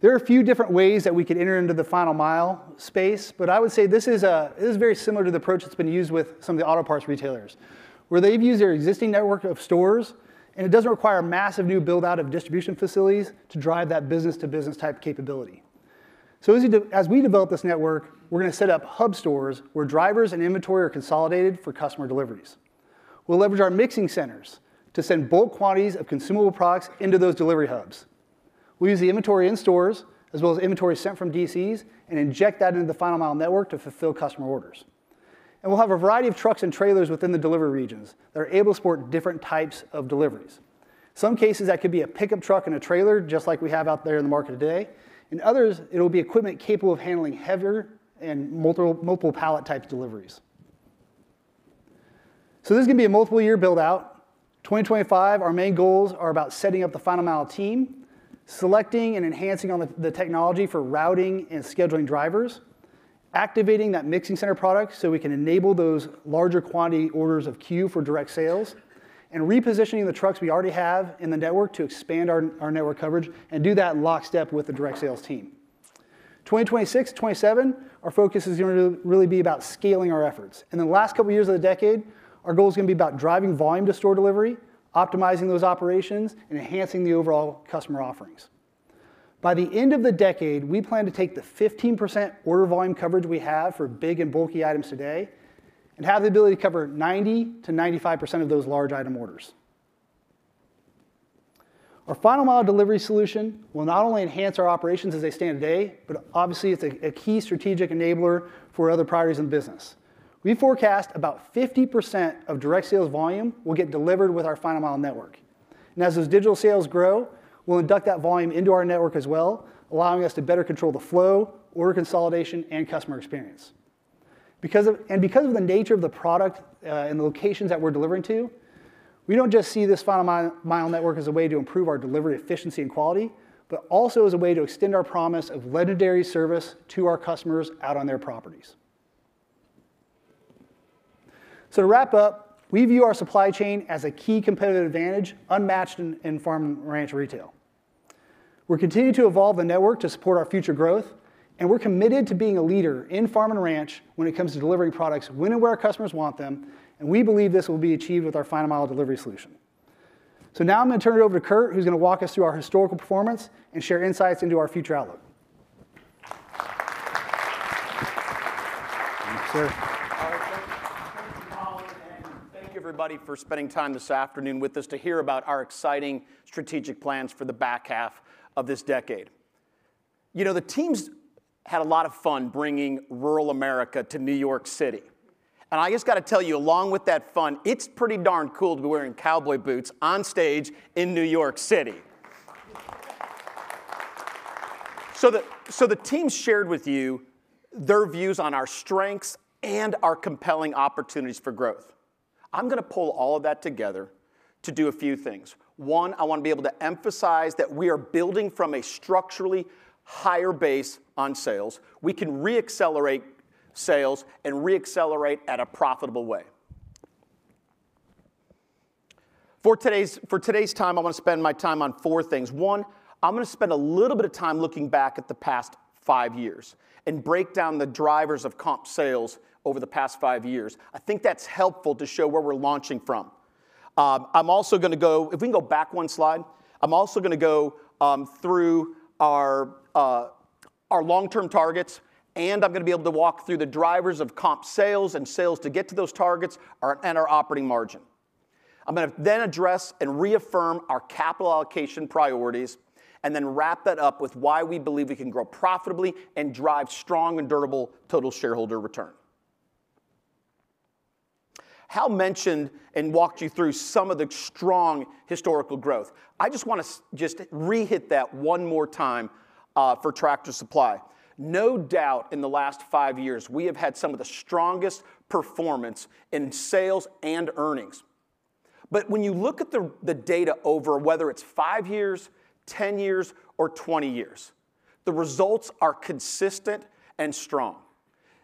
There are a few different ways that we could enter into the final mile space, but I would say this is very similar to the approach that's been used with some of the auto parts retailers, where they've used their existing network of stores, and it doesn't require a massive new build-out of distribution facilities to drive that business-to-business type capability. So as we develop this network, we're going to set up hub stores where drivers and inventory are consolidated for customer deliveries. We'll leverage our mixing centers to send bulk quantities of consumable products into those delivery hubs. We'll use the inventory in stores as well as inventory sent from DCs and inject that into the final mile network to fulfill customer orders. And we'll have a variety of trucks and trailers within the delivery regions that are able to support different types of deliveries. In some cases, that could be a pickup truck and a trailer, just like we have out there in the market today. In others, it'll be equipment capable of handling heavier and multiple pallet type deliveries. So this is going to be a multiple-year build-out. In 2025, our main goals are about setting up the final mile team, selecting and enhancing on the technology for routing and scheduling drivers, activating that mixing center product so we can enable those larger quantity orders of C.U.E for direct sales, and repositioning the trucks we already have in the network to expand our network coverage and do that in lockstep with the direct sales team. In 2026, 2027, our focus is going to really be about scaling our efforts. In the last couple of years of the decade, our goal is going to be about driving volume to store delivery, optimizing those operations, and enhancing the overall customer offerings. By the end of the decade, we plan to take the 15% order volume coverage we have for big and bulky items today and have the ability to cover 90%-95% of those large item orders. Our final mile delivery solution will not only enhance our operations as they stand today, but obviously, it's a key strategic enabler for other priorities in the business. We forecast about 50% of direct sales volume will get delivered with our final mile network, as those digital sales grow, we'll induct that volume into our network as well, allowing us to better control the flow, order consolidation, and customer experience, because of the nature of the product and the locations that we're delivering to, we don't just see this final mile network as a way to improve our delivery efficiency and quality, but also as a way to extend our promise of legendary service to our customers out on their properties, to wrap up, we view our supply chain as a key competitive advantage, unmatched in farm and ranch retail. We're continuing to evolve the network to support our future growth, and we're committed to being a leader in farm and ranch when it comes to delivering products when and where our customers want them, and we believe this will be achieved with our final mile delivery solution. So now I'm going to turn it over to Kurt, who's going to walk us through our historical performance and share insights into our future outlook. Thank you, sir. Thank you, Colin, and thank you, everybody, for spending time this afternoon with us to hear about our exciting strategic plans for the back half of this decade. You know, the teams had a lot of fun bringing rural America to New York City. And I just got to tell you, along with that fun, it's pretty darn cool to be wearing cowboy boots on stage in New York City. So the teams shared with you their views on our strengths and our compelling opportunities for growth. I'm going to pull all of that together to do a few things. One, I want to be able to emphasize that we are building from a structurally higher base on sales. We can re-accelerate sales and re-accelerate at a profitable way. For today's time, I want to spend my time on four things. One, I'm going to spend a little bit of time looking back at the past five years and break down the drivers of comp sales over the past five years. I think that's helpful to show where we're launching from. I'm also going to go, if we can go back one slide, I'm also going to go through our long-term targets, and I'm going to be able to walk through the drivers of comp sales and sales to get to those targets and our operating margin. I'm going to then address and reaffirm our capital allocation priorities and then wrap that up with why we believe we can grow profitably and drive strong and durable total shareholder return. Hal mentioned and walked you through some of the strong historical growth. I just want to just re-hit that one more time for Tractor Supply. No doubt, in the last five years, we have had some of the strongest performance in sales and earnings. But when you look at the data over whether it's five years, 10 years, or 20 years, the results are consistent and strong.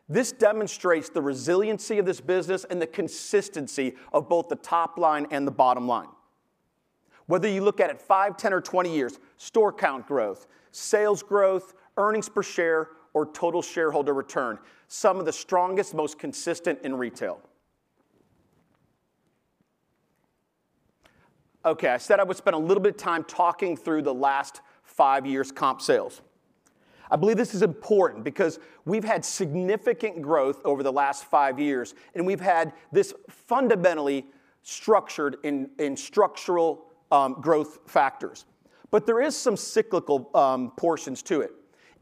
This demonstrates the resiliency of this business and the consistency of both the top line and the bottom line. Whether you look at it five, 10, or 20 years, store count growth, sales growth, earnings per share, or total shareholder return, some of the strongest, most consistent in retail. Okay, I said I would spend a little bit of time talking through the last five years' comp sales. I believe this is important because we've had significant growth over the last five years, and we've had this fundamentally structured in structural growth factors. But there are some cyclical portions to it.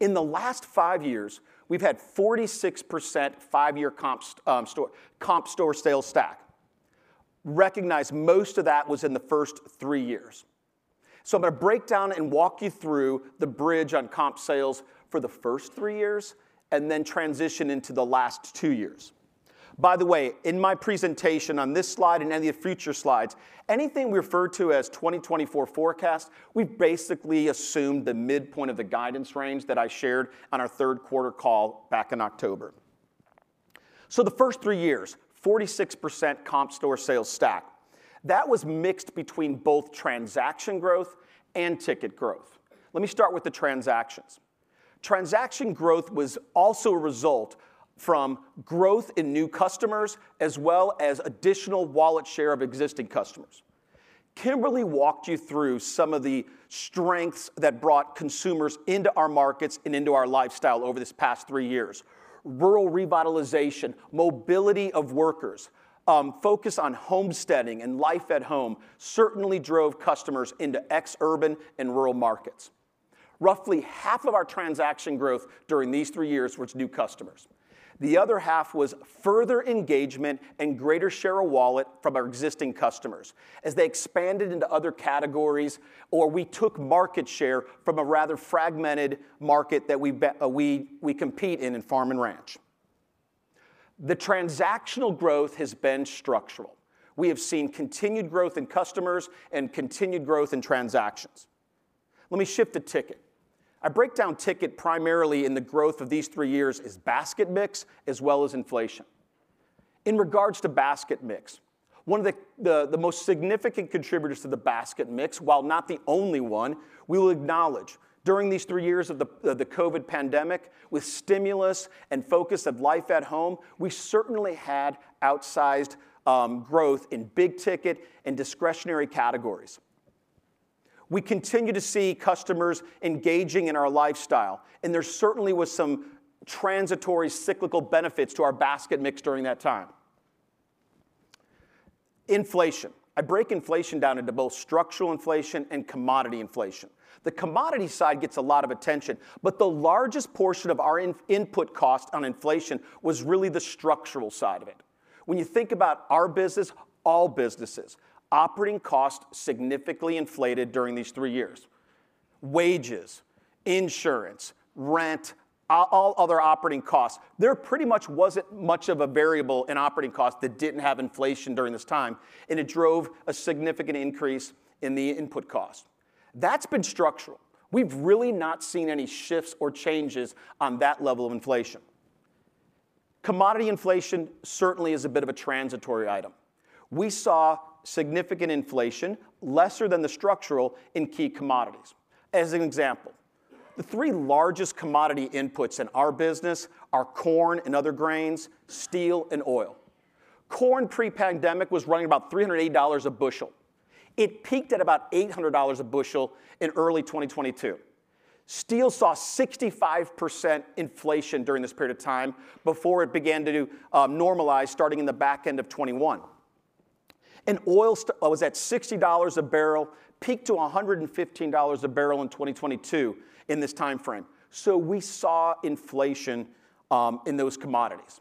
In the last five years, we've had 46% five-year comp store sales stack. Recognize most of that was in the first three years. So I'm going to break down and walk you through the bridge on comp sales for the first three years and then transition into the last two years. By the way, in my presentation on this slide and any of the future slides, anything we refer to as 2024 forecast, we've basically assumed the midpoint of the guidance range that I shared on our third-quarter call back in October. So the first three years, 46% comp store sales stack. That was mixed between both transaction growth and ticket growth. Let me start with the transactions. Transaction growth was also a result from growth in new customers as well as additional wallet share of existing customers. Kimberly walked you through some of the strengths that brought consumers into our markets and into our lifestyle over this past three years. Rural revitalization, mobility of workers, focus on homesteading and life at home certainly drove customers into ex-urban and rural markets. Roughly half of our transaction growth during these three years was new customers. The other half was further engagement and greater share of wallet from our existing customers as they expanded into other categories, or we took market share from a rather fragmented market that we compete in in farm and ranch. The transactional growth has been structural. We have seen continued growth in customers and continued growth in transactions. Let me shift the ticket. I break down ticket primarily in the growth of these three years as basket mix as well as inflation. In regards to basket mix, one of the most significant contributors to the basket mix, while not the only one, we will acknowledge during these three years of the COVID pandemic, with stimulus and focus of life at home, we certainly had outsized growth in big ticket and discretionary categories. We continue to see customers engaging in our lifestyle, and there certainly were some transitory cyclical benefits to our basket mix during that time. Inflation. I break inflation down into both structural inflation and commodity inflation. The commodity side gets a lot of attention, but the largest portion of our input cost on inflation was really the structural side of it. When you think about our business, all businesses, operating costs significantly inflated during these three years. Wages, insurance, rent, all other operating costs, there pretty much wasn't much of a variable in operating costs that didn't have inflation during this time, and it drove a significant increase in the input cost. That's been structural. We've really not seen any shifts or changes on that level of inflation. Commodity inflation certainly is a bit of a transitory item. We saw significant inflation, lesser than the structural, in key commodities. As an example, the three largest commodity inputs in our business are corn and other grains, steel, and oil. Corn pre-pandemic was running about $380 a bushel. It peaked at about $800 a bushel in early 2022. Steel saw 65% inflation during this period of time before it began to normalize starting in the back end of 2021, and oil was at $60 a barrel, peaked to $115 a barrel in 2022 in this time frame. So we saw inflation in those commodities.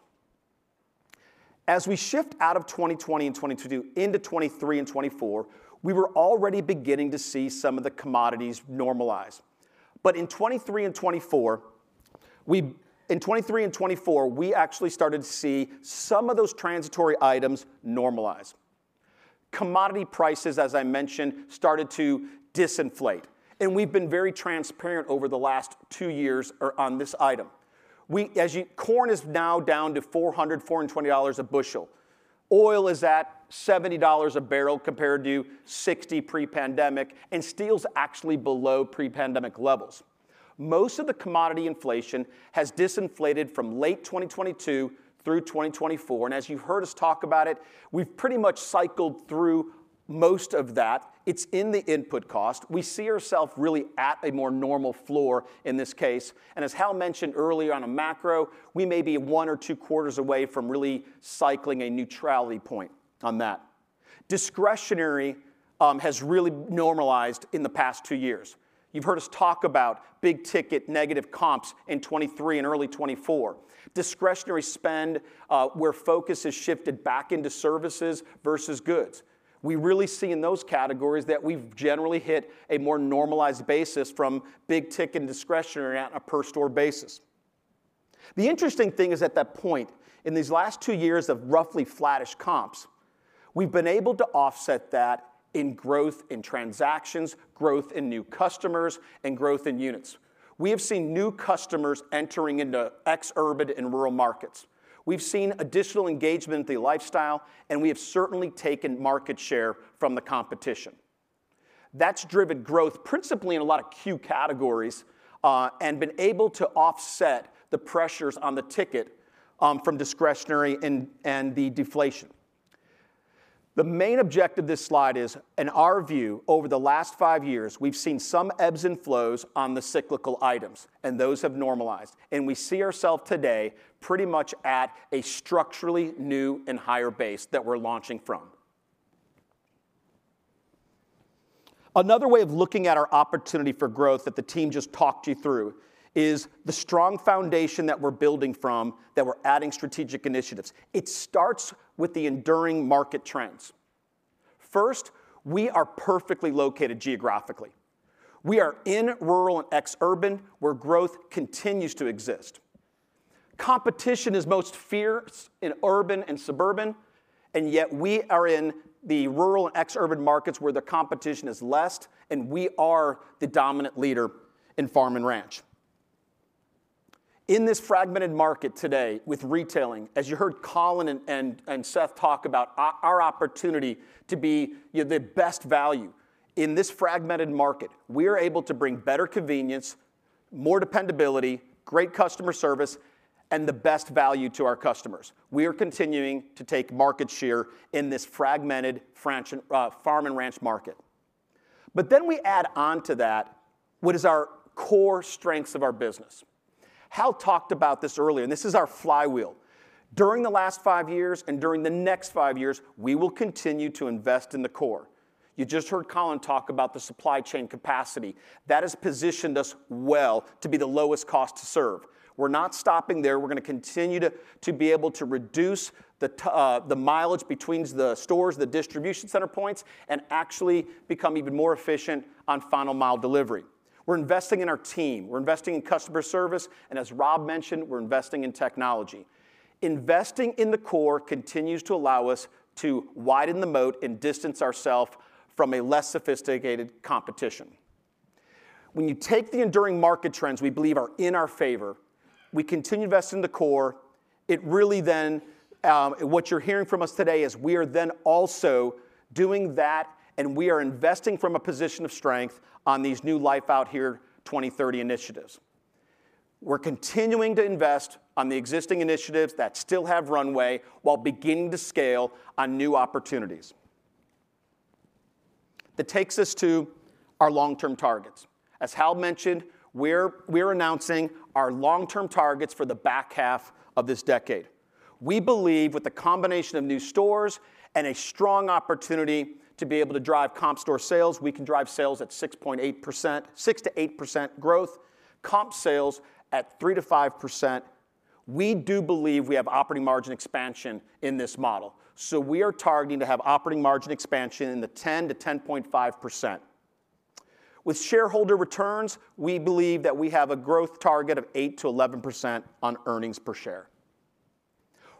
As we shift out of 2020 and 2022 into 2023 and 2024, we were already beginning to see some of the commodities normalize. But in 2023 and 2024, we actually started to see some of those transitory items normalize. Commodity prices, as I mentioned, started to disinflate. And we've been very transparent over the last two years on this item. Corn is now down to $420 a bushel. Oil is at $70 a barrel compared to $60 pre-pandemic, and steel's actually below pre-pandemic levels. Most of the commodity inflation has disinflated from late 2022 through 2024. And as you've heard us talk about it, we've pretty much cycled through most of that. It's in the input cost. We see ourself really at a more normal floor in this case. And as Hal mentioned earlier on a macro, we may be one or two quarters away from really cycling a neutrality point on that. Discretionary has really normalized in the past two years. You've heard us talk about big ticket negative comps in 2023 and early 2024. Discretionary spend, where focus has shifted back into services versus goods. We really see in those categories that we've generally hit a more normalized basis from big ticket and discretionary on a per-store basis. The interesting thing is at that point, in these last two years of roughly flattish comps, we've been able to offset that in growth in transactions, growth in new customers, and growth in units. We have seen new customers entering into ex-urban and rural markets. We've seen additional engagement in the lifestyle, and we have certainly taken market share from the competition. That's driven growth principally in a lot of key categories and been able to offset the pressures on the ticket from discretionary and the deflation. The main objective of this slide is, in our view, over the last five years, we've seen some ebbs and flows on the cyclical items, and those have normalized, and we see ourself today pretty much at a structurally new and higher base that we're launching from. Another way of looking at our opportunity for growth that the team just talked you through is the strong foundation that we're building from that we're adding strategic initiatives. It starts with the enduring market trends. First, we are perfectly located geographically. We are in rural and ex-urban where growth continues to exist. Competition is most fierce in urban and suburban, and yet we are in the rural and ex-urban markets where the competition is less, and we are the dominant leader in farm and ranch. In this fragmented market today with retailing, as you heard Colin and Seth talk about our opportunity to be the best value in this fragmented market, we are able to bring better convenience, more dependability, great customer service, and the best value to our customers. We are continuing to take market share in this fragmented farm and ranch market. But then we add on to that what is our core strengths of our business. Hal talked about this earlier, and this is our flywheel. During the last five years and during the next five years, we will continue to invest in the core. You just heard Colin talk about the supply chain capacity. That has positioned us well to be the lowest cost to serve. We're not stopping there. We're going to continue to be able to reduce the mileage between the stores, the distribution center points, and actually become even more efficient on final mile delivery. We're investing in our team. We're investing in customer service. And as Rob mentioned, we're investing in technology. Investing in the core continues to allow us to widen the moat and distance ourself from a less sophisticated competition. When you take the enduring market trends we believe are in our favor, we continue investing in the core. It really then what you're hearing from us today is we are then also doing that, and we are investing from a position of strength on these new Life Out Here 2030 initiatives. We're continuing to invest on the existing initiatives that still have runway while beginning to scale on new opportunities. That takes us to our long-term targets. As Hal mentioned, we're announcing our long-term targets for the back half of this decade. We believe with the combination of new stores and a strong opportunity to be able to drive comp store sales, we can drive sales at 6.8%, 6-8% growth, comp sales at 3-5%. We do believe we have operating margin expansion in this model. So we are targeting to have operating margin expansion in the 10-10.5%. With shareholder returns, we believe that we have a growth target of 8-11% on earnings per share.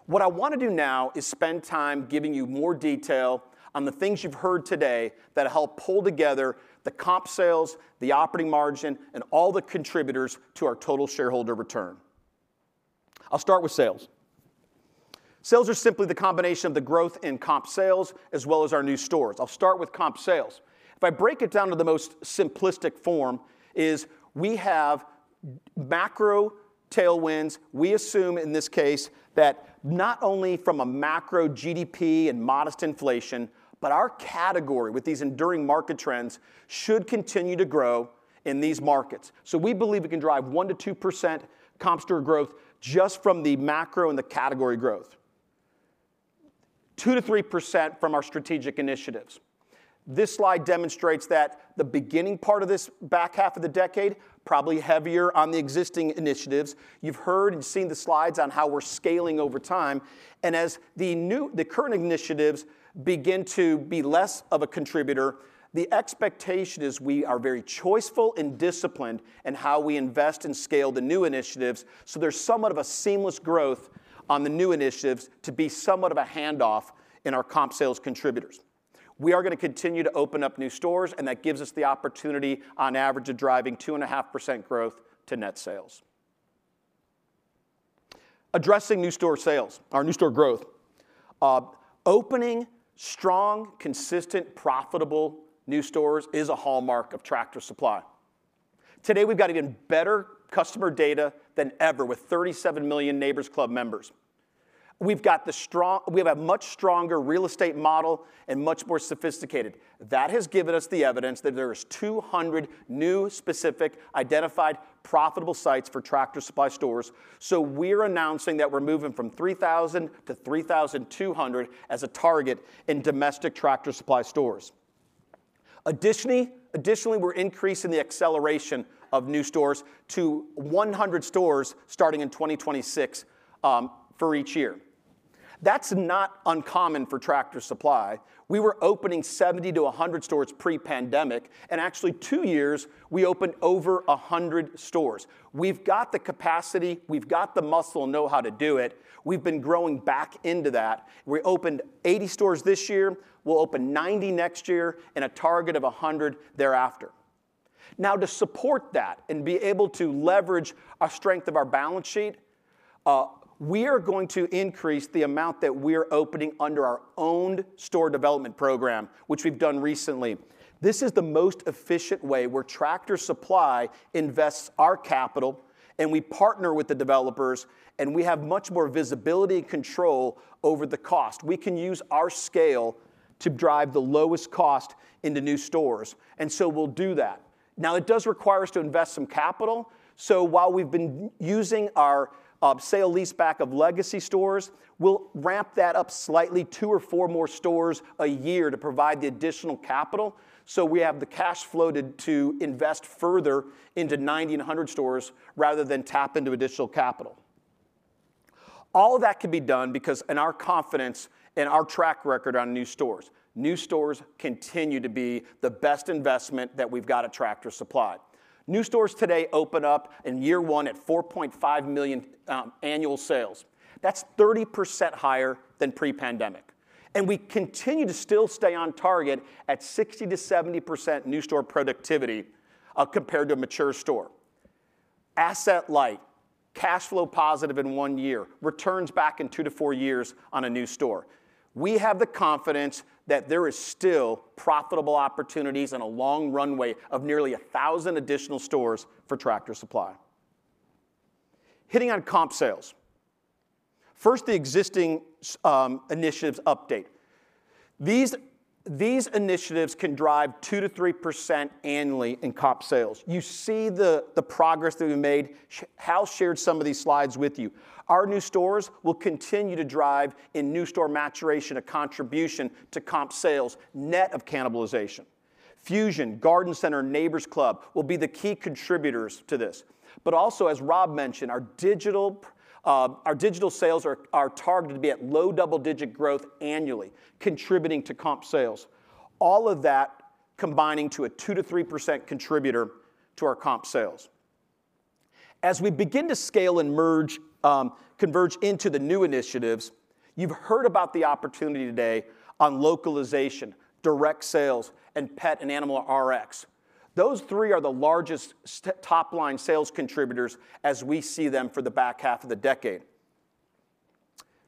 What I want to do now is spend time giving you more detail on the things you've heard today that help pull together the comp sales, the operating margin, and all the contributors to our total shareholder return. I'll start with sales. Sales are simply the combination of the growth in comp sales as well as our new stores. I'll start with comp sales. If I break it down to the most simplistic form, we have macro tailwinds. We assume in this case that not only from a macro GDP and modest inflation, but our category with these enduring market trends should continue to grow in these markets. So we believe we can drive 1-2% comp store growth just from the macro and the category growth, 2-3% from our strategic initiatives. This slide demonstrates that the beginning part of this back half of the decade is probably heavier on the existing initiatives. You've heard and seen the slides on how we're scaling over time. And as the current initiatives begin to be less of a contributor, the expectation is we are very choiceful and disciplined in how we invest and scale the new initiatives. So there's somewhat of a seamless growth on the new initiatives to be somewhat of a handoff in our comp sales contributors. We are going to continue to open up new stores, and that gives us the opportunity on average of driving 2.5% growth to net sales. Addressing new store sales, our new store growth. Opening strong, consistent, profitable new stores is a hallmark of Tractor Supply. Today, we've got even better customer data than ever with 37 million Neighbor's Club members. We have a much stronger real estate model and much more sophisticated. That has given us the evidence that there are 200 new specific identified profitable sites for Tractor Supply stores. So we're announcing that we're moving from 3,000 to 3,200 as a target in domestic Tractor Supply stores. Additionally, we're increasing the acceleration of new stores to 100 stores starting in 2026 for each year. That's not uncommon for Tractor Supply. We were opening 70 to 100 stores pre-pandemic. And actually, two years, we opened over 100 stores. We've got the capacity. We've got the muscle and know how to do it. We've been growing back into that. We opened 80 stores this year. We'll open 90 next year and a target of 100 thereafter. Now, to support that and be able to leverage our strength of our balance sheet, we are going to increase the amount that we're opening under our owned store development program, which we've done recently. This is the most efficient way where Tractor Supply invests our capital, and we partner with the developers, and we have much more visibility and control over the cost. We can use our scale to drive the lowest cost into new stores. And so we'll do that. Now, it does require us to invest some capital. So while we've been using our sale-leaseback of legacy stores, we'll ramp that up slightly, two or four more stores a year to provide the additional capital. So we have the cash flow to invest further into 90 and 100 stores rather than tap into additional capital. All of that can be done because in our confidence and our track record on new stores, new stores continue to be the best investment that we've got at Tractor Supply. New stores today open up in year one at $4.5 million annual sales. That's 30% higher than pre-pandemic. And we continue to still stay on target at 60%-70% new store productivity compared to a mature store. Asset light, cash flow positive in one year, returns back in two to four years on a new store. We have the confidence that there are still profitable opportunities and a long runway of nearly 1,000 additional stores for Tractor Supply. Hitting on comp sales. First, the existing initiatives update. These initiatives can drive 2%-3% annually in comp sales. You see the progress that we made. Hal shared some of these slides with you. Our new stores will continue to drive in new store maturation a contribution to comp sales net of cannibalization. Fusion, Garden Center, Neighbor's Club will be the key contributors to this. But also, as Rob mentioned, our digital sales are targeted to be at low double-digit growth annually, contributing to comp sales. All of that combining to a 2%-3% contributor to our comp sales. As we begin to scale and merge, converge into the new initiatives, you've heard about the opportunity today on localization, direct sales, and pet and animal Rx. Those three are the largest top-line sales contributors as we see them for the back half of the decade.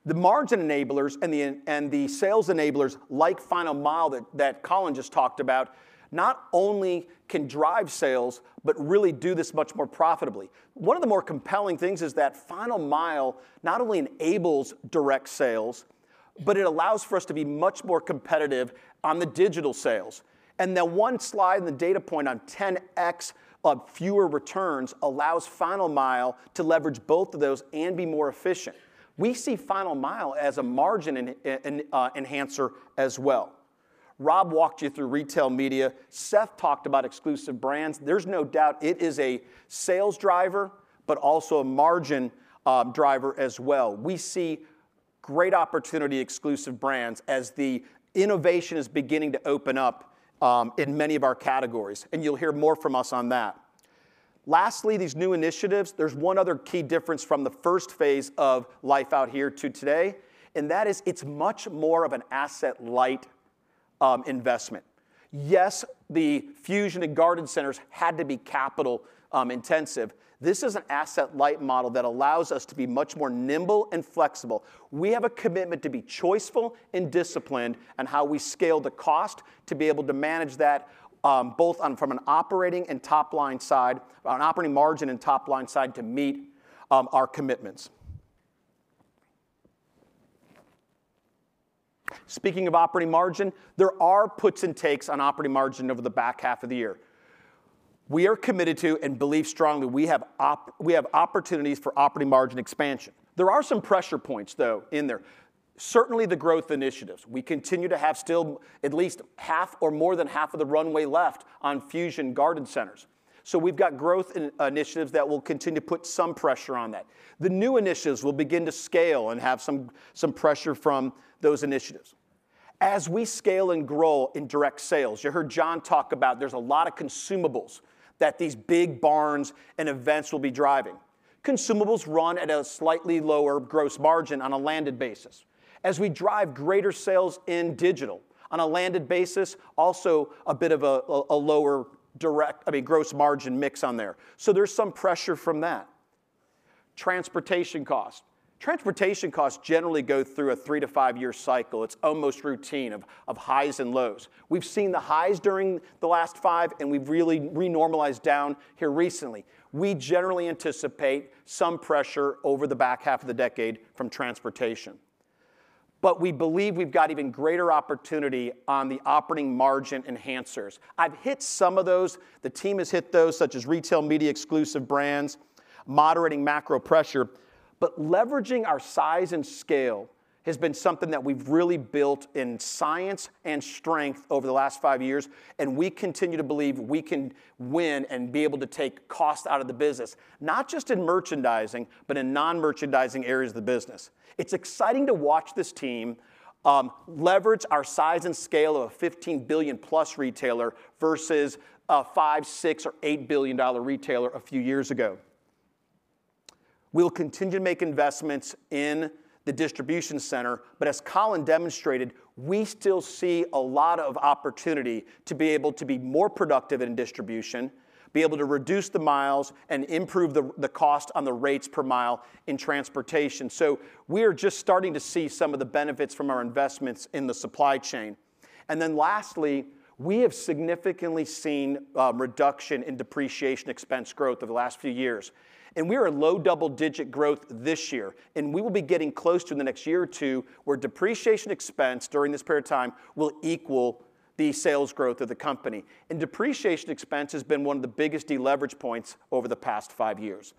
The margin enablers and the sales enablers, like final mile that Colin just talked about, not only can drive sales, but really do this much more profitably. One of the more compelling things is that final mile not only enables direct sales, but it allows for us to be much more competitive on the digital sales, and that one slide in the data point on 10x of fewer returns allows final mile to leverage both of those and be more efficient. We see final mile as a margin enhancer as well. Rob walked you through retail media. Seth talked about exclusive brands. There's no doubt it is a sales driver, but also a margin driver as well. We see great opportunity exclusive brands as the innovation is beginning to open up in many of our categories, and you'll hear more from us on that. Lastly, these new initiatives, there's one other key difference from the first phase of Life Out Here to today, and that is it's much more of an asset-light investment. Yes, the Fusion and garden centers had to be capital intensive. This is an asset light model that allows us to be much more nimble and flexible. We have a commitment to be choiceful and disciplined on how we scale the cost to be able to manage that both from an operating and top-line side, on operating margin and top-line side to meet our commitments. Speaking of operating margin, there are puts and takes on operating margin over the back half of the year. We are committed to and believe strongly we have opportunities for operating margin expansion. There are some pressure points though in there. Certainly, the growth initiatives. We continue to have still at least half or more than half of the runway left on Fusion garden centers. So we've got growth initiatives that will continue to put some pressure on that. The new initiatives will begin to scale and have some pressure from those initiatives. As we scale and grow in direct sales, you heard John talk about there's a lot of consumables that these big barns and events will be driving. Consumables run at a slightly lower gross margin on a landed basis. As we drive greater sales in digital on a landed basis, also a bit of a lower direct, I mean, gross margin mix on there. So there's some pressure from that. Transportation costs generally go through a three to five-year cycle. It's almost routine of highs and lows. We've seen the highs during the last five, and we've really renormalized down here recently. We generally anticipate some pressure over the back half of the decade from transportation. But we believe we've got even greater opportunity on the operating margin enhancers. I've hit some of those. The team has hit those such as retail media exclusive brands, moderating macro pressure. But leveraging our size and scale has been something that we've really built in science and strength over the last five years. And we continue to believe we can win and be able to take cost out of the business, not just in merchandising, but in non-merchandising areas of the business. It's exciting to watch this team leverage our size and scale of a $15 billion-plus retailer versus a $5, $6, or $8 billion-dollar retailer a few years ago. We'll continue to make investments in the distribution center. But as Colin demonstrated, we still see a lot of opportunity to be able to be more productive in distribution, be able to reduce the miles and improve the cost on the rates per mile in transportation. We are just starting to see some of the benefits from our investments in the supply chain. Lastly, we have significantly seen reduction in depreciation expense growth over the last few years. We are low double-digit growth this year. We will be getting close to in the next year or two where depreciation expense during this period of time will equal the sales growth of the company. Depreciation expense has been one of the biggest deleverage points over the past five years.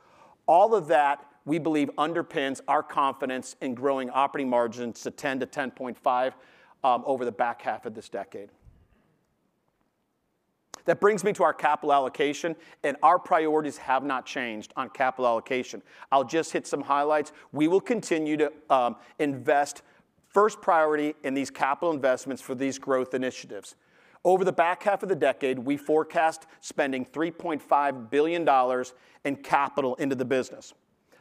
All of that, we believe, underpins our confidence in growing operating margins to 10%-10.5% over the back half of this decade. That brings me to our capital allocation. Our priorities have not changed on capital allocation. I'll just hit some highlights. We will continue to invest first priority in these capital investments for these growth initiatives. Over the back half of the decade, we forecast spending $3.5 billion in capital into the business.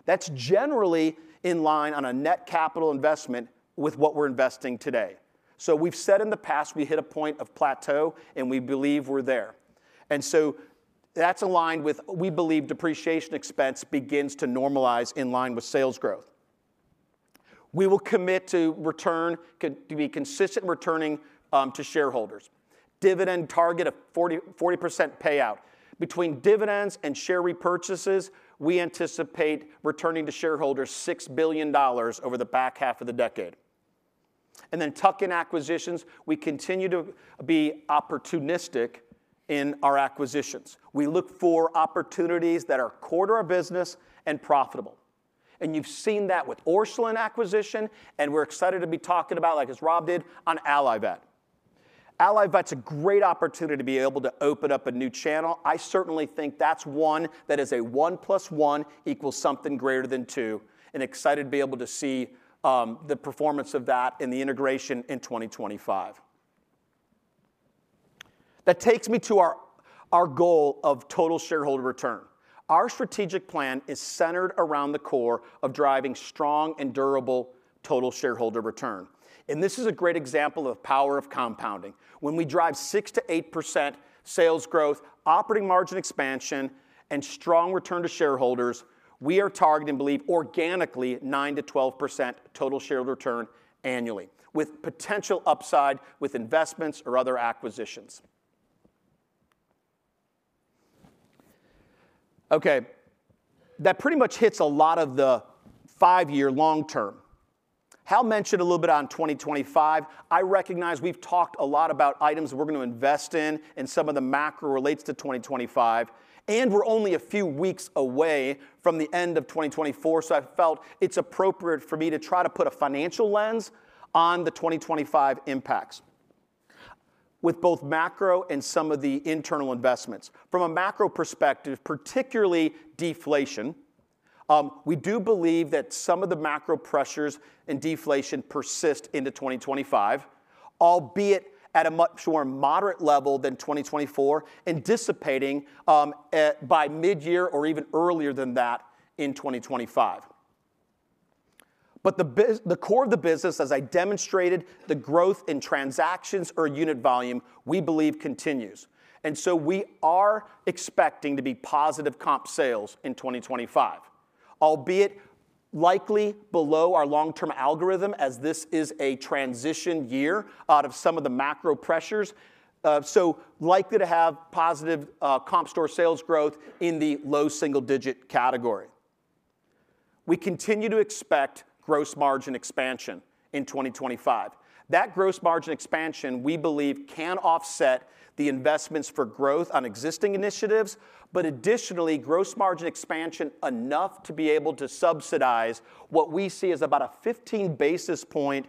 That's generally in line on a net capital investment with what we're investing today. We've said in the past we hit a point of plateau, and we believe we're there. That's aligned with we believe depreciation expense begins to normalize in line with sales growth. We will commit to return to be consistent returning to shareholders. Dividend target of 40% payout. Between dividends and share repurchases, we anticipate returning to shareholders $6 billion over the back half of the decade. Tuck-in acquisitions. We continue to be opportunistic in our acquisitions. We look for opportunities that are core to our business and profitable. You've seen that with Orscheln acquisition. We're excited to be talking about, like as Rob did, on Allivet. Allivet's a great opportunity to be able to open up a new channel. I certainly think that's one that is a one plus one equals something greater than two, and excited to be able to see the performance of that and the integration in 2025. That takes me to our goal of total shareholder return. Our strategic plan is centered around the core of driving strong and durable total shareholder return. And this is a great example of power of compounding. When we drive 6%-8% sales growth, operating margin expansion, and strong return to shareholders, we are targeting and believe organically 9%-12% total shareholder return annually with potential upside with investments or other acquisitions. Okay. That pretty much hits a lot of the five-year long-term. Hal mentioned a little bit on 2025. I recognize we've talked a lot about items we're going to invest in and some of the macro relates to 2025, and we're only a few weeks away from the end of 2024, so I felt it's appropriate for me to try to put a financial lens on the 2025 impacts with both macro and some of the internal investments. From a macro perspective, particularly deflation, we do believe that some of the macro pressures and deflation persist into 2025, albeit at a much more moderate level than 2024 and dissipating by midyear or even earlier than that in 2025, but the core of the business, as I demonstrated, the growth in transactions or unit volume, we believe continues, and so we are expecting to be positive comp sales in 2025, albeit likely below our long-term algorithm as this is a transition year out of some of the macro pressures. Likely to have positive comp store sales growth in the low single-digit category. We continue to expect gross margin expansion in 2025. That gross margin expansion, we believe, can offset the investments for growth on existing initiatives. But additionally, gross margin expansion enough to be able to subsidize what we see as about a 15 basis point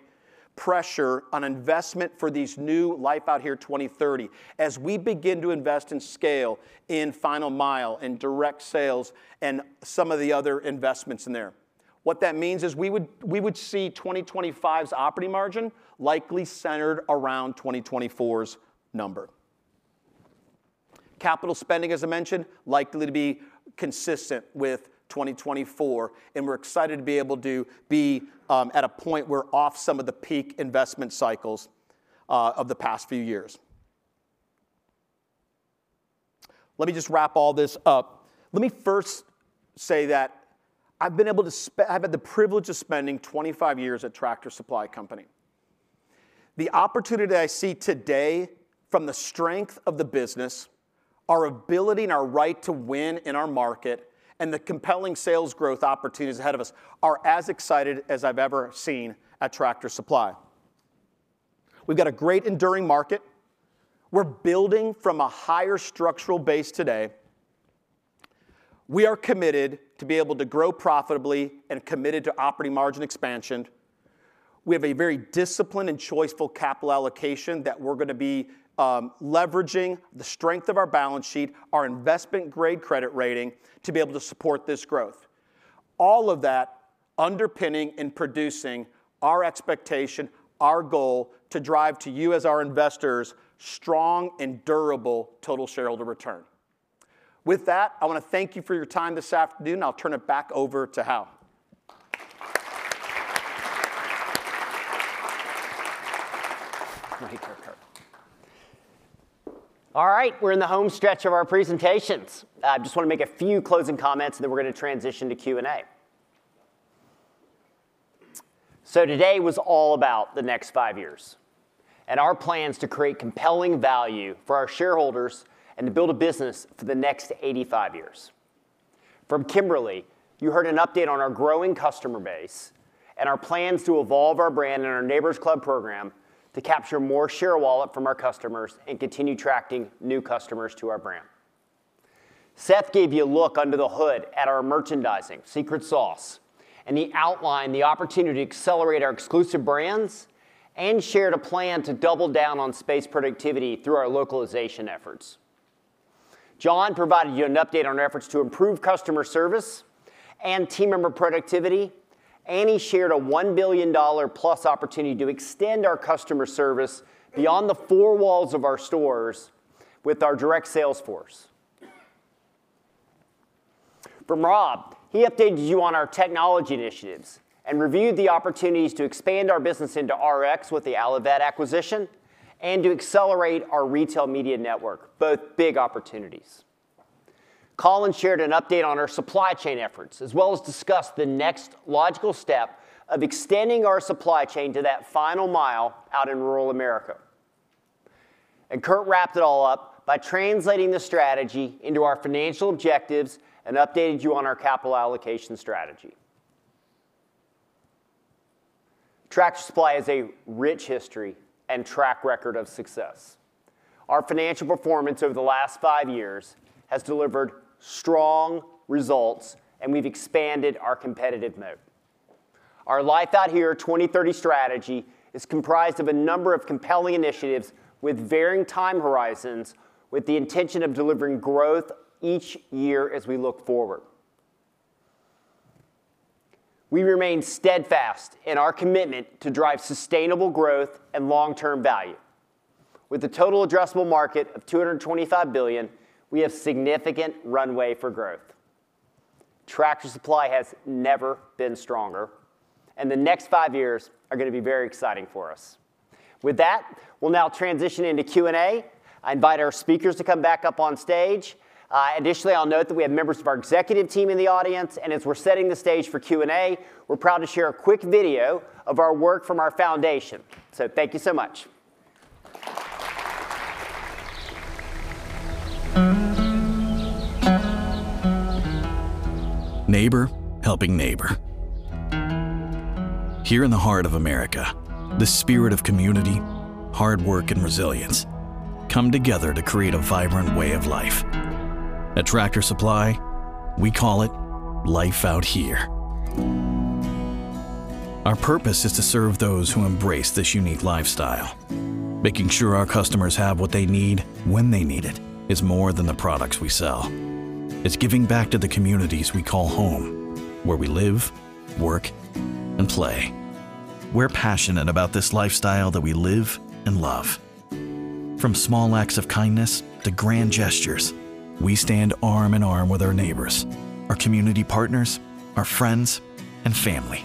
pressure on investment for these new Life Out Here 2030 as we begin to invest and scale in final mile and direct sales and some of the other investments in there. What that means is we would see 2025's operating margin likely centered around 2024's number. Capital spending, as I mentioned, likely to be consistent with 2024. We're excited to be able to be at a point where we're off some of the peak investment cycles of the past few years. Let me just wrap all this up. Let me first say that I've had the privilege of spending 25 years at Tractor Supply Company. The opportunity that I see today from the strength of the business, our ability and our right to win in our market, and the compelling sales growth opportunities ahead of us are as excited as I've ever seen at Tractor Supply. We've got a great enduring market. We're building from a higher structural base today. We are committed to be able to grow profitably and committed to operating margin expansion. We have a very disciplined and choiceful capital allocation that we're going to be leveraging the strength of our balance sheet, our investment-grade credit rating to be able to support this growth. All of that underpinning and producing our expectation, our goal to drive to you as our investors strong and durable total shareholder return. With that, I want to thank you for your time this afternoon. I'll turn it back over to Hal. All right. We're in the home stretch of our presentations. I just want to make a few closing comments and then we're going to transition to Q&A. So today was all about the next five years and our plans to create compelling value for our shareholders and to build a business for the next 85 years. From Kimberly, you heard an update on our growing customer base and our plans to evolve our brand and our Neighbor's Club program to capture more share of wallet from our customers and continue tracking new customers to our brand. Seth gave you a look under the hood at our merchandising secret sauce and he outlined the opportunity to accelerate our exclusive brands and shared a plan to double down on space productivity through our localization efforts. John provided you an update on our efforts to improve customer service and team member productivity, and he shared a $1 billion-plus opportunity to extend our customer service beyond the four walls of our stores with our direct sales force. From Rob, he updated you on our technology initiatives and reviewed the opportunities to expand our business into Rx with the Allivet acquisition and to accelerate our retail media network, both big opportunities. Colin shared an update on our supply chain efforts as well as discussed the next logical step of extending our supply chain to that final mile out in rural America. Kurt wrapped it all up by translating the strategy into our financial objectives and updated you on our capital allocation strategy. Tractor Supply has a rich history and track record of success. Our financial performance over the last five years has delivered strong results, and we've expanded our competitive moat. Our Life Out Here 2030 strategy is comprised of a number of compelling initiatives with varying time horizons with the intention of delivering growth each year as we look forward. We remain steadfast in our commitment to drive sustainable growth and long-term value. With a total addressable market of $225 billion, we have significant runway for growth. Tractor Supply has never been stronger, and the next five years are going to be very exciting for us. With that, we'll now transition into Q&A. I invite our speakers to come back up on stage. Additionally, I'll note that we have members of our executive team in the audience, and as we're setting the stage for Q&A, we're proud to share a quick video of our work from our foundation, so thank you so much. Neighbor, helping neighbor. Here in the heart of America, the spirit of community, hard work, and resilience come together to create a vibrant way of life. At Tractor Supply, we call it Life Out Here. Our purpose is to serve those who embrace this unique lifestyle. Making sure our customers have what they need when they need it is more than the products we sell. It's giving back to the communities we call home, where we live, work, and play. We're passionate about this lifestyle that we live and love. From small acts of kindness to grand gestures, we stand arm in arm with our neighbors, our community partners, our friends, and family.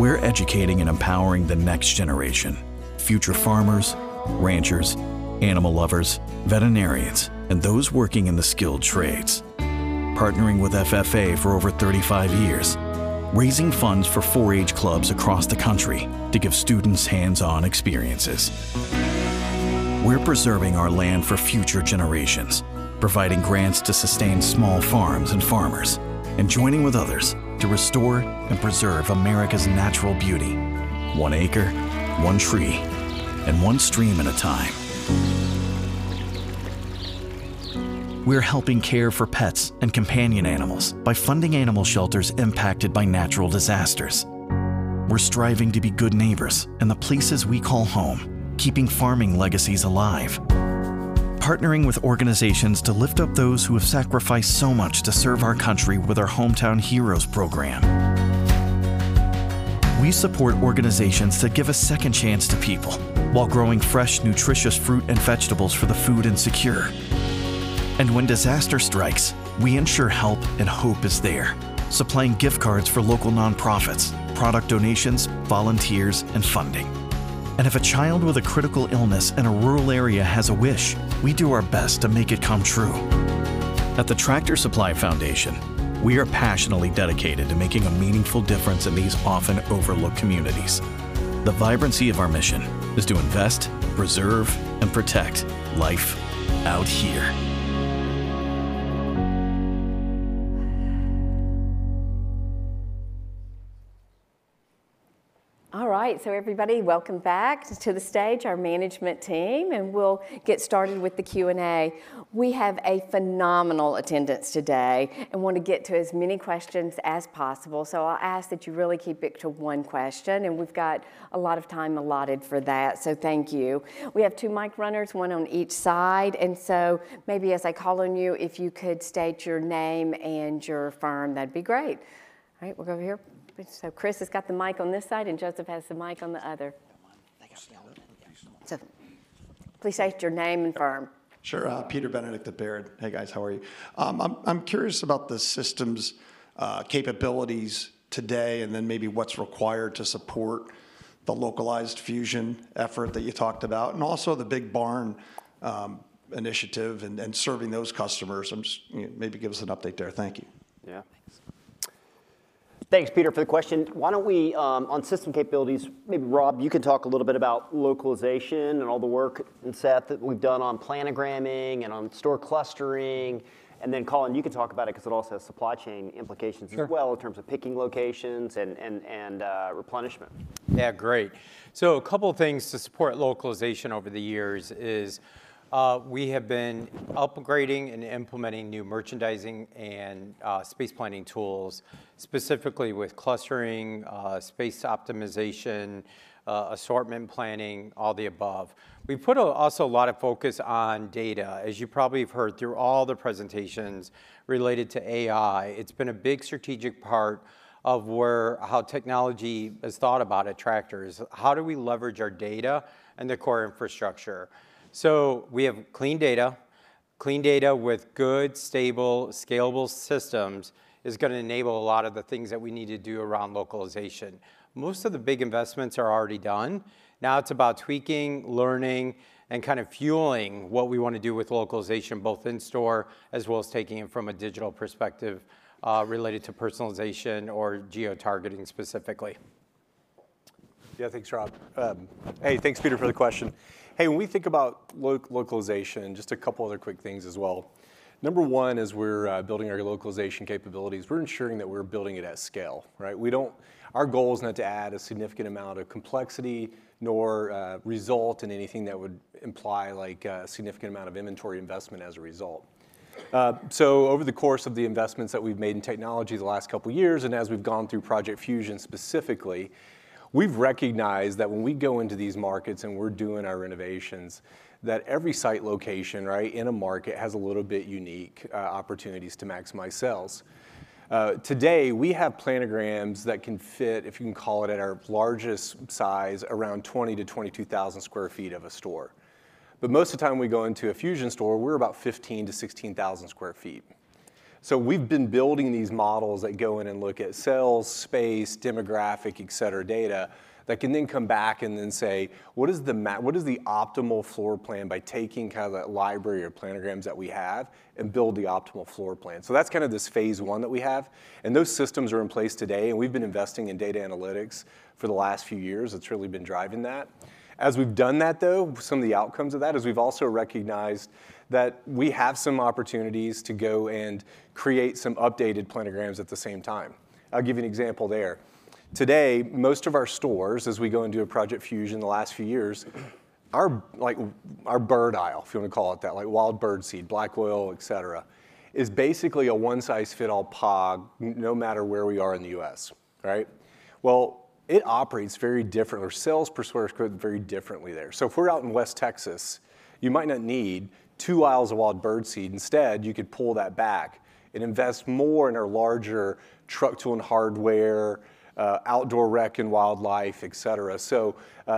We're educating and empowering the next generation: future farmers, ranchers, animal lovers, veterinarians, and those working in the skilled trades. Partnering with FFA for over 35 years, raising funds for 4-H clubs across the country to give students hands-on experiences. We're preserving our land for future generations, providing grants to sustain small farms and farmers, and joining with others to restore and preserve America's natural beauty: one acre, one tree, and one stream at a time. We're helping care for pets and companion animals by funding animal shelters impacted by natural disasters. We're striving to be good neighbors in the places we call home, keeping farming legacies alive. Partnering with organizations to lift up those who have sacrificed so much to serve our country with our Hometown Heroes program. We support organizations that give a second chance to people while growing fresh, nutritious fruit and vegetables for the food insecure. And when disaster strikes, we ensure help and hope is there, supplying gift cards for local nonprofits, product donations, volunteers, and funding. And if a child with a critical illness in a rural area has a wish, we do our best to make it come true. At the Tractor Supply Foundation, we are passionately dedicated to making a meaningful difference in these often overlooked communities. The vibrancy of our mission is to invest, preserve, and protect Life Out Here. All right. So everybody, welcome back to the stage, our management team. And we'll get started with the Q&A. We have a phenomenal attendance today and want to get to as many questions as possible. So I'll ask that you really keep it to one question. And we've got a lot of time allotted for that. So thank you. We have two mic runners, one on each side. And so maybe as I call on you, if you could state your name and your firm, that'd be great. All right. We'll go here. So Chris has got the mic on this side, and Joseph has the mic on the other. Please state your name and firm. Sure. Peter Benedict at Baird. Hey, guys. How are you? I'm curious about the system's capabilities today and then maybe what's required to support the localized Fusion effort that you talked about and also the Big Barn initiative and serving those customers. Maybe give us an update there. Thank you. Yeah. Thanks, Peter, for the question. Why don't we, on system capabilities, maybe Rob, you can talk a little bit about localization and all the work and Seth that we've done on planogramming and on store clustering. And then Colin, you can talk about it because it also has supply chain implications as well in terms of picking locations and replenishment. Yeah. Great. So a couple of things to support localization over the years is we have been upgrading and implementing new merchandising and space planning tools, specifically with clustering, space optimization, assortment planning, all the above. We put also a lot of focus on data. As you probably have heard through all the presentations related to AI, it's been a big strategic part of how technology is thought about at Tractor Supply. How do we leverage our data and the core infrastructure? So we have clean data. Clean data with good, stable, scalable systems is going to enable a lot of the things that we need to do around localization. Most of the big investments are already done. Now it's about tweaking, learning, and kind of fueling what we want to do with localization, both in store as well as taking it from a digital perspective related to personalization or geotargeting specifically. Yeah. Thanks, Rob. Hey, thanks, Peter, for the question. Hey, when we think about localization, just a couple other quick things as well. Number one, as we're building our localization capabilities, we're ensuring that we're building it at scale. Our goal is not to add a significant amount of complexity nor result in anything that would imply a significant amount of inventory investment as a result. Over the course of the investments that we've made in technology the last couple of years, and as we've gone through Project Fusion specifically, we've recognized that when we go into these markets and we're doing our innovations, that every site location in a market has a little bit unique opportunities to maximize sales. Today, we have planograms that can fit, if you can call it, at our largest size, around 20,000-22,000 sq ft of a store. But most of the time we go into a Fusion store, we're about 15,000-16,000 sq ft. We've been building these models that go in and look at sales, space, demographic, et cetera data that can then come back and then say, what is the optimal floor plan by taking kind of that library of planograms that we have and build the optimal floor plan? So that's kind of this phase one that we have. And those systems are in place today. And we've been investing in data analytics for the last few years. It's really been driving that. As we've done that, though, some of the outcomes of that is we've also recognized that we have some opportunities to go and create some updated planograms at the same time. I'll give you an example there. Today, most of our stores, as we go into a Project Fusion in the last few years, our bird aisle, if you want to call it that, like wild bird seed, black oil, et cetera, is basically a one-size-fits-all pod no matter where we are in the U.S. Well, it operates very differently or sells per square foot very differently there. So if we're out in West Texas, you might not need two aisles of wild bird seed. Instead, you could pull that back and invest more in our larger truck and hardware, outdoor rec and wildlife, et cetera. So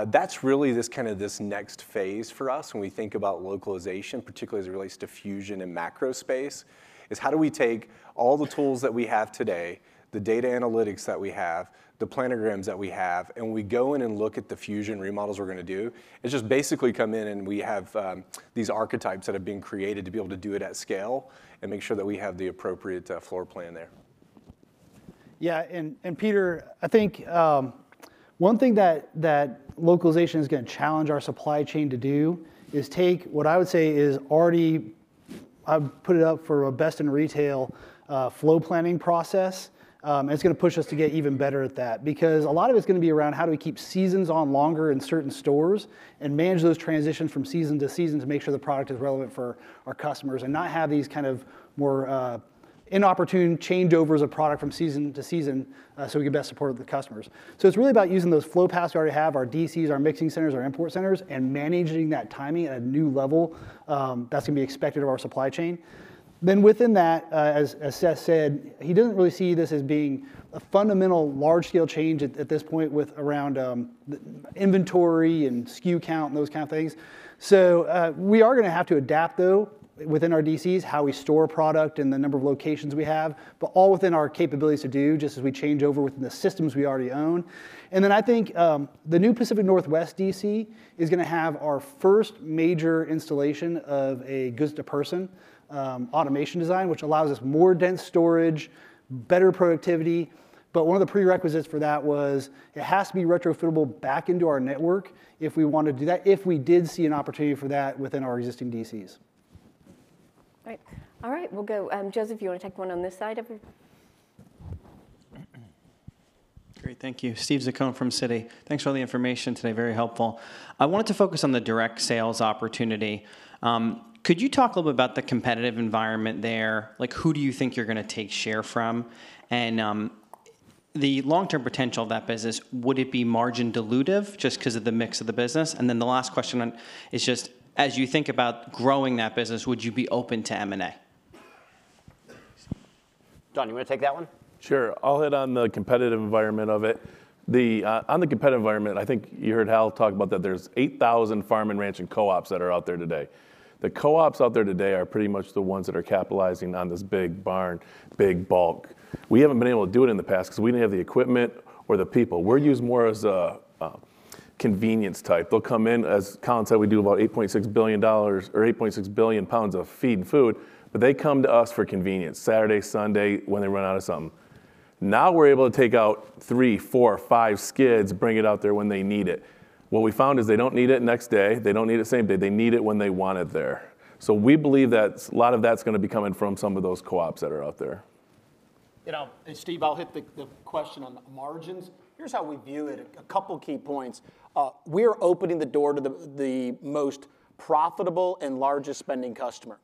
that's really this kind of this next phase for us when we think about localization, particularly as it relates to Fusion and macro space, is how do we take all the tools that we have today, the data analytics that we have, the planograms that we have, and we go in and look at the Fusion remodels we're going to do, and just basically come in and we have these archetypes that have been created to be able to do it at scale and make sure that we have the appropriate floor plan there. Yeah. And Peter, I think one thing that localization is going to challenge our supply chain to do is take what I would say is already I've put it up for a best-in-retail flow planning process. It's going to push us to get even better at that because a lot of it's going to be around how do we keep seasons on longer in certain stores and manage those transitions from season to season to make sure the product is relevant for our customers and not have these kind of more inopportune changeovers of product from season to season so we can best support the customers. So it's really about using those flow paths we already have, our DCs, our mixing centers, our import centers, and managing that timing at a new level that's going to be expected of our supply chain. Then within that, as Seth said, he doesn't really see this as being a fundamental large-scale change at this point with around inventory and SKU count and those kind of things. We are going to have to adapt, though, within our DCs, how we store product and the number of locations we have, but all within our capabilities to do just as we change over within the systems we already own. And then I think the new Pacific Northwest DC is going to have our first major installation of a Gustafson automation design, which allows us more dense storage, better productivity. But one of the prerequisites for that was it has to be retrofittable back into our network if we want to do that, if we did see an opportunity for that within our existing DCs. All right. We'll go. Joseph, you want to take one on this side of it? Great. Thank you. Steve Zaccone from Citi. Thanks for all the information today. Very helpful. I wanted to focus on the direct sales opportunity. Could you talk a little bit about the competitive environment there? Who do you think you're going to take share from? And the long-term potential of that business, would it be margin-dilutive just because of the mix of the business? And then the last question is just, as you think about growing that business, would you be open to M&A? John, you want to take that one? Sure. I'll hit on the competitive environment of it. On the competitive environment, I think you heard Hal talk about that there's 8,000 farm and ranch and co-ops that are out there today. The co-ops out there today are pretty much the ones that are capitalizing on this Big Barn, big bulk. We haven't been able to do it in the past because we didn't have the equipment or the people. We're used more as a convenience type. They'll come in, as Colin said, we do about $8.6 billion or $8.6 billion pounds of feed and food, but they come to us for convenience Saturday, Sunday when they run out of something. Now we're able to take out three, four, five skids, bring it out there when they need it. What we found is they don't need it next day. They don't need it same day. They need it when they want it there. So we believe that a lot of that's going to be coming from some of those co-ops that are out there. And Steve, I'll hit the question on the margins. Here's how we view it. A couple of key points. We are opening the door to the most profitable and largest spending customer.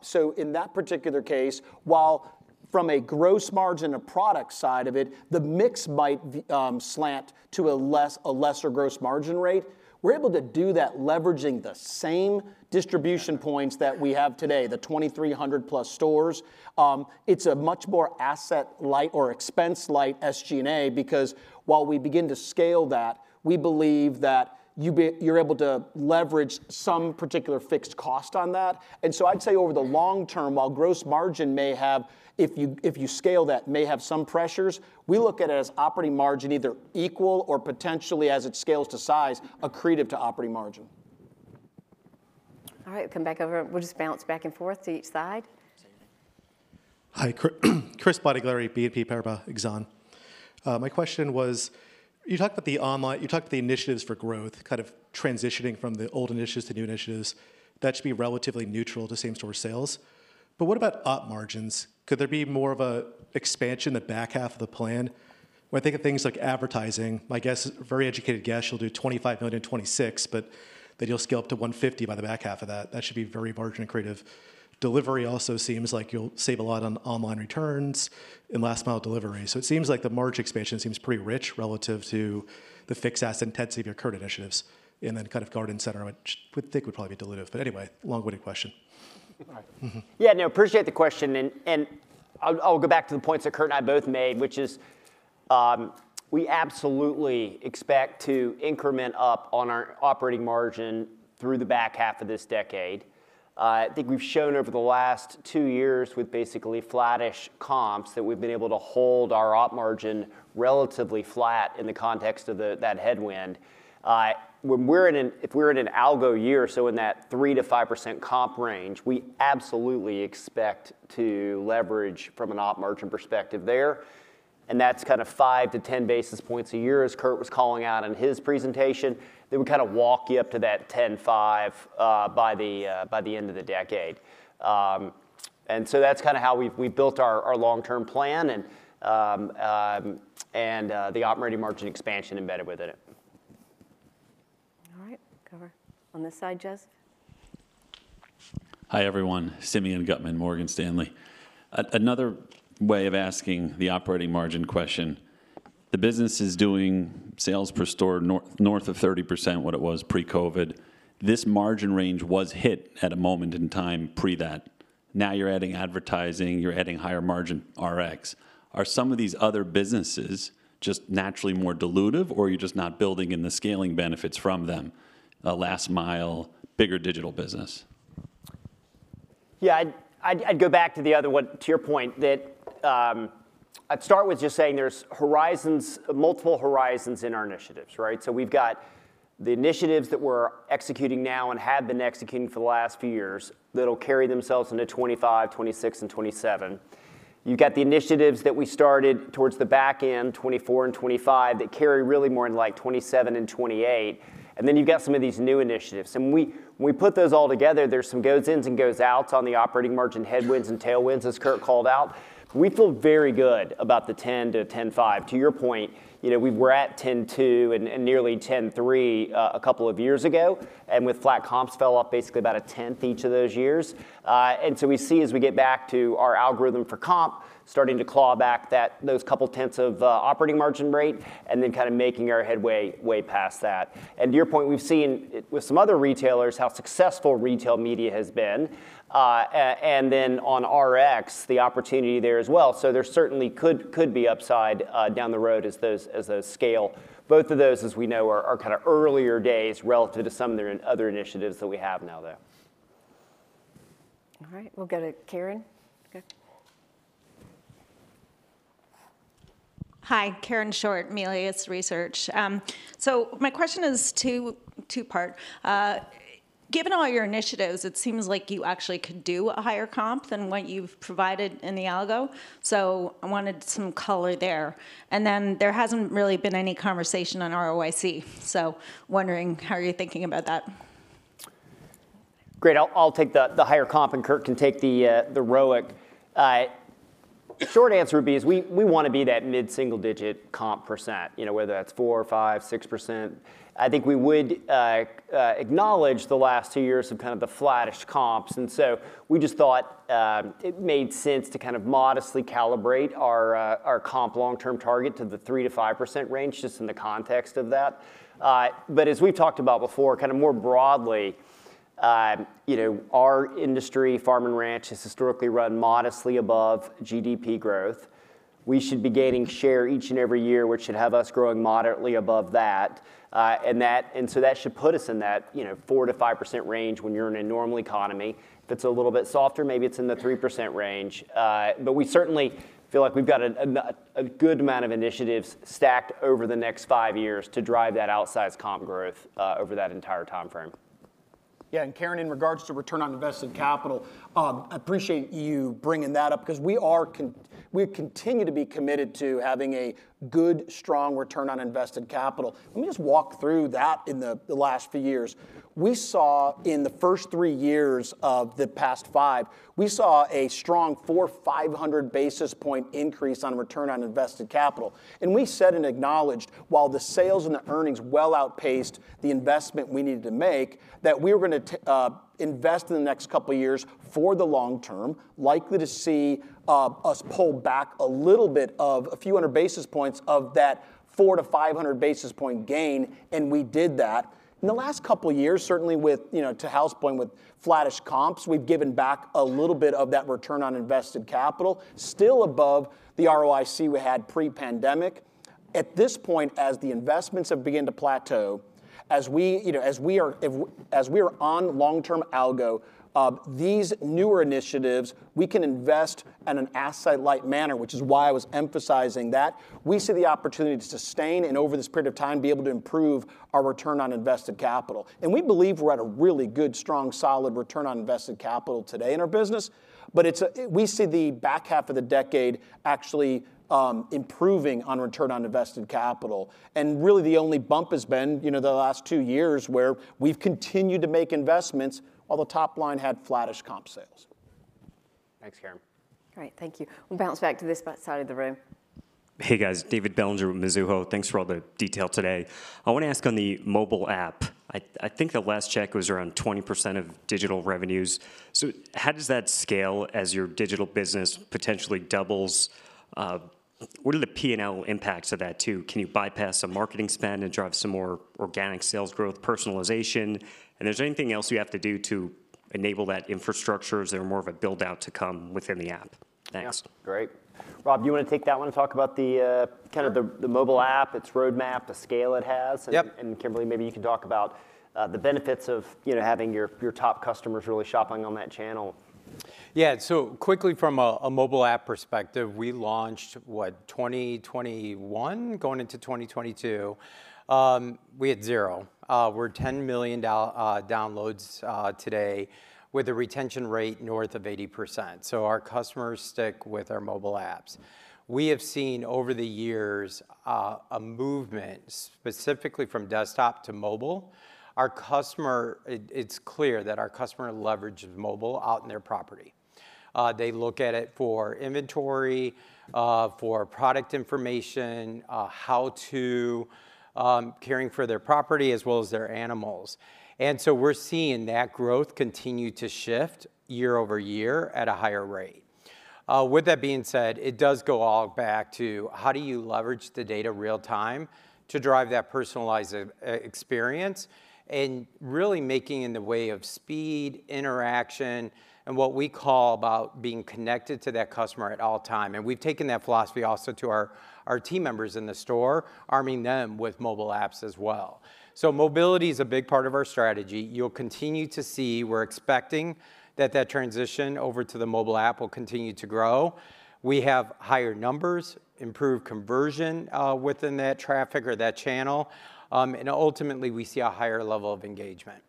So in that particular case, while from a gross margin of product side of it, the mix might slant to a lesser gross margin rate, we're able to do that leveraging the same distribution points that we have today, the 2,300-plus stores. It's a much more asset-light or expense-light SG&A because while we begin to scale that, we believe that you're able to leverage some particular fixed cost on that. And so I'd say over the long term, while gross margin may have, if you scale that, may have some pressures, we look at it as operating margin either equal or potentially, as it scales to size, accretive to operating margin. All right. We'll come back over. We'll just bounce back and forth to each side. Hi. Chris Bottiglieri, BNP Paribas Exane. My question was, you talked about the initiatives for growth, kind of transitioning from the old initiatives to new initiatives. That should be relatively neutral to same-store sales. But what about op margins? Could there be more of an expansion in the back half of the plan? When I think of things like advertising, my guess, very educated guess, you'll do $25 million in 2026, but then you'll scale up to $150 million by the back half of that. That should be very margin-accretive. Delivery also seems like you'll save a lot on online returns and last-mile delivery. So it seems like the margin expansion seems pretty rich relative to the fixed asset intensity of your current initiatives and then kind of garden center, which I think would probably be dilutive. But anyway, long-winded question. Yeah. No, appreciate the question. I'll go back to the points that Kurt and I both made, which is we absolutely expect to increment up on our operating margin through the back half of this decade. I think we've shown over the last two years with basically flattish comps that we've been able to hold our op margin relatively flat in the context of that headwind. If we're in an algo year, so in that 3%-5% comp range, we absolutely expect to leverage from an op margin perspective there. And that's kind of 5%-10 basis points a year, as Kurt was calling out in his presentation. They would kind of walk you up to that 10.5% by the end of the decade. And so that's kind of how we've built our long-term plan and the operating margin expansion embedded within it. All right. On this side, Joseph. Hi, everyone. Simeon Gutman, Morgan Stanley. Another way of asking the operating margin question, the business is doing sales per store north of 30% what it was pre-COVID. This margin range was hit at a moment in time pre that. Now you're adding advertising. You're adding higher margin Rx. Are some of these other businesses just naturally more dilutive, or are you just not building in the scaling benefits from them? Last mile, bigger digital business. Yeah. I'd go back to the other one to your point that I'd start with just saying there's multiple horizons in our initiatives. So we've got the initiatives that we're executing now and have been executing for the last few years that'll carry themselves into 2025, 2026, and 2027. You've got the initiatives that we started towards the back end, 2024 and 2025, that carry really more in like 2027 and 2028. And then you've got some of these new initiatives. And when we put those all together, there's some goes-ins and goes-outs on the operating margin headwinds and tailwinds, as Kurt called out. We feel very good about the 10%-10.5%. To your point, we were at 10.2% and nearly 10.3% a couple of years ago. And with flat comps fell off basically about a tenth each of those years. And so we see as we get back to our algorithm for comp starting to claw back those couple tenths of operating margin rate and then kind of making our headway way past that. And to your point, we've seen with some other retailers how successful retail media has been. And then on Rx, the opportunity there as well. So there certainly could be upside down the road as those scale. Both of those, as we know, are kind of earlier days relative to some of the other initiatives that we have now, though. All right. We'll go to Karen. Hi. Karen Short, Melius Research. So my question is two-part. Given all your initiatives, it seems like you actually could do a higher comp than what you've provided in the algo. So I wanted some color there. And then there hasn't really been any conversation on ROIC. So wondering how are you thinking about that? Great. I'll take the higher comp, and Kurt can take the ROIC. Short answer would be we want to be that mid-single-digit comp %, whether that's 4%, 5%, 6%. I think we would acknowledge the last two years of kind of the flattish comps. And so we just thought it made sense to kind of modestly calibrate our comp long-term target to the 3%-5% range just in the context of that. But as we've talked about before, kind of more broadly, our industry, farm and ranch, has historically run modestly above GDP growth. We should be gaining share each and every year, which should have us growing moderately above that. And so that should put us in that 4%-5% range when you're in a normal economy. If it's a little bit softer, maybe it's in the 3% range. But we certainly feel like we've got a good amount of initiatives stacked over the next five years to drive that outsized comp growth over that entire time frame. Yeah. Karen, in regards to return on invested capital, I appreciate you bringing that up because we continue to be committed to having a good, strong return on invested capital. Let me just walk through that in the last few years. In the first three years of the past five, we saw a strong 4%, 500 basis point increase on return on invested capital. We said and acknowledged, while the sales and the earnings well outpaced the investment we needed to make, that we were going to invest in the next couple of years for the long term, likely to see us pull back a little bit of a few hundred basis points of that 4% to 500 basis point gain. We did that. In the last couple of years, certainly to Hal's point with flattish comps, we've given back a little bit of that return on invested capital, still above the ROIC we had pre-pandemic. At this point, as the investments have begun to plateau, as we are on long-term goals, these newer initiatives, we can invest in an asset-light manner, which is why I was emphasizing that. We see the opportunity to sustain and, over this period of time, be able to improve our return on invested capital. And we believe we're at a really good, strong, solid return on invested capital today in our business. But we see the back half of the decade actually improving on return on invested capital. And really, the only bump has been the last two years where we've continued to make investments while the top line had flattish comp sales. Thanks, Karen. All right. Thank you. We'll bounce back to this side of the room. Hey, guys. David Bellinger with Mizuho. Thanks for all the detail today. I want to ask on the mobile app. I think the last check was around 20% of digital revenues. So how does that scale as your digital business potentially doubles? What are the P&L impacts of that too? Can you bypass some marketing spend and drive some more organic sales growth, personalization? And is there anything else you have to do to enable that infrastructure? Is there more of a build-out to come within the app? Thanks. Great. Rob, do you want to take that one and talk about kind of the mobile app, its roadmap, the scale it has? And Kimberly, maybe you can talk about the benefits of having your top customers really shopping on that channel. Yeah. So quickly, from a mobile app perspective, we launched, what, 2021? Going into 2022, we had zero. We're 10 million downloads today with a retention rate north of 80%, so our customers stick with our mobile apps. We have seen over the years a movement specifically from desktop to mobile. It's clear that our customer leverages mobile out in their property. They look at it for inventory, for product information, how-to caring for their property as well as their animals. And so we're seeing that growth continue to shift year over year at a higher rate. With that being said, it does go all back to how do you leverage the data real-time to drive that personalized experience and really making in the way of speed, interaction, and what we call about being connected to that customer at all times. We've taken that philosophy also to our team members in the store, arming them with mobile apps as well. So mobility is a big part of our strategy. You'll continue to see we're expecting that the transition over to the mobile app will continue to grow. We have higher numbers, improved conversion within that traffic or that channel. And ultimately, we see a higher level of engagement.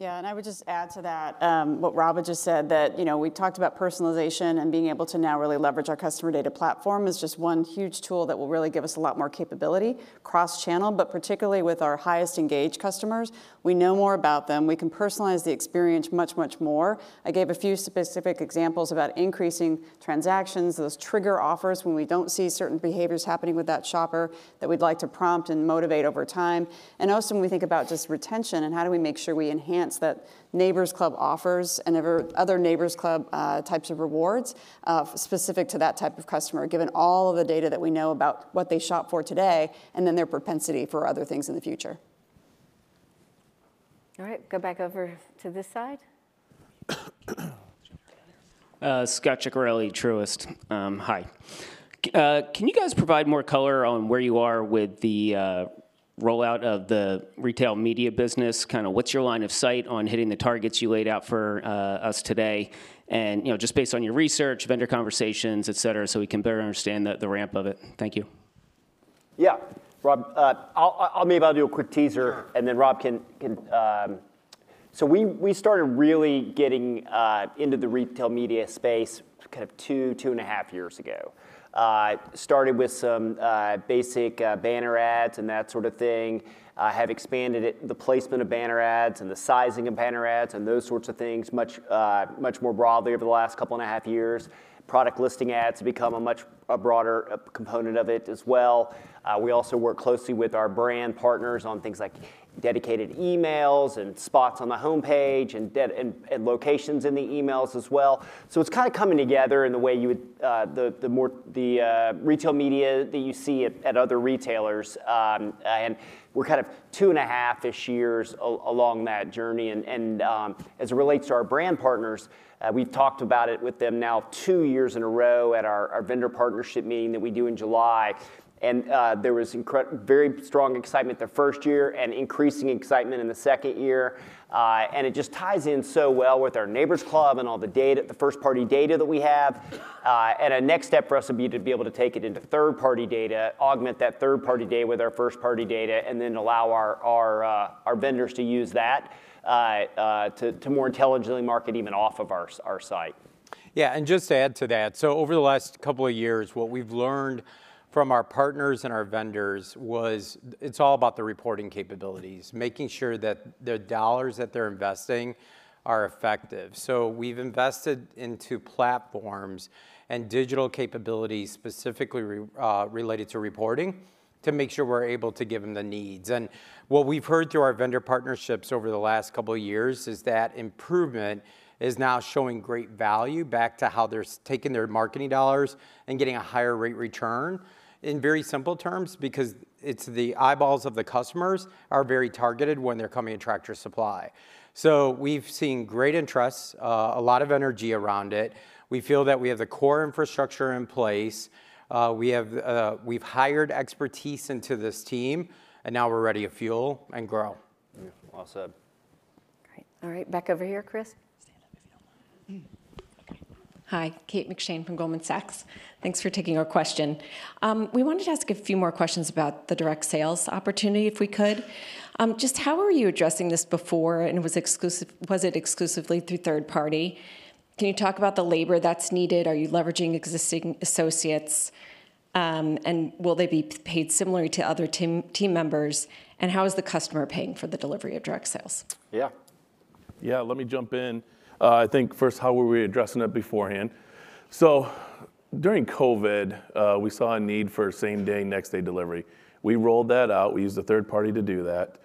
Yeah. And I would just add to that what Rob had just said, that we talked about personalization and being able to now really leverage our customer data platform as just one huge tool that will really give us a lot more capability cross-channel, but particularly with our highest engaged customers. We know more about them. We can personalize the experience much, much more. I gave a few specific examples about increasing transactions, those trigger offers when we don't see certain behaviors happening with that shopper that we'd like to prompt and motivate over time. And also, when we think about just retention and how do we make sure we enhance that Neighbor's Club offers and other Neighbor's Club types of rewards specific to that type of customer, given all of the data that we know about what they shop for today and then their propensity for other things in the future. All right. Go back over to this side. Scott Ciccarelli, Truist. Hi. Can you guys provide more color on where you are with the rollout of the retail media business? Kind of what's your line of sight on hitting the targets you laid out for us today? Just based on your research, vendor conversations, et cetera, so we can better understand the ramp of it. Thank you. Yeah. Rob, I'll maybe I'll do a quick teaser, and then Rob can so we started really getting into the retail media space kind of two, two and a half years ago. Started with some basic banner ads and that sort of thing. Have expanded the placement of banner ads and the sizing of banner ads and those sorts of things much more broadly over the last couple and a half years. Product listing ads have become a much broader component of it as well. We also work closely with our brand partners on things like dedicated emails and spots on the homepage and locations in the emails as well. So it's kind of coming together in the way you would the retail media that you see at other retailers. And we're kind of two and a half-ish years along that journey. And as it relates to our brand partners, we've talked about it with them now two years in a row at our vendor partnership meeting that we do in July. And there was very strong excitement the first year and increasing excitement in the second year. And it just ties in so well with our Neighbor's Club and all the first-party data that we have. And a next step for us would be to be able to take it into third-party data, augment that third-party data with our first-party data, and then allow our vendors to use that to more intelligently market even off of our site. Yeah. And just to add to that, over the last couple of years, what we've learned from our partners and our vendors was it's all about the reporting capabilities, making sure that the dollars that they're investing are effective. So we've invested into platforms and digital capabilities specifically related to reporting to make sure we're able to give them the needs. And what we've heard through our vendor partnerships over the last couple of years is that improvement is now showing great value back to how they're taking their marketing dollars and getting a higher rate return. In very simple terms, because the eyeballs of the customers are very targeted when they're coming to Tractor Supply. So we've seen great interest, a lot of energy around it. We feel that we have the core infrastructure in place. We've hired expertise into this team, and now we're ready to fuel and grow. Awesome. Great. All right. Back over here, Chris. Stand up if you don't mind. Okay. Hi. Kate McShane from Goldman Sachs. Thanks for taking our question. We wanted to ask a few more questions about the direct sales opportunity if we could. Just how are you addressing this before? And was it exclusively through third-party? Can you talk about the labor that's needed? Are you leveraging existing associates? And will they be paid similarly to other team members? And how is the customer paying for the delivery of direct sales? Yeah. Yeah. Let me jump in. I think first, how were we addressing it beforehand? So during COVID, we saw a need for same-day, next-day delivery. We rolled that out. We used a third party to do that.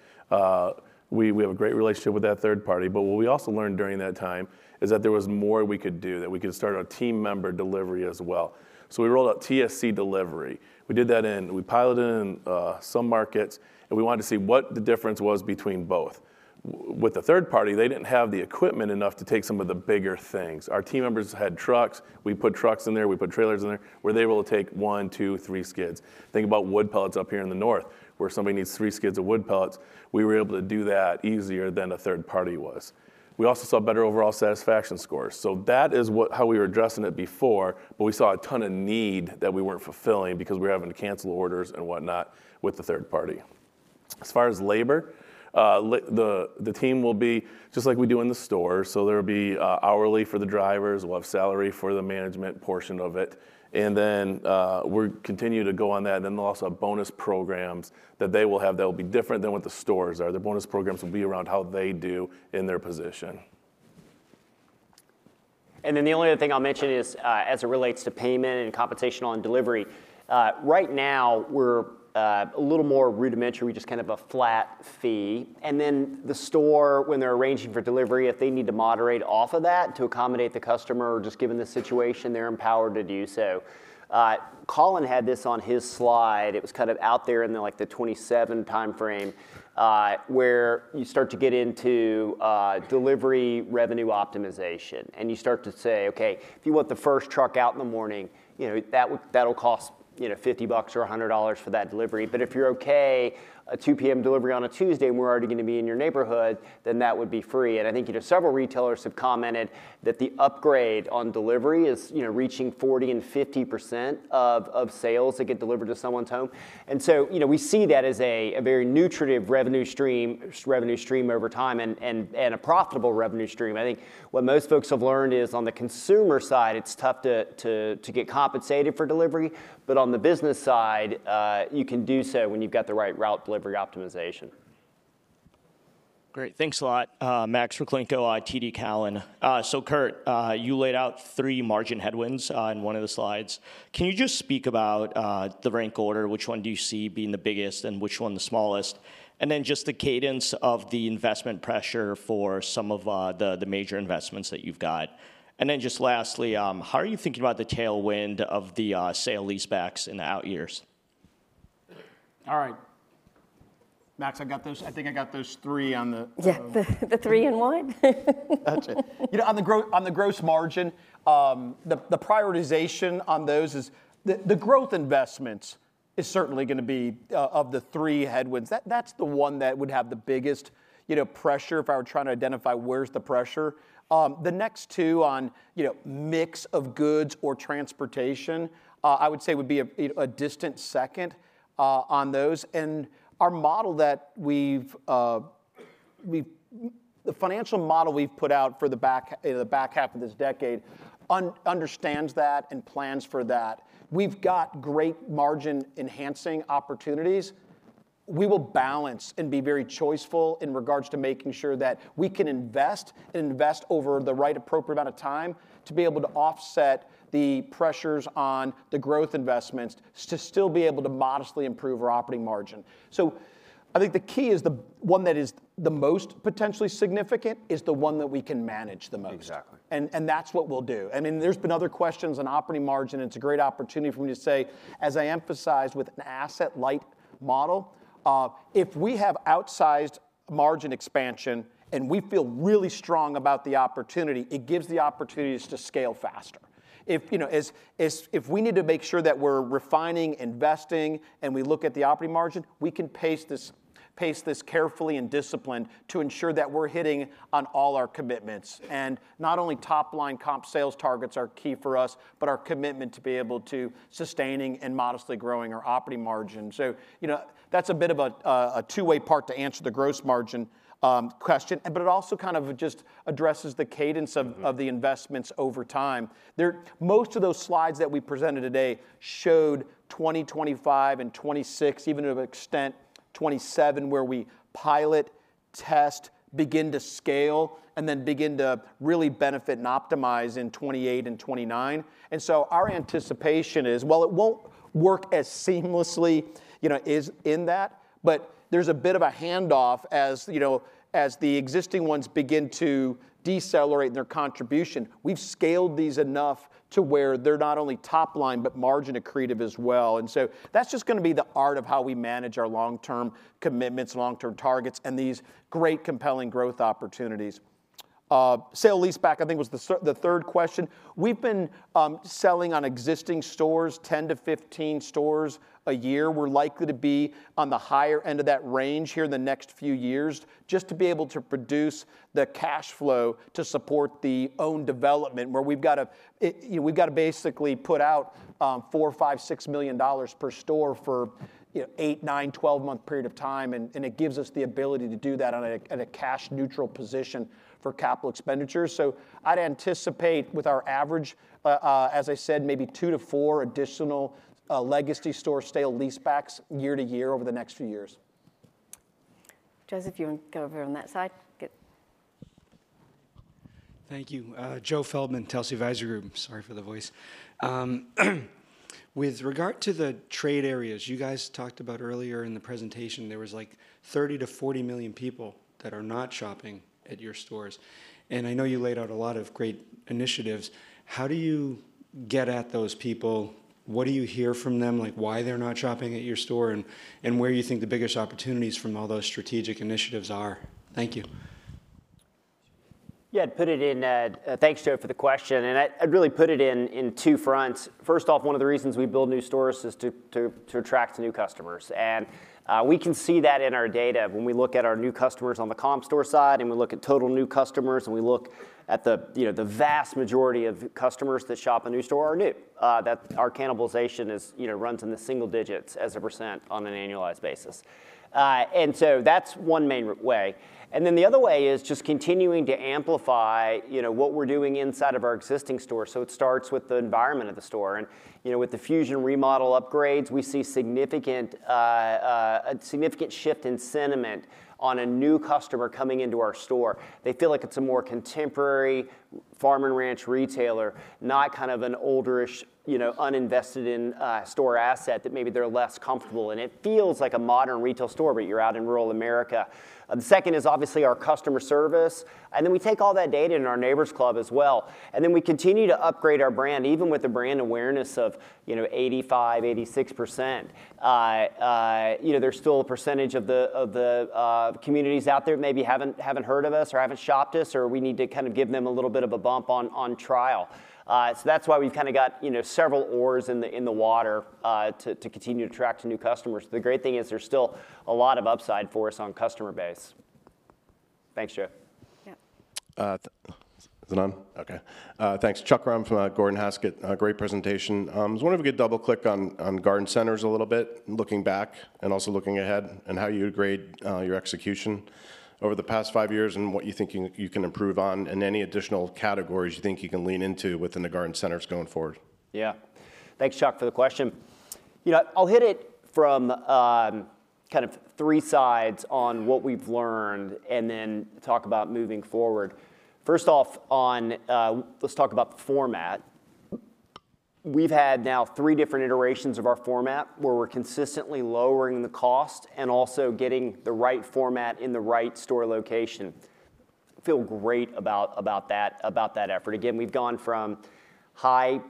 We have a great relationship with that third party, but what we also learned during that time is that there was more we could do, that we could start a team member delivery as well, so we rolled out TSC Delivery. We did that. We piloted in some markets, and we wanted to see what the difference was between both. With the third party, they didn't have the equipment enough to take some of the bigger things. Our team members had trucks. We put trucks in there. We put trailers in there. We're able to take one, two, three skids. Think about wood pellets up here in the north where somebody needs three skids of wood pellets. We were able to do that easier than a third party was. We also saw better overall satisfaction scores. So that is how we were addressing it before, but we saw a ton of need that we weren't fulfilling because we were having to cancel orders and whatnot with the third party. As far as labor, the team will be just like we do in the stores. So there will be hourly for the drivers. We'll have salary for the management portion of it. And then we'll continue to go on that. And then there'll also be bonus programs that they will have that will be different than what the stores are. The bonus programs will be around how they do in their position. And then the only other thing I'll mention is as it relates to payment and compensation on delivery. Right now, we're a little more rudimentary. We just kind of have a flat fee. And then the store, when they're arranging for delivery, if they need to moderate off of that to accommodate the customer or just given the situation, they're empowered to do so. Colin had this on his slide. It was kind of out there in the 27 timeframe where you start to get into delivery revenue optimization. And you start to say, "Okay. If you want the first truck out in the morning, that'll cost 50 bucks or $100 for that delivery. But if you're okay, a 2:00 P.M. delivery on a Tuesday, and we're already going to be in your neighborhood, then that would be free." And I think several retailers have commented that the upgrade on delivery is reaching 40% and 50% of sales that get delivered to someone's home. And so we see that as a very nutritive revenue stream over time and a profitable revenue stream. I think what most folks have learned is on the consumer side, it's tough to get compensated for delivery. But on the business side, you can do so when you've got the right route delivery optimization. Great. Thanks a lot, Max from TD Cowen, Colin. So Kurt, you laid out three margin headwinds in one of the slides. Can you just speak about the rank order? Which one do you see being the biggest and which one the smallest? And then just the cadence of the investment pressure for some of the major investments that you've got. And then just lastly, how are you thinking about the tailwind of the sale leasebacks in the out years? All right. Max, I think I got those three on the. Yeah. The three and one? That's it. On the gross margin, the prioritization on those is the growth investments is certainly going to be of the three headwinds. That's the one that would have the biggest pressure if I were trying to identify where's the pressure. The next two on mix of goods or transportation, I would say would be a distant second on those, and the financial model we've put out for the back half of this decade understands that and plans for that. We've got great margin enhancing opportunities. We will balance and be very choiceful in regards to making sure that we can invest and invest over the right appropriate amount of time to be able to offset the pressures on the growth investments to still be able to modestly improve our operating margin. So, I think the key is the one that is the most potentially significant is the one that we can manage the most. Exactly. And that's what we'll do. I mean, there's been other questions on operating margin. It's a great opportunity for me to say, as I emphasized with an asset-light model, if we have outsized margin expansion and we feel really strong about the opportunity, it gives the opportunities to scale faster. If we need to make sure that we're refining, investing, and we look at the operating margin, we can pace this carefully and disciplined to ensure that we're hitting on all our commitments. And not only top-line comp sales targets are key for us, but our commitment to be able to sustaining and modestly growing our operating margin. So that's a bit of a two-way part to answer the gross margin question, but it also kind of just addresses the cadence of the investments over time. Most of those slides that we presented today showed 2025 and 2026, even to an extent 2027, where we pilot, test, begin to scale, and then begin to really benefit and optimize in 2028 and 2029. And so our anticipation is, while it won't work as seamlessly in that, but there's a bit of a handoff as the existing ones begin to decelerate in their contribution. We've scaled these enough to where they're not only top-line, but margin accretive as well. And so that's just going to be the art of how we manage our long-term commitments, long-term targets, and these great compelling growth opportunities. Sale leaseback, I think, was the third question. We've been selling on existing stores, 10-15 stores a year. We're likely to be on the higher end of that range here in the next few years just to be able to produce the cash flow to support the own development where we've got to basically put out $4-$6 million per store for 8-, 9-, 12-month period of time. And it gives us the ability to do that on a cash-neutral position for capital expenditures. So I'd anticipate with our average, as I said, maybe 2-4 additional legacy store sale-leasebacks year to year over the next few years. Joseph, you want to go over on that side? Thank you. Joe Feldman, Telsey Advisory Group. Sorry for the voice. With regard to the trade areas, you guys talked about earlier in the presentation, there was like 30-40 million people that are not shopping at your stores. And I know you laid out a lot of great initiatives. How do you get at those people? What do you hear from them, why they're not shopping at your store, and where you think the biggest opportunities from all those strategic initiatives are? Thank you. Yeah. Thanks, Joe, for the question, and I'd really put it in two fronts. First off, one of the reasons we build new stores is to attract new customers. And we can see that in our data when we look at our new customers on the comp store side, and we look at total new customers, and we look at the vast majority of customers that shop a new store are new. Our cannibalization runs in the single digits as a percent on an annualized basis. And so that's one main way. And then the other way is just continuing to amplify what we're doing inside of our existing store. So it starts with the environment of the store. And with the Fusion remodel upgrades, we see a significant shift in sentiment on a new customer coming into our store. They feel like it's a more contemporary farm and ranch retailer, not kind of an older-ish, uninvested-in-store asset that maybe they're less comfortable in. It feels like a modern retail store, but you're out in rural America. The second is obviously our customer service. And then we take all that data in our Neighbor's Club as well. And then we continue to upgrade our brand, even with the brand awareness of 85%-86%. There's still a percentage of the communities out there that maybe haven't heard of us or haven't shopped us, or we need to kind of give them a little bit of a bump on trial. So that's why we've kind of got several oars in the water to continue to attract new customers. The great thing is there's still a lot of upside for us on customer base. Thanks, Joe. Yeah. Is it on? Okay. Thanks. Chuck Grom from Gordon Haskett. Great presentation. I was wondering if we could double-click on garden centers a little bit, looking back and also looking ahead and how you'd grade your execution over the past five years and what you think you can improve on and any additional categories you think you can lean into within the garden centers going forward. Yeah. Thanks, Chuck, for the question. I'll hit it from kind of three sides on what we've learned and then talk about moving forward. First off, let's talk about format. We've had now three different iterations of our format where we're consistently lowering the cost and also getting the right format in the right store location. I feel great about that effort. Again, we've gone from high,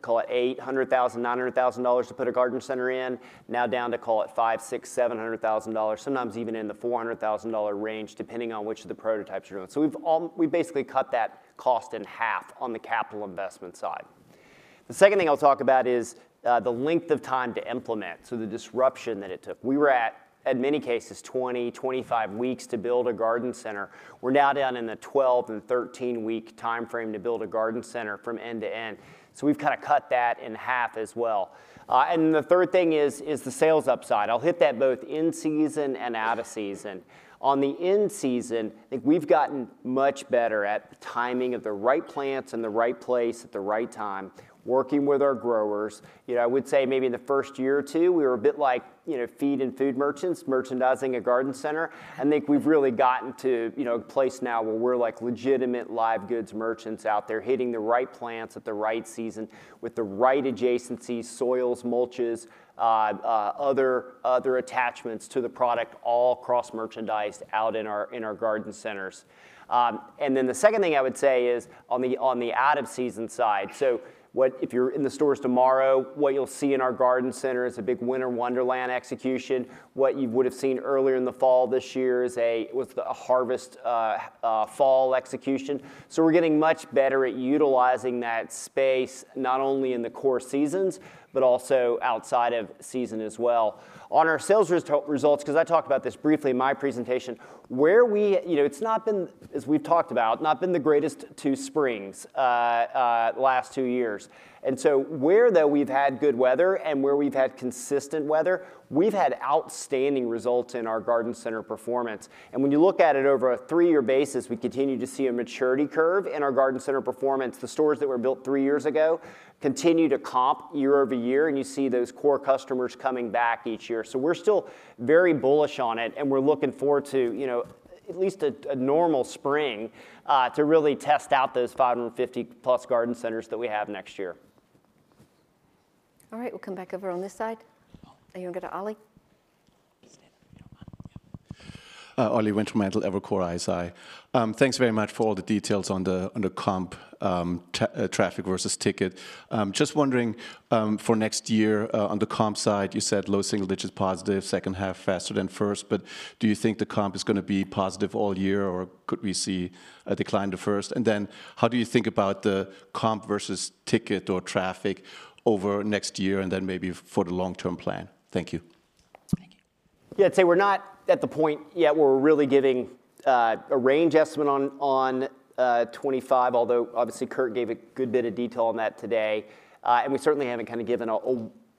call it $800,000-$900,000 to put a garden center in, now down to, call it $500,000-$700,000, sometimes even in the $400,000 range, depending on which of the prototypes you're doing. So we basically cut that cost in half on the capital investment side. The second thing I'll talk about is the length of time to implement, so the disruption that it took. We were at, in many cases, 20-25 weeks to build a garden center. We're now down in the 12- and 13-week timeframe to build a garden center from end to end. So we've kind of cut that in half as well. And then the third thing is the sales upside. I'll hit that both in season and out of season. On the in season, I think we've gotten much better at timing of the right plants in the right place at the right time, working with our growers. I would say maybe in the first year or two, we were a bit like feed and food merchants, merchandising a garden center. I think we've really gotten to a place now where we're legitimate live goods merchants out there hitting the right plants at the right season with the right adjacencies, soils, mulches, other attachments to the product, all cross-merchandised out in our garden centers. And then the second thing I would say is on the out-of-season side. So if you're in the stores tomorrow, what you'll see in our garden center is a big winter wonderland execution. What you would have seen earlier in the fall this year was a harvest fall execution. So we're getting much better at utilizing that space not only in the core seasons, but also outside of season as well. On our sales results, because I talked about this briefly in my presentation, it's not been, as we've talked about, not been the greatest two springs last two years. And so where, though, we've had good weather and where we've had consistent weather, we've had outstanding results in our garden center performance. And when you look at it over a three-year basis, we continue to see a maturity curve in our garden center performance. The stores that were built three years ago continue to comp year over year, and you see those core customers coming back each year. So we're still very bullish on it, and we're looking forward to at least a normal spring to really test out those 550-plus garden centers that we have next year. All right. We'll come back over on this side. Are you going to go to Oliver Wintermantel? Yeah. Oliver Wintermantel at Evercore ISI. Thanks very much for all the details on the comp traffic versus ticket. Just wondering, for next year, on the comp side, you said low single digit positive, second half faster than first. But do you think the comp is going to be positive all year, or could we see a decline to first? And then how do you think about the comp versus ticket or traffic over next year and then maybe for the long-term plan? Thank you. Thank you. Yeah. I'd say we're not at the point yet where we're really giving a range estimate on 2025, although obviously Kurt gave a good bit of detail on that today. And we certainly haven't kind of given a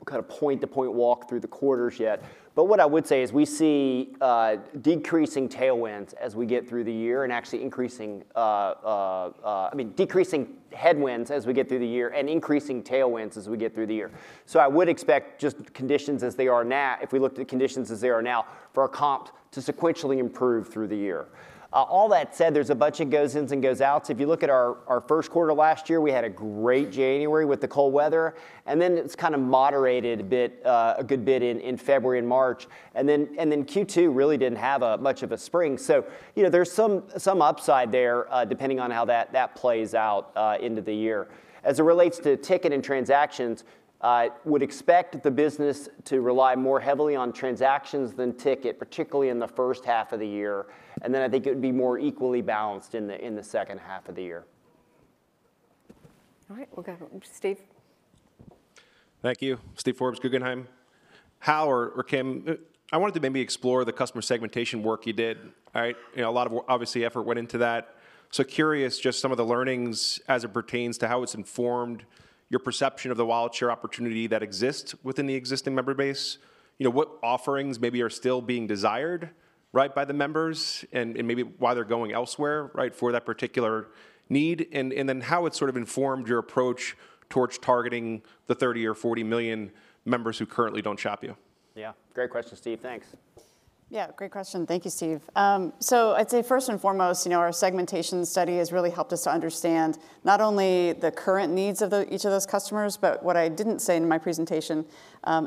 kind of point-to-point walk through the quarters yet. But what I would say is we see decreasing tailwinds as we get through the year and actually increasing, I mean, decreasing headwinds as we get through the year and increasing tailwinds as we get through the year. So I would expect just conditions as they are now, if we looked at conditions as they are now, for our comp to sequentially improve through the year. All that said, there's a bunch of goes-ins and goes-outs. If you look at our first quarter last year, we had a great January with the cold weather. And then it's kind of moderated a good bit in February and March. And then Q2 really didn't have much of a spring. So there's some upside there depending on how that plays out into the year. As it relates to ticket and transactions, I would expect the business to rely more heavily on transactions than ticket, particularly in the first half of the year. And then I think it would be more equally balanced in the second half of the year. All right. We'll go to Steve. Thank you. Steve Forbes, Guggenheim. Hal or Kim, I wanted to maybe explore the customer segmentation work you did. A lot of obvious effort went into that. So, curious just some of the learnings as it pertains to how it's informed your perception of the white space opportunity that exists within the existing member base, what offerings maybe are still being desired by the members, and maybe why they're going elsewhere for that particular need, and then how it's sort of informed your approach towards targeting the 30 or 40 million members who currently don't shop with you? Yeah. Great question, Steve. Thanks. Yeah. Great question. Thank you, Steve. So I'd say first and foremost, our segmentation study has really helped us to understand not only the current needs of each of those customers, but what I didn't say in my presentation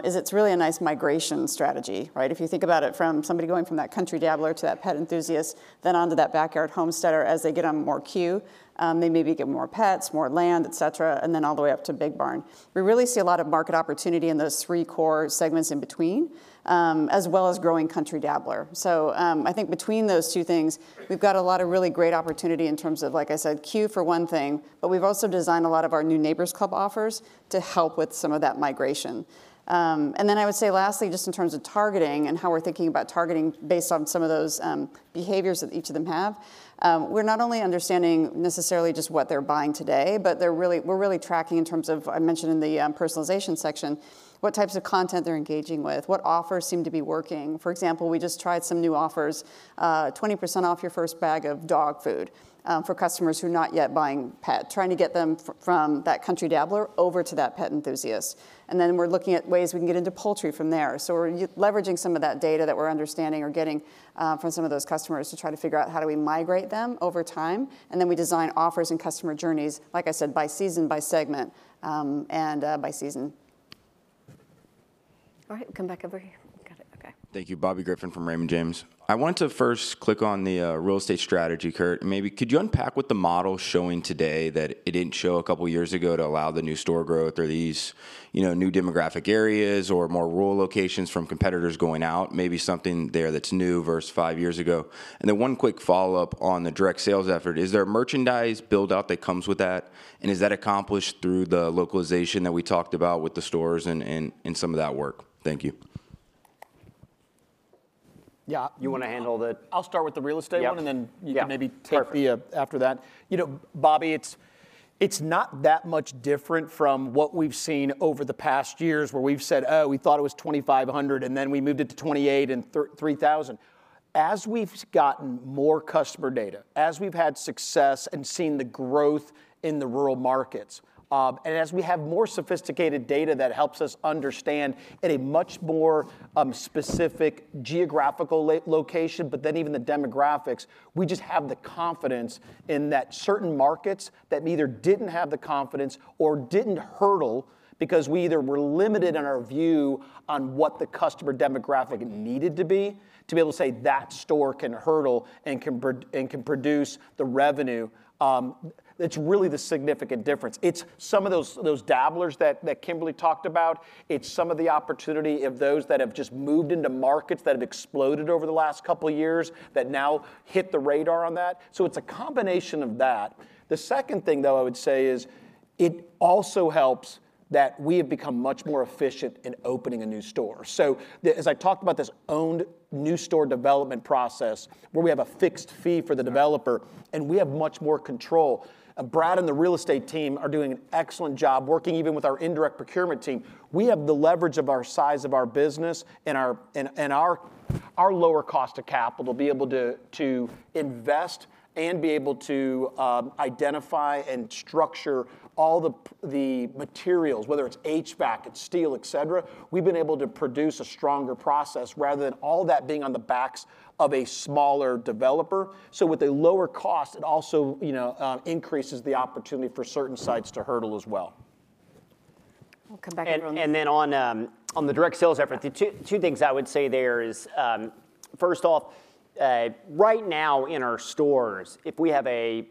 is it's really a nice migration strategy. If you think about it from somebody going from that Country Dabbler to that Pet Enthusiast, then onto that Backyard Homesteader as they get on more cue, they maybe get more pets, more land, etc., and then all the way up to Big Barn. We really see a lot of market opportunity in those three core segments in between, as well as growing Country Dabbler. So I think between those two things, we've got a lot of really great opportunity in terms of, like I said, C.U.E. for one thing, but we've also designed a lot of our new Neighbor's Club offers to help with some of that migration. And then I would say lastly, just in terms of targeting and how we're thinking about targeting based on some of those behaviors that each of them have, we're not only understanding necessarily just what they're buying today, but we're really tracking in terms of, I mentioned in the personalization section, what types of content they're engaging with, what offers seem to be working. For example, we just tried some new offers, 20% off your first bag of dog food for customers who are not yet buying pet, trying to get them from that Country Dabbler over to that Pet Enthusiast. And then we're looking at ways we can get into poultry from there. So we're leveraging some of that data that we're understanding or getting from some of those customers to try to figure out how do we migrate them over time. And then we design offers and customer journeys, like I said, by season, by segment, and by season. All right. We'll come back over here. Got it. Okay. Thank you. Bobby Griffin from Raymond James. I want to first click on the real estate strategy, Kurt. Maybe could you unpack what the model showing today that it didn't show a couple of years ago to allow the new store growth or these new demographic areas or more rural locations from competitors going out, maybe something there that's new versus five years ago? And then one quick follow-up on the direct sales effort. Is there a merchandise build-out that comes with that? And is that accomplished through the localization that we talked about with the stores and some of that work? Thank you. Yeah. You want to handle that? I'll start with the real estate one, and then you can maybe take after that. Bobby, it's not that much different from what we've seen over the past years where we've said, "Oh, we thought it was 2,500, and then we moved it to 2,800 and 3,000." As we've gotten more customer data, as we've had success and seen the growth in the rural markets, and as we have more sophisticated data that helps us understand in a much more specific geographical location, but then even the demographics, we just have the confidence in that certain markets that either didn't have the confidence or didn't hurdle because we either were limited in our view on what the customer demographic needed to be to be able to say, "That store can hurdle and can produce the revenue." It's really the significant difference. It's some of those dabblers that Kimberly talked about. It's some of the opportunity of those that have just moved into markets that have exploded over the last couple of years that now hit the radar on that. So it's a combination of that. The second thing, though, I would say is it also helps that we have become much more efficient in opening a new store. So as I talked about this owned new store development process where we have a fixed fee for the developer and we have much more control. Brad and the real estate team are doing an excellent job working even with our indirect procurement team. We have the leverage of our size of our business and our lower cost of capital to be able to invest and be able to identify and structure all the materials, whether it's HVAC, it's steel, etc. We've been able to produce a stronger process rather than all that being on the backs of a smaller developer. So with a lower cost, it also increases the opportunity for certain sites to hurdle as well. We'll come back over on this. And then on the direct sales effort, the two things I would say there is, first off, right now in our stores, if we have a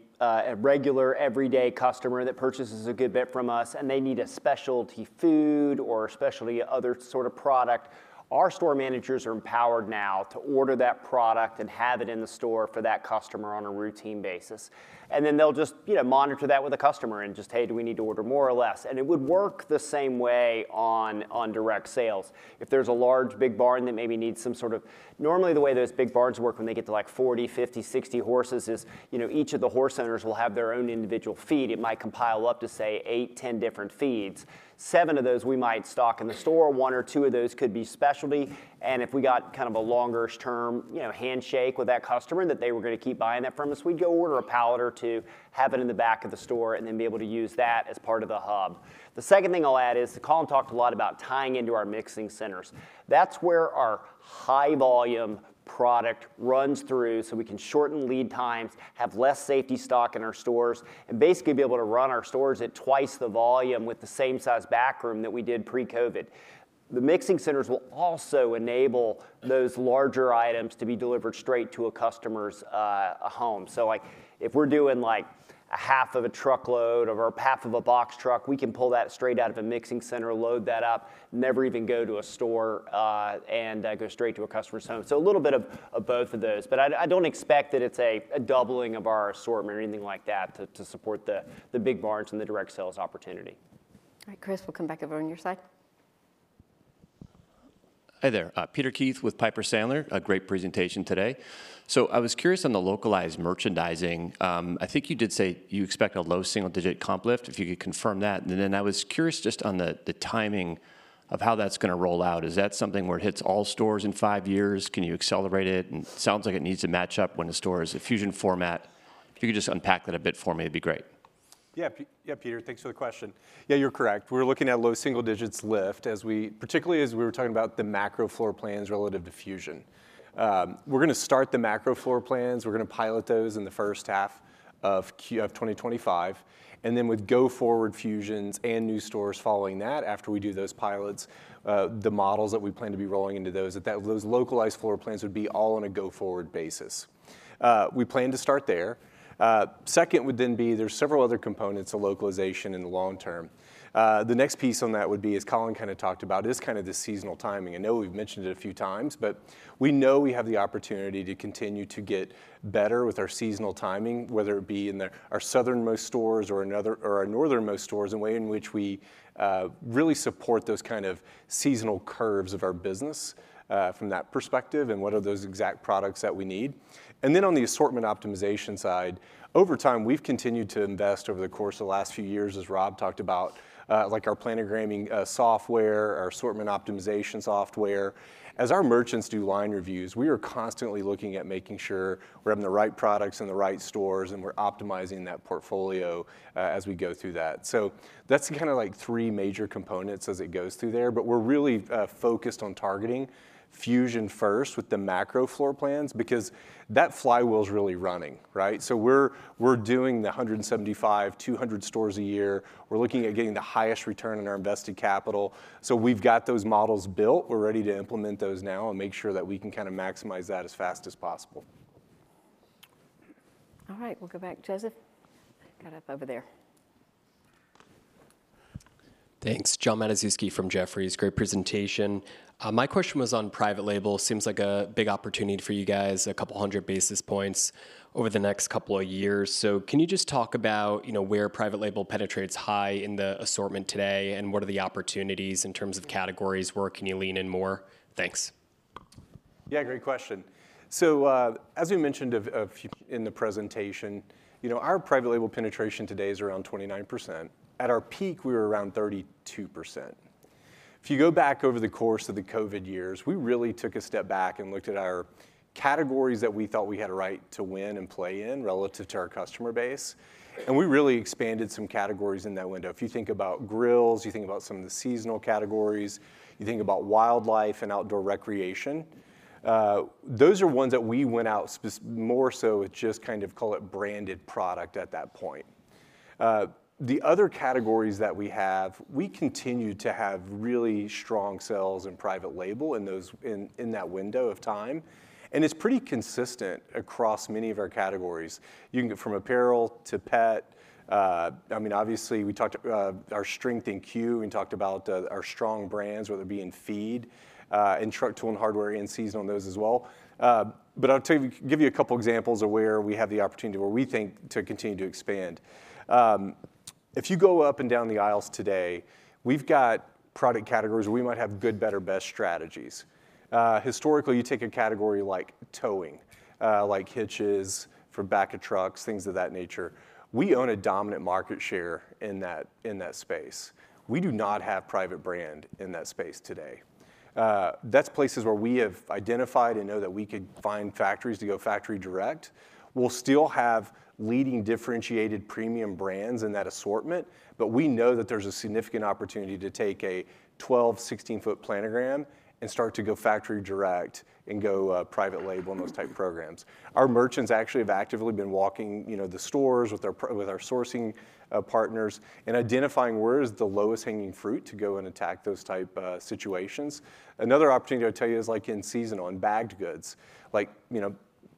regular everyday customer that purchases a good bit from us and they need a specialty food or a specialty other sort of product, our store managers are empowered now to order that product and have it in the store for that customer on a routine basis. And then they'll just monitor that with a customer and just, "Hey, do we need to order more or less?" And it would work the same way on direct sales. If there's a large big barn that maybe needs some sort of normally, the way those big barns work when they get to like 40, 50, 60 horses is each of the horse centers will have their own individual feed. It might compile up to, say, eight, 10 different feeds. Seven of those we might stock in the store. One or two of those could be specialty. And if we got kind of a longer-term handshake with that customer and that they were going to keep buying that from us, we'd go order a pallet or two, have it in the back of the store, and then be able to use that as part of the hub. The second thing I'll add is Colin talked a lot about tying into our mixing centers. That's where our high-volume product runs through so we can shorten lead times, have less safety stock in our stores, and basically be able to run our stores at twice the volume with the same size backroom that we did pre-COVID. The mixing centers will also enable those larger items to be delivered straight to a customer's home. So if we're doing like a half of a truckload or half of a box truck, we can pull that straight out of a mixing center, load that up, never even go to a store, and go straight to a customer's home. So a little bit of both of those. But I don't expect that it's a doubling of our assortment or anything like that to support the big barns and the direct sales opportunity. All right. Chris, we'll come back over on your side. Hi there. Peter Keith with Piper Sandler. A great presentation today. So I was curious on the localized merchandising. I think you did say you expect a low single digit comp lift if you could confirm that. And then I was curious just on the timing of how that's going to roll out. Is that something where it hits all stores in five years? Can you accelerate it? And it sounds like it needs to match up when the store is a Fusion format. If you could just unpack that a bit for me, it'd be great. Yeah. Yeah, Peter, thanks for the question. Yeah, you're correct. We're looking at low single digits lift, particularly as we were talking about the macro floor plans relative to Fusion. We're going to start the macro floor plans. We're going to pilot those in the first half of 2025. And then, with go-forward Fusions and new stores following that, after we do those pilots, the models that we plan to be rolling into those, those localized floor plans would be all on a go-forward basis. We plan to start there. Second would then be there's several other components of localization in the long term. The next piece on that would be, as Colin kind of talked about, is kind of the seasonal timing. I know we've mentioned it a few times, but we know we have the opportunity to continue to get better with our seasonal timing, whether it be in our southernmost stores or our northernmost stores, a way in which we really support those kind of seasonal curves of our business from that perspective and what are those exact products that we need. Then on the assortment optimization side, over time, we've continued to invest over the course of the last few years, as Rob talked about, like our planogram software, our assortment optimization software. As our merchants do line reviews, we are constantly looking at making sure we're having the right products in the right stores, and we're optimizing that portfolio as we go through that. That's kind of like three major components as it goes through there. We're really focused on targeting Project Fusion first with the macro floor plans because that flywheel is really running. We're doing the 175-200 stores a year. We're looking at getting the highest return on our invested capital. We've got those models built. We're ready to implement those now and make sure that we can kind of maximize that as fast as possible. All right. We'll go back. Joseph got up over there. Thanks. John Matuszewski from Jefferies. Great presentation. My question was on private label. Seems like a big opportunity for you guys, a couple hundred basis points over the next couple of years. So can you just talk about where private label penetrates high in the assortment today and what are the opportunities in terms of categories where can you lean in more? Thanks. Yeah, great question. So as we mentioned in the presentation, our private label penetration today is around 29%. At our peak, we were around 32%. If you go back over the course of the COVID years, we really took a step back and looked at our categories that we thought we had a right to win and play in relative to our customer base. And we really expanded some categories in that window. If you think about grills, you think about some of the seasonal categories, you think about wildlife and outdoor recreation. Those are ones that we went out more so with just kind of call it branded product at that point. The other categories that we have, we continue to have really strong sales and private label in that window of time. And it's pretty consistent across many of our categories. You can get from apparel to pet. I mean, obviously, we talked our strength in C.U.E. We talked about our strong brands, whether it be in feed, in truck tool and hardware, and seasonal on those as well. But I'll give you a couple examples of where we have the opportunity where we think to continue to expand. If you go up and down the aisles today, we've got product categories where we might have good, better, best strategies. Historically, you take a category like towing, like hitches, for back of trucks, things of that nature. We own a dominant market share in that space. We do not have private brand in that space today. That's places where we have identified and know that we could find factories to go factory direct. We'll still have leading differentiated premium brands in that assortment, but we know that there's a significant opportunity to take a 12-16-foot planogram and start to go factory direct and go private label and those type programs. Our merchants actually have actively been walking the stores with our sourcing partners and identifying where is the lowest hanging fruit to go and attack those type situations. Another opportunity I'll tell you is like in seasonal and bagged goods.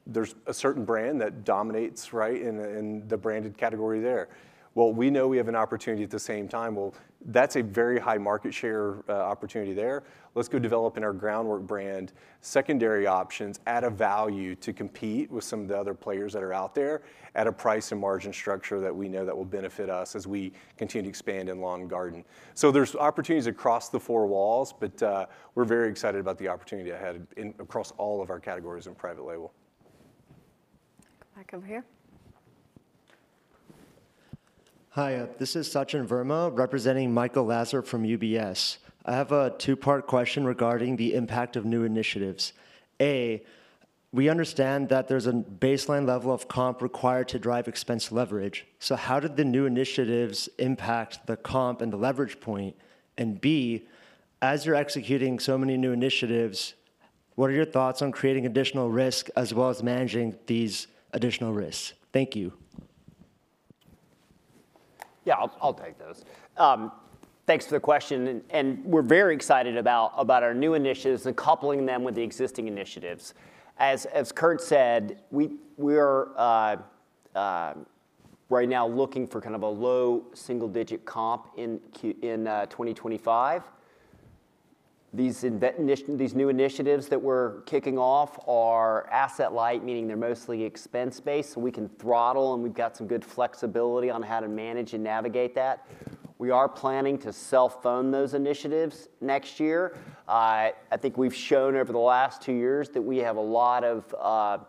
There's a certain brand that dominates in the branded category there. We know we have an opportunity at the same time. That's a very high market share opportunity there. Let's go develop in our GroundWork brand, secondary options, add a value to compete with some of the other players that are out there at a price and margin structure that we know that will benefit us as we continue to expand in lawn and garden. So there's opportunities across the four walls, but we're very excited about the opportunity ahead across all of our categories in private label. Come back over here. Hi, this is Sachin Verma representing Michael Lassar from UBS. I have a two-part question regarding the impact of new initiatives. A, we understand that there's a baseline level of comp required to drive expense leverage. So how did the new initiatives impact the comp and the leverage point? And B, as you're executing so many new initiatives, what are your thoughts on creating additional risk as well as managing these additional risks? Thank you. Yeah, I'll take those. Thanks for the question. And we're very excited about our new initiatives and coupling them with the existing initiatives. As Kurt said, we are right now looking for kind of a low single digit comp in 2025. These new initiatives that we're kicking off are asset light, meaning they're mostly expense-based. So we can throttle, and we've got some good flexibility on how to manage and navigate that. We are planning to self-fund those initiatives next year. I think we've shown over the last two years that we have a lot of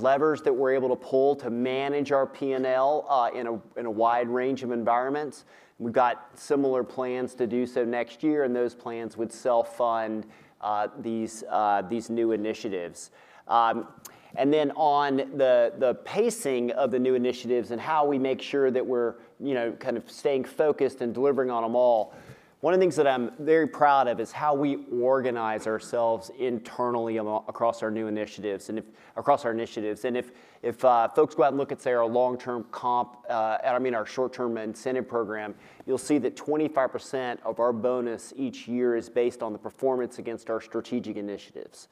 levers that we're able to pull to manage our P&L in a wide range of environments. We've got similar plans to do so next year, and those plans would self-fund these new initiatives, and then on the pacing of the new initiatives and how we make sure that we're kind of staying focused and delivering on them all, one of the things that I'm very proud of is how we organize ourselves internally across our new initiatives. And if folks go out and look at our long-term comp, I mean, our short-term incentive program, you'll see that 25% of our bonus each year is based on the performance against our strategic initiatives.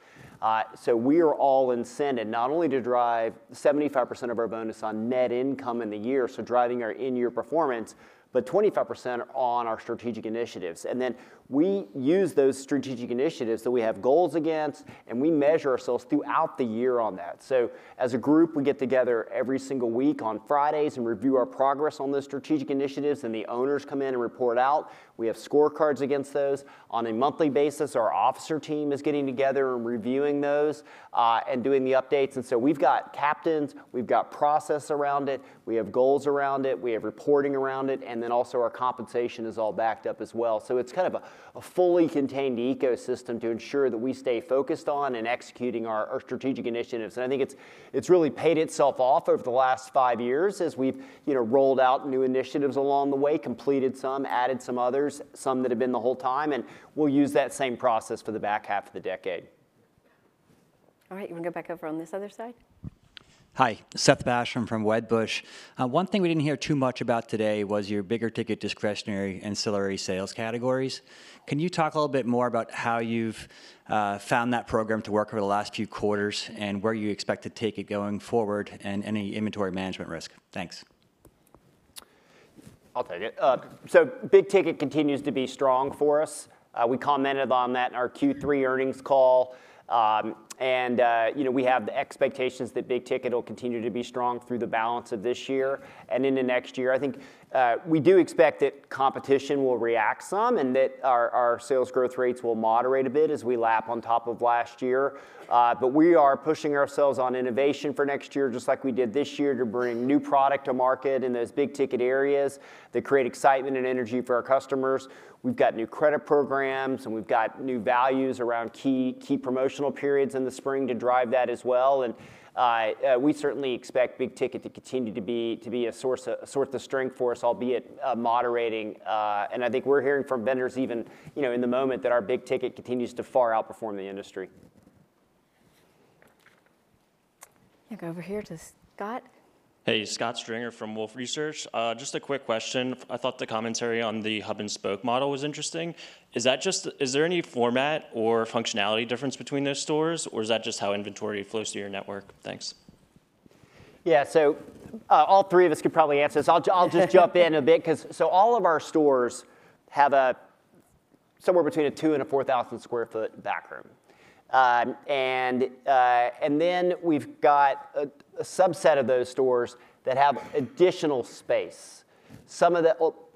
So we are all incented, not only to drive 75% of our bonus on net income in the year, so driving our in-year performance, but 25% on our strategic initiatives, and then we use those strategic initiatives that we have goals against, and we measure ourselves throughout the year on that. So as a group, we get together every single week on Fridays and review our progress on those strategic initiatives, and the owners come in and report out. We have scorecards against those. On a monthly basis, our officer team is getting together and reviewing those and doing the updates. And so we've got captains, we've got process around it, we have goals around it, we have reporting around it, and then also our compensation is all backed up as well. So it's kind of a fully contained ecosystem to ensure that we stay focused on and executing our strategic initiatives. And I think it's really paid itself off over the last five years as we've rolled out new initiatives along the way, completed some, added some others, some that have been the whole time, and we'll use that same process for the back half of the decade. All right. You want to go back over on this other side? Hi, Seth Basham from Wedbush. One thing we didn't hear too much about today was your big ticket discretionary ancillary sales categories. Can you talk a little bit more about how you've found that program to work over the last few quarters and where you expect to take it going forward and any inventory management risk? Thanks. I'll take it, so big ticket continues to be strong for us. We commented on that in our Q3 earnings call, and we have the expectations that big ticket will continue to be strong through the balance of this year and into next year. I think we do expect that competition will react some and that our sales growth rates will moderate a bit as we lap on top of last year. But we are pushing ourselves on innovation for next year just like we did this year to bring new product to market in those big ticket areas that create excitement and energy for our customers. We've got new credit programs, and we've got new values around key promotional periods in the spring to drive that as well. And we certainly expect big ticket to continue to be a source of strength for us, albeit moderating. And I think we're hearing from vendors even in the moment that our big ticket continues to far outperform the industry. You can go over here to Scott. Hey, Scott Stringer from Wolfe Research. Just a quick question. I thought the commentary on the hub-and-spoke model was interesting. Is there any format or functionality difference between those stores, or is that just how inventory flows to your network? Thanks. Yeah, so all three of us could probably answer this. I'll just jump in a bit because all of our stores have somewhere between a 2,000 and a 4,000 sq ft back room. And then we've got a subset of those stores that have additional space.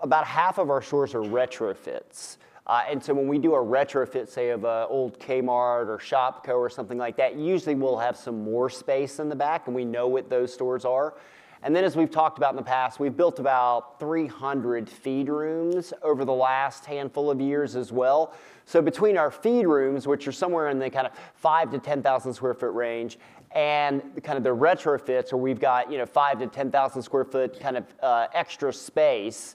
About half of our stores are retrofits. And so when we do a retrofit, say, of an old Kmart or Shopko or something like that, usually we'll have some more space in the back, and we know what those stores are. And then, as we've talked about in the past, we've built about 300 feed rooms over the last handful of years as well. So between our feed rooms, which are somewhere in the kind of 5,000-10,000 sq ft range, and kind of the retrofits where we've got 5,000-10,000 sq ft kind of extra space,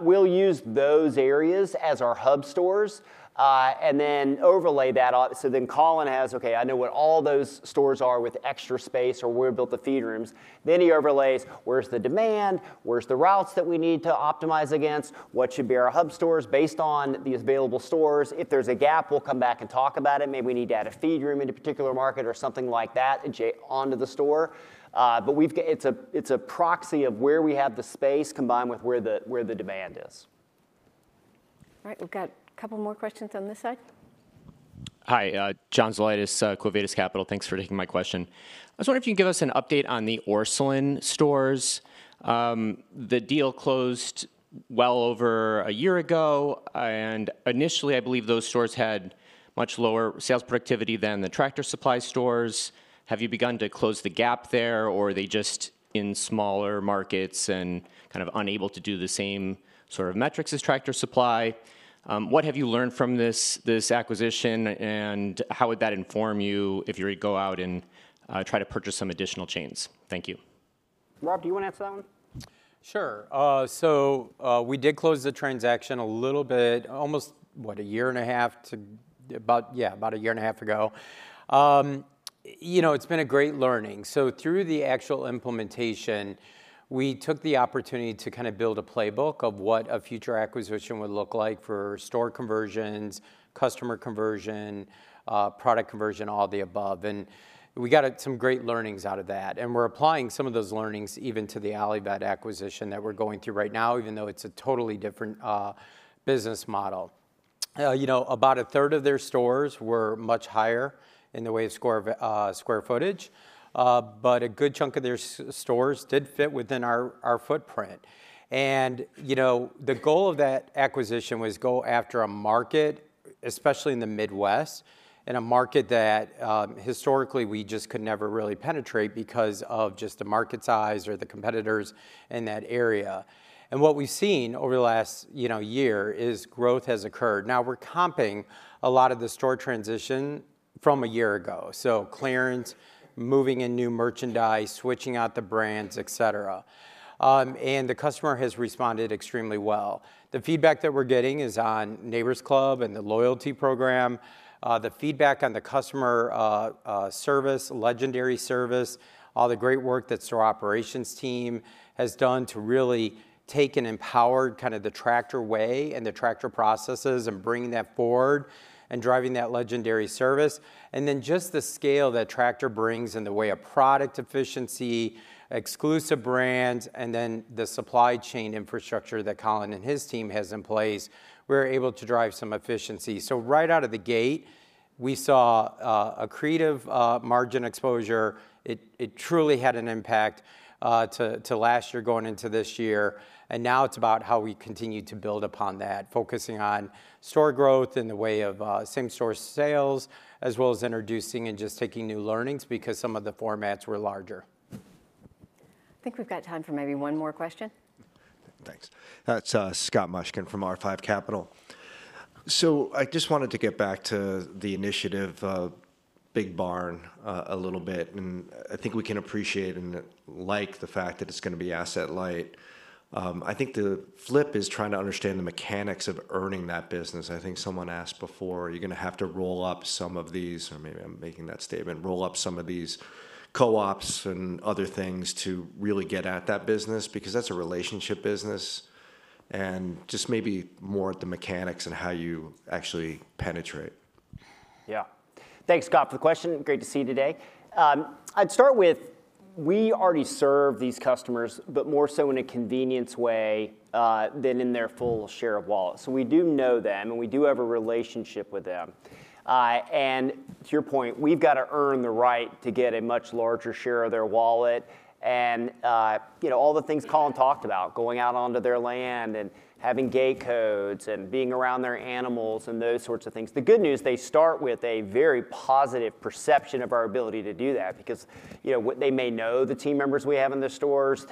we'll use those areas as our hub stores and then overlay that. So then Colin has, "Okay, I know what all those stores are with extra space or where we built the feed rooms." Then he overlays, "Where's the demand? Where's the routes that we need to optimize against? What should be our hub stores based on the available stores? If there's a gap, we'll come back and talk about it. Maybe we need to add a feed room in a particular market or something like that onto the store." But it's a proxy of where we have the space combined with where the demand is. All right. We've got a couple more questions on this side. Hi, John Zolidis, Quo Vadis Capital. Thanks for taking my question. I was wondering if you can give us an update on the Orscheln stores. The deal closed well over a year ago. And initially, I believe those stores had much lower sales productivity than the Tractor Supply stores. Have you begun to close the gap there, or are they just in smaller markets and kind of unable to do the same sort of metrics as Tractor Supply? What have you learned from this acquisition, and how would that inform you if you were to go out and try to purchase some additional chains? Thank you. Rob, do you want to answer that one? Sure. So we did close the transaction a little bit, almost, what, a year and a half, yeah, about a year and a half ago. It's been a great learning, so through the actual implementation, we took the opportunity to kind of build a playbook of what a future acquisition would look like for store conversions, customer conversion, product conversion, all the above, and we got some great learnings out of that, and we're applying some of those learnings even to the Allivet acquisition that we're going through right now, even though it's a totally different business model. About a third of their stores were much higher in the way of square footage, but a good chunk of their stores did fit within our footprint, and the goal of that acquisition was to go after a market, especially in the Midwest, and a market that historically we just could never really penetrate because of just the market size or the competitors in that area. What we've seen over the last year is growth has occurred. Now, we're comping a lot of the store transition from a year ago. So clearance, moving in new merchandise, switching out the brands, et cetera. The customer has responded extremely well. The feedback that we're getting is on Neighbor's Club and the loyalty program. The feedback on the customer service, legendary service, all the great work that the store operations team has done to really take and empower kind of the Tractor Way and the Tractor processes and bringing that forward and driving that legendary service. Then just the scale that Tractor brings and the way of product efficiency, exclusive brands, and then the supply chain infrastructure that Colin and his team has in place, we're able to drive some efficiency. So right out of the gate, we saw a gross margin expansion. It truly had an impact to last year going into this year. And now it's about how we continue to build upon that, focusing on store growth in the way of same-store sales as well as introducing and just taking new learnings because some of the formats were larger. I think we've got time for maybe one more question. Thanks. That's Scott Mushkin from R5 Capital. So I just wanted to get back to the initiative of Big Barn a little bit. And I think we can appreciate and like the fact that it's going to be asset light. I think the flip is trying to understand the mechanics of earning that business. I think someone asked before, "Are you going to have to roll up some of these?" Or maybe I'm making that statement, "Roll up some of these co-ops and other things to really get at that business?" Because that's a relationship business and just maybe more at the mechanics and how you actually penetrate. Yeah. Thanks, Scott, for the question. Great to see you today. I'd start with we already serve these customers, but more so in a convenience way than in their full share of wallet. So we do know them, and we do have a relationship with them. And to your point, we've got to earn the right to get a much larger share of their wallet and all the things Colin talked about, going out onto their land and having gate codes and being around their animals and those sorts of things. The good news, they start with a very positive perception of our ability to do that because they may know the team members we have in the stores.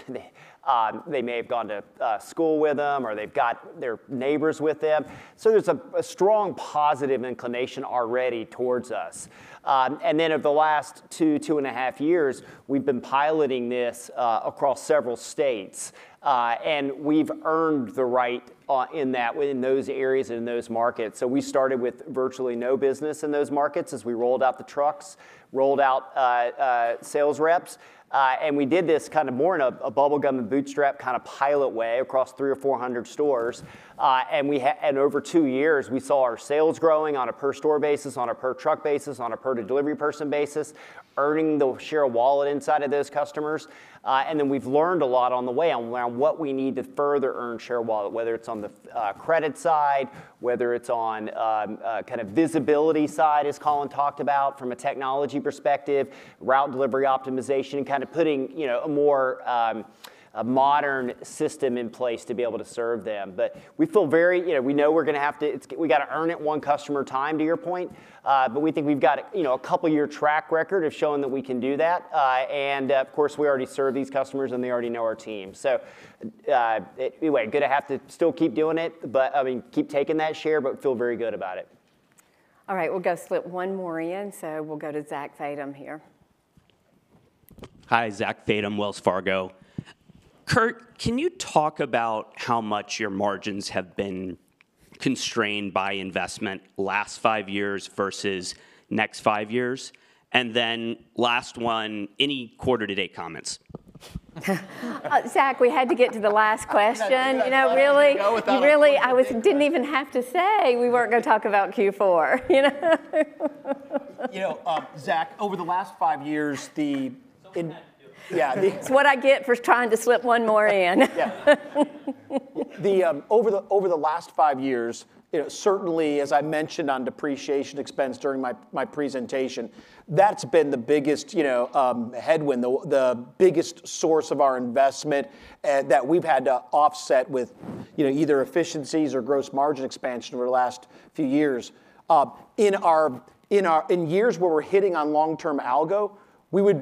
They may have gone to school with them, or they've got their neighbors with them, so there's a strong positive inclination already towards us, and then over the last two, two and a half years, we've been piloting this across several states, and we've earned the right in those areas and in those markets, so we started with virtually no business in those markets as we rolled out the trucks, rolled out sales reps, and we did this kind of more in a bubblegum and bootstrap kind of pilot way across three or four hundred stores. And over two years, we saw our sales growing on a per-store basis, on a per-truck basis, on a per delivery person basis, earning the share of wallet inside of those customers. And then we've learned a lot along the way around what we need to further earn share of wallet, whether it's on the credit side, whether it's on kind of visibility side, as Colin talked about from a technology perspective, route delivery optimization, and kind of putting a more modern system in place to be able to serve them. But we know we're going to have to earn it one customer at a time, to your point. But we think we've got a couple-year track record of showing that we can do that. And of course, we already serve these customers, and they already know our team. So anyway, good to have to still keep doing it, but keep taking that share, but feel very good about it. All right. We'll go slip one more in. So we'll go to Zach Fadem here. Hi, Zach Fadem, Wells Fargo. Kurt, can you talk about how much your margins have been constrained by investment last five years versus next five years? And then last one, any quarter-to-date comments? Zach, we had to get to the last question. Really? Really, I didn't even have to say we weren't going to talk about Q4. Zach, over the last five years, the yeah. That's what I get for trying to slip one more in. Over the last five years, certainly, as I mentioned on depreciation expense during my presentation, that's been the biggest headwind, the biggest source of our investment that we've had to offset with either efficiencies or gross margin expansion over the last few years. In years where we're hitting on long-term algo, we would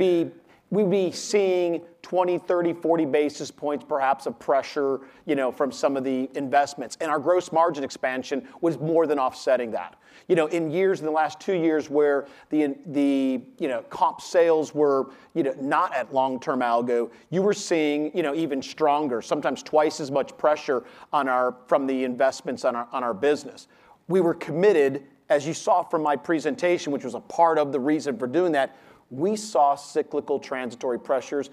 be seeing 20, 30, 40 basis points, perhaps, of pressure from some of the investments, and our gross margin expansion was more than offsetting that. In years, in the last two years where the comp sales were not at long-term algo, you were seeing even stronger, sometimes twice as much pressure from the investments on our business. We were committed, as you saw from my presentation, which was a part of the reason for doing that, we saw cyclical transitory pressures.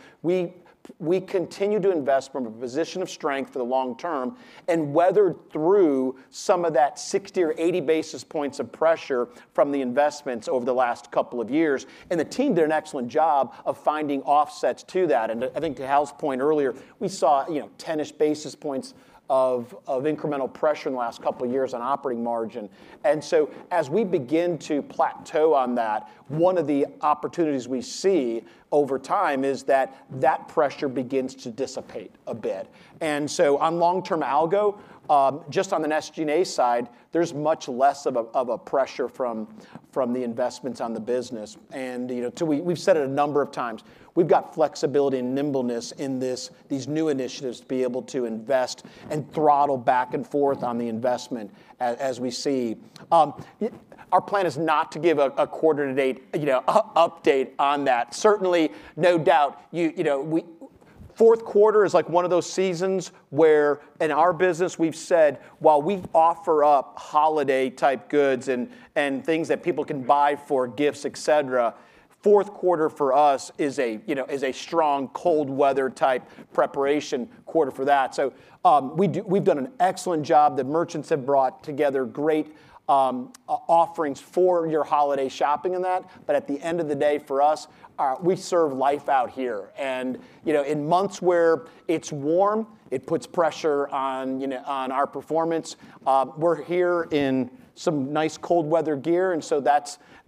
We continue to invest from a position of strength for the long term and weathered through some of that 60 or 80 basis points of pressure from the investments over the last couple of years. And the team did an excellent job of finding offsets to that. And I think to Hal's point earlier, we saw 10-ish basis points of incremental pressure in the last couple of years on operating margin. And so as we begin to plateau on that, one of the opportunities we see over time is that that pressure begins to dissipate a bit. And so on long-term algo, just on the next G&A side, there's much less of a pressure from the investments on the business. And we've said it a number of times. We've got flexibility and nimbleness in these new initiatives to be able to invest and throttle back and forth on the investment as we see. Our plan is not to give a quarter-to-date update on that. Certainly, no doubt, fourth quarter is like one of those seasons where in our business, we've said, "While we offer up holiday-type goods and things that people can buy for gifts, et cetera, fourth quarter for us is a strong cold-weather-type preparation quarter for that." So we've done an excellent job. The merchants have brought together great offerings for your holiday shopping in that. But at the end of the day, for us, we serve Life Out Here. And in months where it's warm, it puts pressure on our performance. We're here in some nice cold-weather gear. And so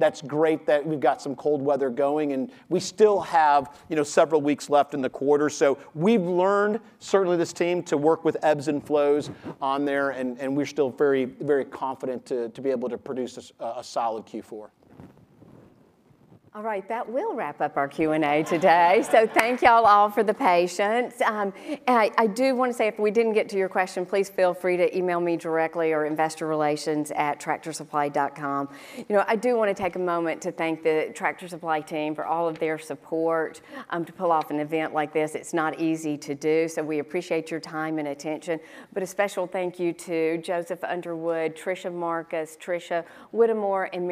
that's great that we've got some cold weather going. We still have several weeks left in the quarter. We've learned, certainly, this team to work with ebbs and flows on there. We're still very confident to be able to produce a solid Q4. All right. That will wrap up our Q&A today. Thank y'all all for the patience. I do want to say, if we didn't get to your question, please feel free to email me directly or investorrelations@tractorsupply.com. I do want to take a moment to thank the Tractor Supply team for all of their support to pull off an event like this. It's not easy to do. We appreciate your time and attention. A special thank you to Joseph Underwood, Tricia Marcus, Tricia Whittemore, and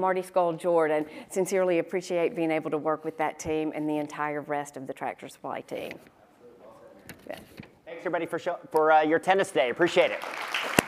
Marti Skold-Jordan. Sincerely appreciate being able to work with that team and the entire rest of the Tractor Supply team. Thanks, everybody, for your time today. Appreciate it.